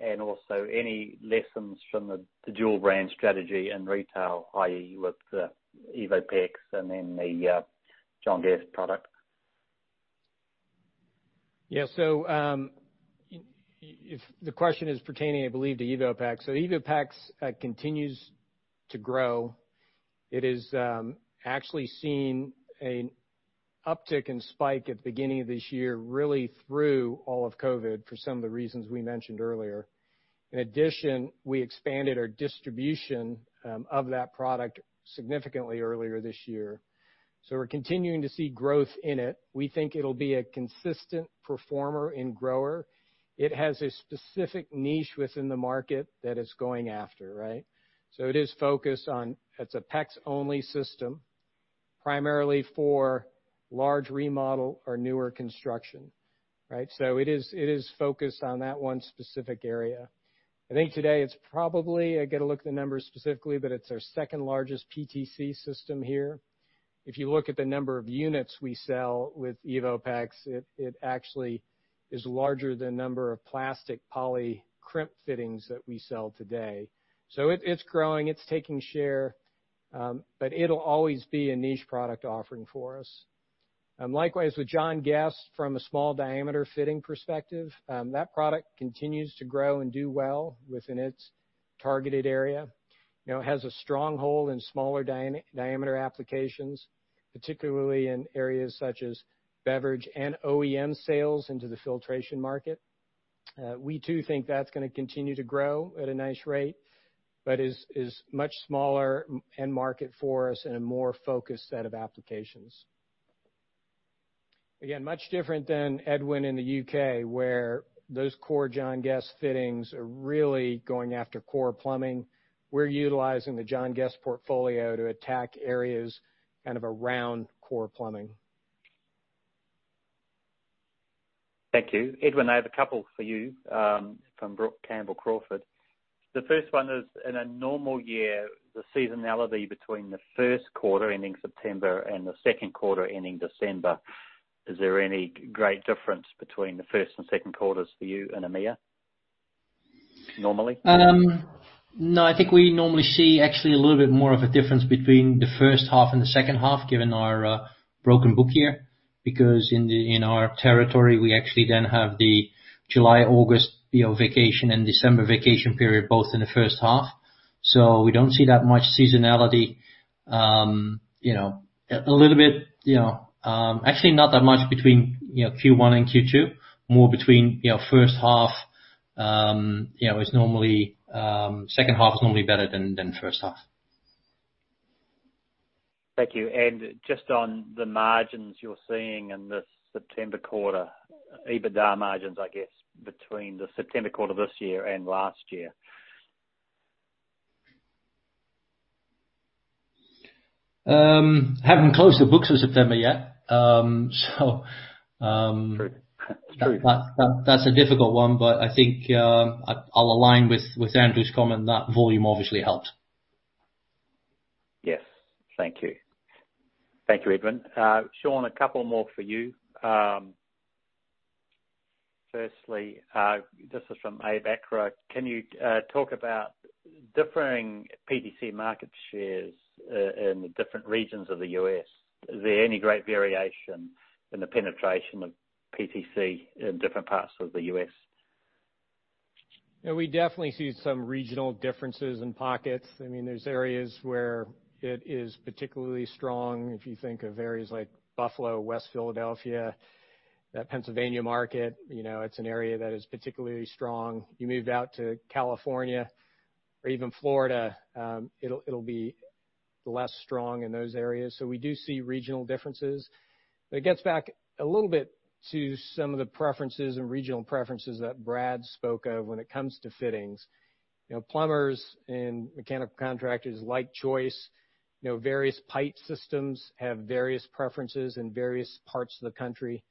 and also any lessons from the dual brand strategy in retail, i.e., with the EvoPEX and then the John Guest product? The question is pertaining, I believe, to EvoPEX. EvoPEX continues to grow. It is actually seeing an uptick and spike at the beginning of this year, really through all of COVID-19 for some of the reasons we mentioned earlier. In addition, we expanded our distribution of that product significantly earlier this year. We're continuing to see growth in it. We think it'll be a consistent performer and grower. It has a specific niche within the market that it's going after, right? It is focused on, it's a PEX-only system, primarily for large remodel or newer construction. It is focused on that one specific area. I think today it's probably, I got to look at the numbers specifically, but it's our second largest PTC system here. If you look at the number of units we sell with EvoPEX, it actually is larger than number of plastic poly crimp fittings that we sell today. It's growing, it's taking share, but it'll always be a niche product offering for us. Likewise with John Guest from a small diameter fitting perspective, that product continues to grow and do well within its targeted area. It has a stronghold in smaller diameter applications, particularly in areas such as beverage and OEM sales into the filtration market. We too think that's going to continue to grow at a nice rate, but is much smaller end market for us in a more focused set of applications. Again, much different than Edwin in the U.K., where those core John Guest fittings are really going after core plumbing. We're utilizing the John Guest portfolio to attack areas around core plumbing. Thank you. Edwin, I have a couple for you from Brook Campbell-Crawford. The first one is, in a normal year, the seasonality between the first quarter ending September and the second quarter ending December, is there any great difference between the first and second quarters for you in EMEA normally? No. I think we normally see actually a little bit more of a difference between the first half and the second half, given our broken book year. In our territory, we actually then have the July, August vacation and December vacation period, both in the first half. We don't see that much seasonality. Actually, not that much between Q1 and Q2. Second half is normally better than first half. Thank you. Just on the margins you're seeing in the September quarter, EBITDA margins, I guess, between the September quarter this year and last year. Haven't closed the books for September yet. True That's a difficult one, but I think I'll align with Andrew's comment that volume obviously helps. Yes. Thank you. Thank you, Edwin. Sean, a couple more for you. This is from. [inaudible] Can you talk about differing PTC market shares in the different regions of the U.S.? Is there any great variation in the penetration of PTC in different parts of the U.S.? Yeah, we definitely see some regional differences in pockets. There's areas where it is particularly strong, if you think of areas like Buffalo, West Philadelphia, that Pennsylvania market, it's an area that is particularly strong. You move out to California or even Florida, it'll be less strong in those areas. We do see regional differences, but it gets back a little bit to some of the preferences and regional preferences that Brad spoke of when it comes to fittings. Plumbers and mechanical contractors like choice. Various pipe systems have various preferences in various parts of the country.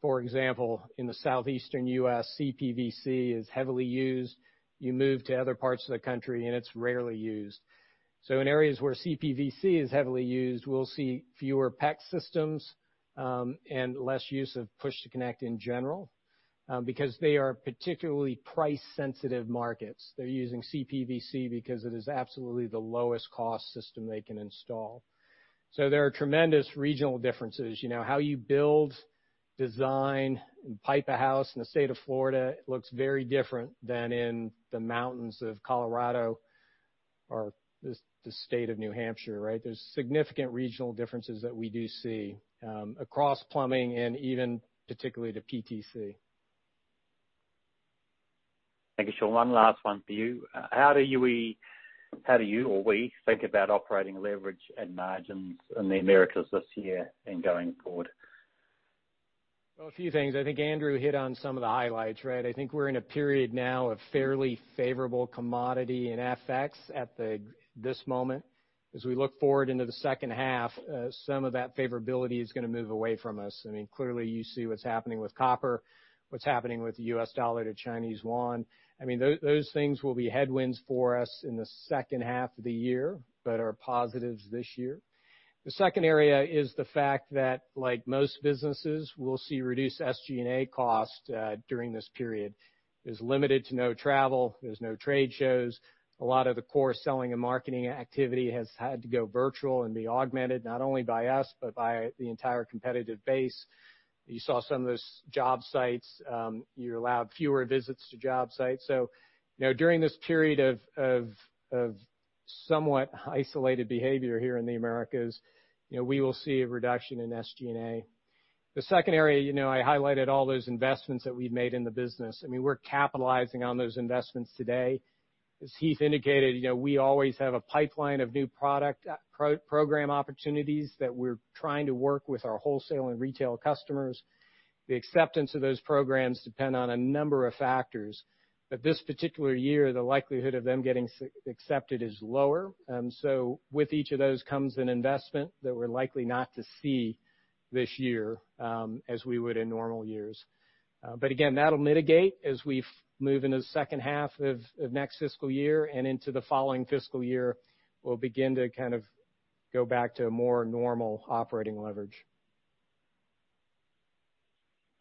For example, in the southeastern U.S., CPVC is heavily used. You move to other parts of the country, and it's rarely used. In areas where CPVC is heavily used, we'll see fewer PEX systems, and less use of Push-to-Connect in general, because they are particularly price-sensitive markets. They are using CPVC because it is absolutely the lowest cost system they can install. There are tremendous regional differences. How you build, design, and pipe a house in the state of Florida, it looks very different than in the mountains of Colorado or the state of New Hampshire, right? There is significant regional differences that we do see across plumbing and even particularly to PTC. Thank you, Sean. One last one for you. How do you or we think about operating leverage and margins in the Americas this year and going forward? Well, a few things. I think Andrew hit on some of the highlights, right? I think we're in a period now of fairly favorable commodity and FX at this moment. As we look forward into the second half, some of that favorability is going to move away from us. Clearly you see what's happening with copper, what's happening with the U.S. dollar to Chinese yuan. Those things will be headwinds for us in the second half of the year, but are positives this year. The second area is the fact that, like most businesses, we'll see reduced SG&A cost during this period. There's limited to no travel. There's no trade shows. A lot of the core selling and marketing activity has had to go virtual and be augmented not only by us, but by the entire competitive base. You saw some of those job sites. You're allowed fewer visits to job sites. During this period of somewhat isolated behavior here in the Americas, we will see a reduction in SG&A. The second area, I highlighted all those investments that we've made in the business. We're capitalizing on those investments today. As Heath indicated, we always have a pipeline of new program opportunities that we're trying to work with our wholesale and retail customers. The acceptance of those programs depend on a number of factors. This particular year, the likelihood of them getting accepted is lower. With each of those comes an investment that we're likely not to see this year, as we would in normal years. Again, that'll mitigate as we move into the second half of next fiscal year and into the following fiscal year. We'll begin to go back to a more normal operating leverage.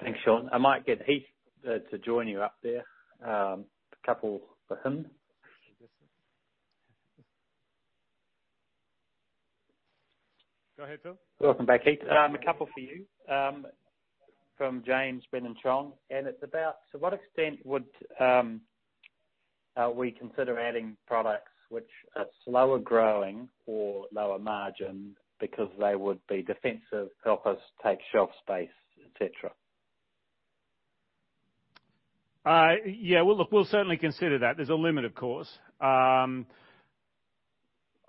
Thanks, Sean. I might get Heath to join you up there. A couple for him. Go ahead, Phil. Welcome back, Heath. It's about to what extent would we consider adding products which are slower growing or lower margin because they would be defensive, help us take shelf space, et cetera? Yeah. Well, look, we'll certainly consider that. There's a limit, of course.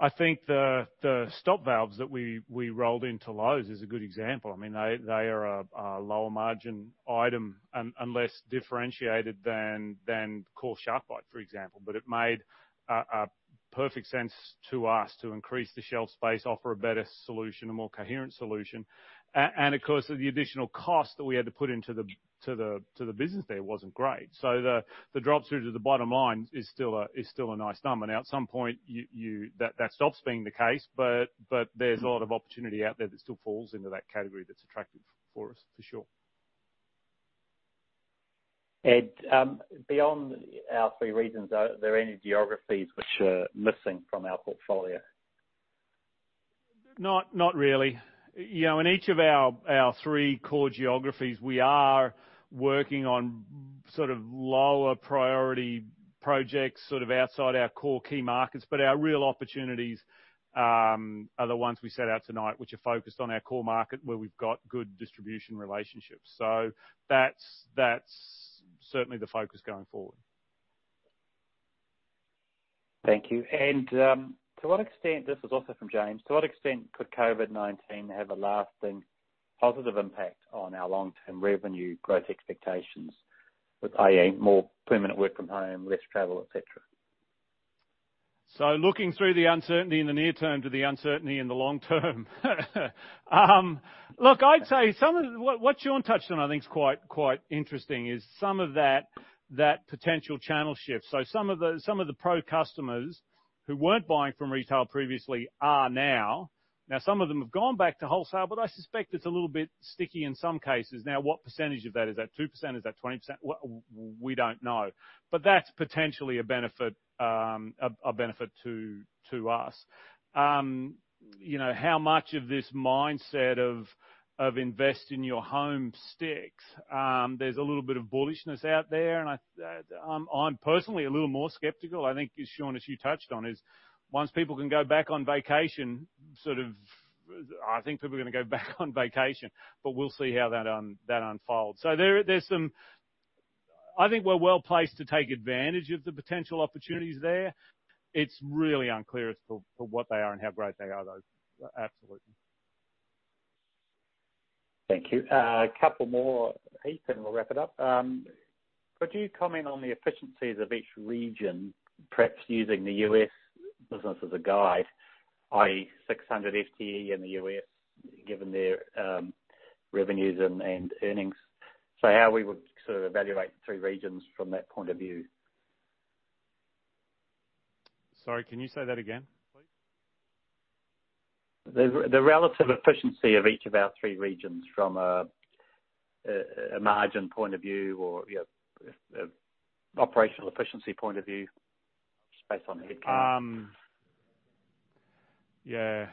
I think the stop valves that we rolled into Lowe's is a good example. They are a lower margin item and less differentiated than core SharkBite, for example. It made perfect sense to us to increase the shelf space, offer a better solution, a more coherent solution. Of course, the additional cost that we had to put into the business there wasn't great. The drop through to the bottom line is still a nice number. At some point that stops being the case, but there's a lot of opportunity out there that still falls into that category that's attractive for us for sure. Beyond our three regions, are there any geographies which are missing from our portfolio? Not really. In each of our three core geographies, we are working on lower priority projects outside our core key markets. Our real opportunities are the ones we set out tonight, which are focused on our core market where we've got good distribution relationships. That's certainly the focus going forward. Thank you. This is also from James. "To what extent could COVID-19 have a lasting positive impact on our long-term revenue growth expectations with, i.e., more permanent work from home, less travel, et cetera? Looking through the uncertainty in the near term to the uncertainty in the long term. Look, I'd say, what Sean touched on I think is quite interesting, is some of that potential channel shift. Some of the pro customers who weren't buying from retail previously are now. Now some of them have gone back to wholesale, but I suspect it's a little bit sticky in some cases. Now, what percentage of that? Is that 2%? Is that 20%? We don't know. That's potentially a benefit to us. How much of this mindset of invest in your home sticks? There's a little bit of bullishness out there, and I'm personally a little more skeptical. I think, Sean, as you touched on, is once people can go back on vacation, I think people are going to go back on vacation. We'll see how that unfolds. I think we're well-placed to take advantage of the potential opportunities there. It's really unclear as to what they are and how great they are, though. Absolutely. Thank you. A couple more, Heath, and we'll wrap it up. Could you comment on the efficiencies of each region, perhaps using the U.S. business as a guide, i.e., 600 FTE in the U.S., given their revenues and earnings? How we would sort of evaluate the three regions from that point of view. Sorry, can you say that again, please? The relative efficiency of each of our three regions from a margin point of view or operational efficiency point of view, just based on headcount. Yeah.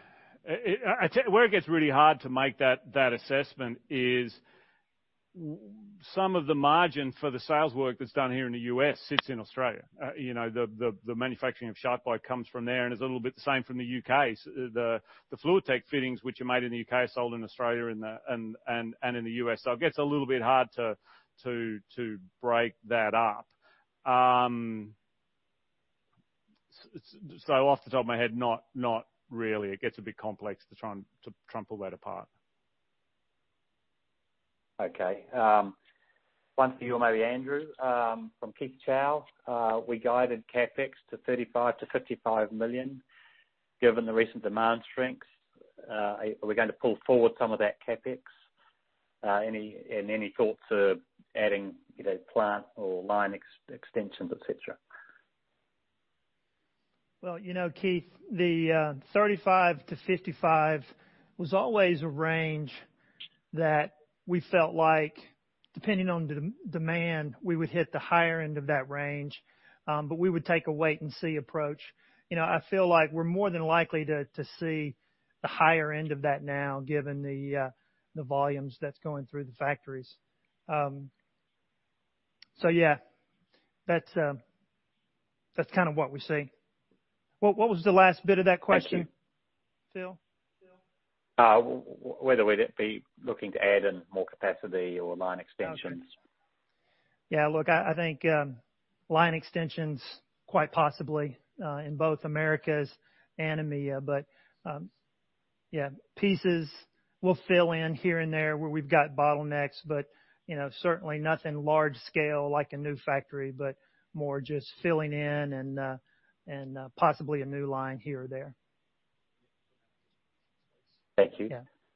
Where it gets really hard to make that assessment is some of the margin for the sales work that's done here in the U.S. sits in Australia. The manufacturing of SharkBite comes from there and is a little bit the same from the U.K. The FluidTech fittings, which are made in the U.K., are sold in Australia and in the U.S. It gets a little bit hard to break that up. Off the top of my head, not really. It gets a bit complex to try and pull that apart. Okay. One for you or maybe Andrew, from Keith Chau. We guided CapEx to 35 million to 55 million. Given the recent demand strength, are we going to pull forward some of that CapEx? Any thoughts of adding plant or line extensions, et cetera? Well, Heath, the 35-55 was always a range that we felt like depending on demand, we would hit the higher end of that range. We would take a wait and see approach. I feel like we're more than likely to see the higher end of that now, given the volumes that's going through the factories. Yeah. That's kind of what we see. What was the last bit of that question? Phil? Whether we'd be looking to add in more capacity or line extensions. Okay. Yeah, look, I think line extensions quite possibly in both Americas and EMEA. Pieces will fill in here and there where we've got bottlenecks, but certainly nothing large scale like a new factory, but more just filling in and possibly a new line here or there. Thank you.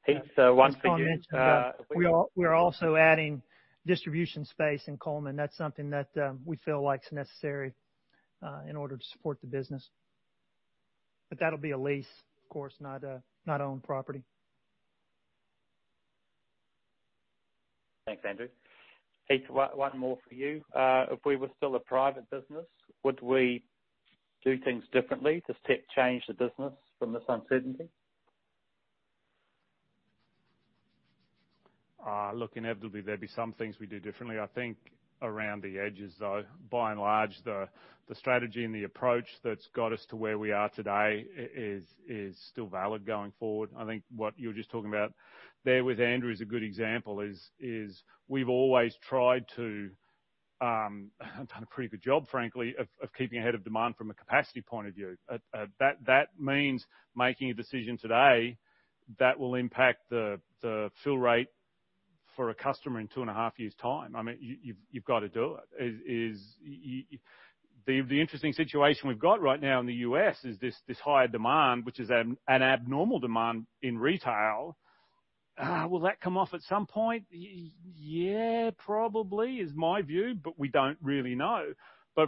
Heath, one for you. I'll mention, we are also adding distribution space in Cullman. That's something that we feel like is necessary in order to support the business. That'll be a lease, of course, not own property. Thanks, Andrew. Heath, one more for you. If we were still a private business, would we do things differently to change the business from this uncertainty? Look, inevitably, there'd be some things we'd do differently. I think around the edges, though, by and large, the strategy and the approach that's got us to where we are today is still valid going forward. I think what you were just talking about there with Andrew is a good example is, we've always tried to, and done a pretty good job, frankly, of keeping ahead of demand from a capacity point of view. That means making a decision today that will impact the fill rate for a customer in two and a half years' time. You've got to do it. The interesting situation we've got right now in the U.S. is this higher demand, which is an abnormal demand in retail. Will that come off at some point? Yeah, probably is my view, but we don't really know.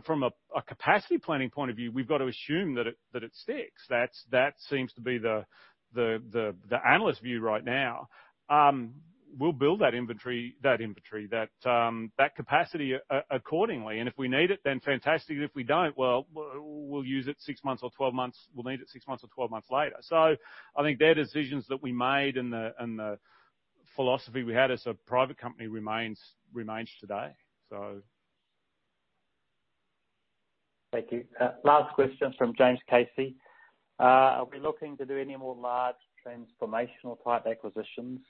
From a capacity planning point of view, we've got to assume that it sticks. That seems to be the analyst view right now. We'll build that inventory, that capacity accordingly, and if we need it, then fantastic, and if we don't, well, we'll need it six months or 12 months later. I think they're decisions that we made and the philosophy we had as a private company remains today. Thank you. Last question from James Casey. Are we looking to do any more large transformational type acquisitions?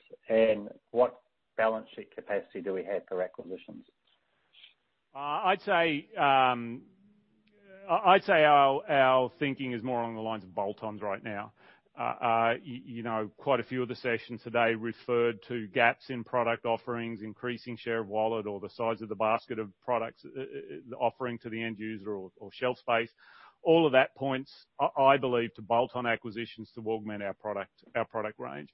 What balance sheet capacity do we have for acquisitions? I'd say our thinking is more along the lines of bolt-ons right now. Quite a few of the sessions today referred to gaps in product offerings, increasing share of wallet or the size of the basket of products offering to the end user or shelf space. All of that points, I believe, to bolt-on acquisitions to augment our product range.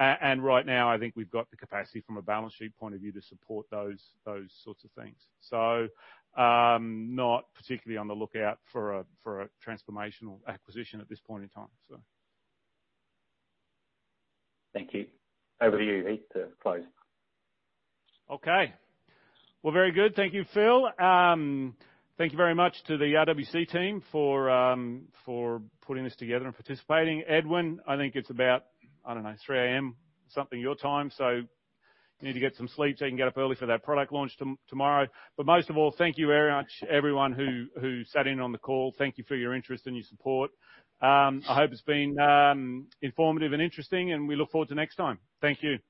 Right now, I think we've got the capacity from a balance sheet point of view to support those sorts of things. Not particularly on the lookout for a transformational acquisition at this point in time. Thank you. Over to you, Heath, to close. Okay. Well, very good. Thank you, Phil. Thank you very much to the RWC team for putting this together and participating. Edwin, I think it's about, I don't know, 3:00 A.M. something your time, so you need to get some sleep so you can get up early for that product launch tomorrow. Most of all, thank you very much everyone who sat in on the call. Thank you for your interest and your support. I hope it's been informative and interesting, and we look forward to next time. Thank you.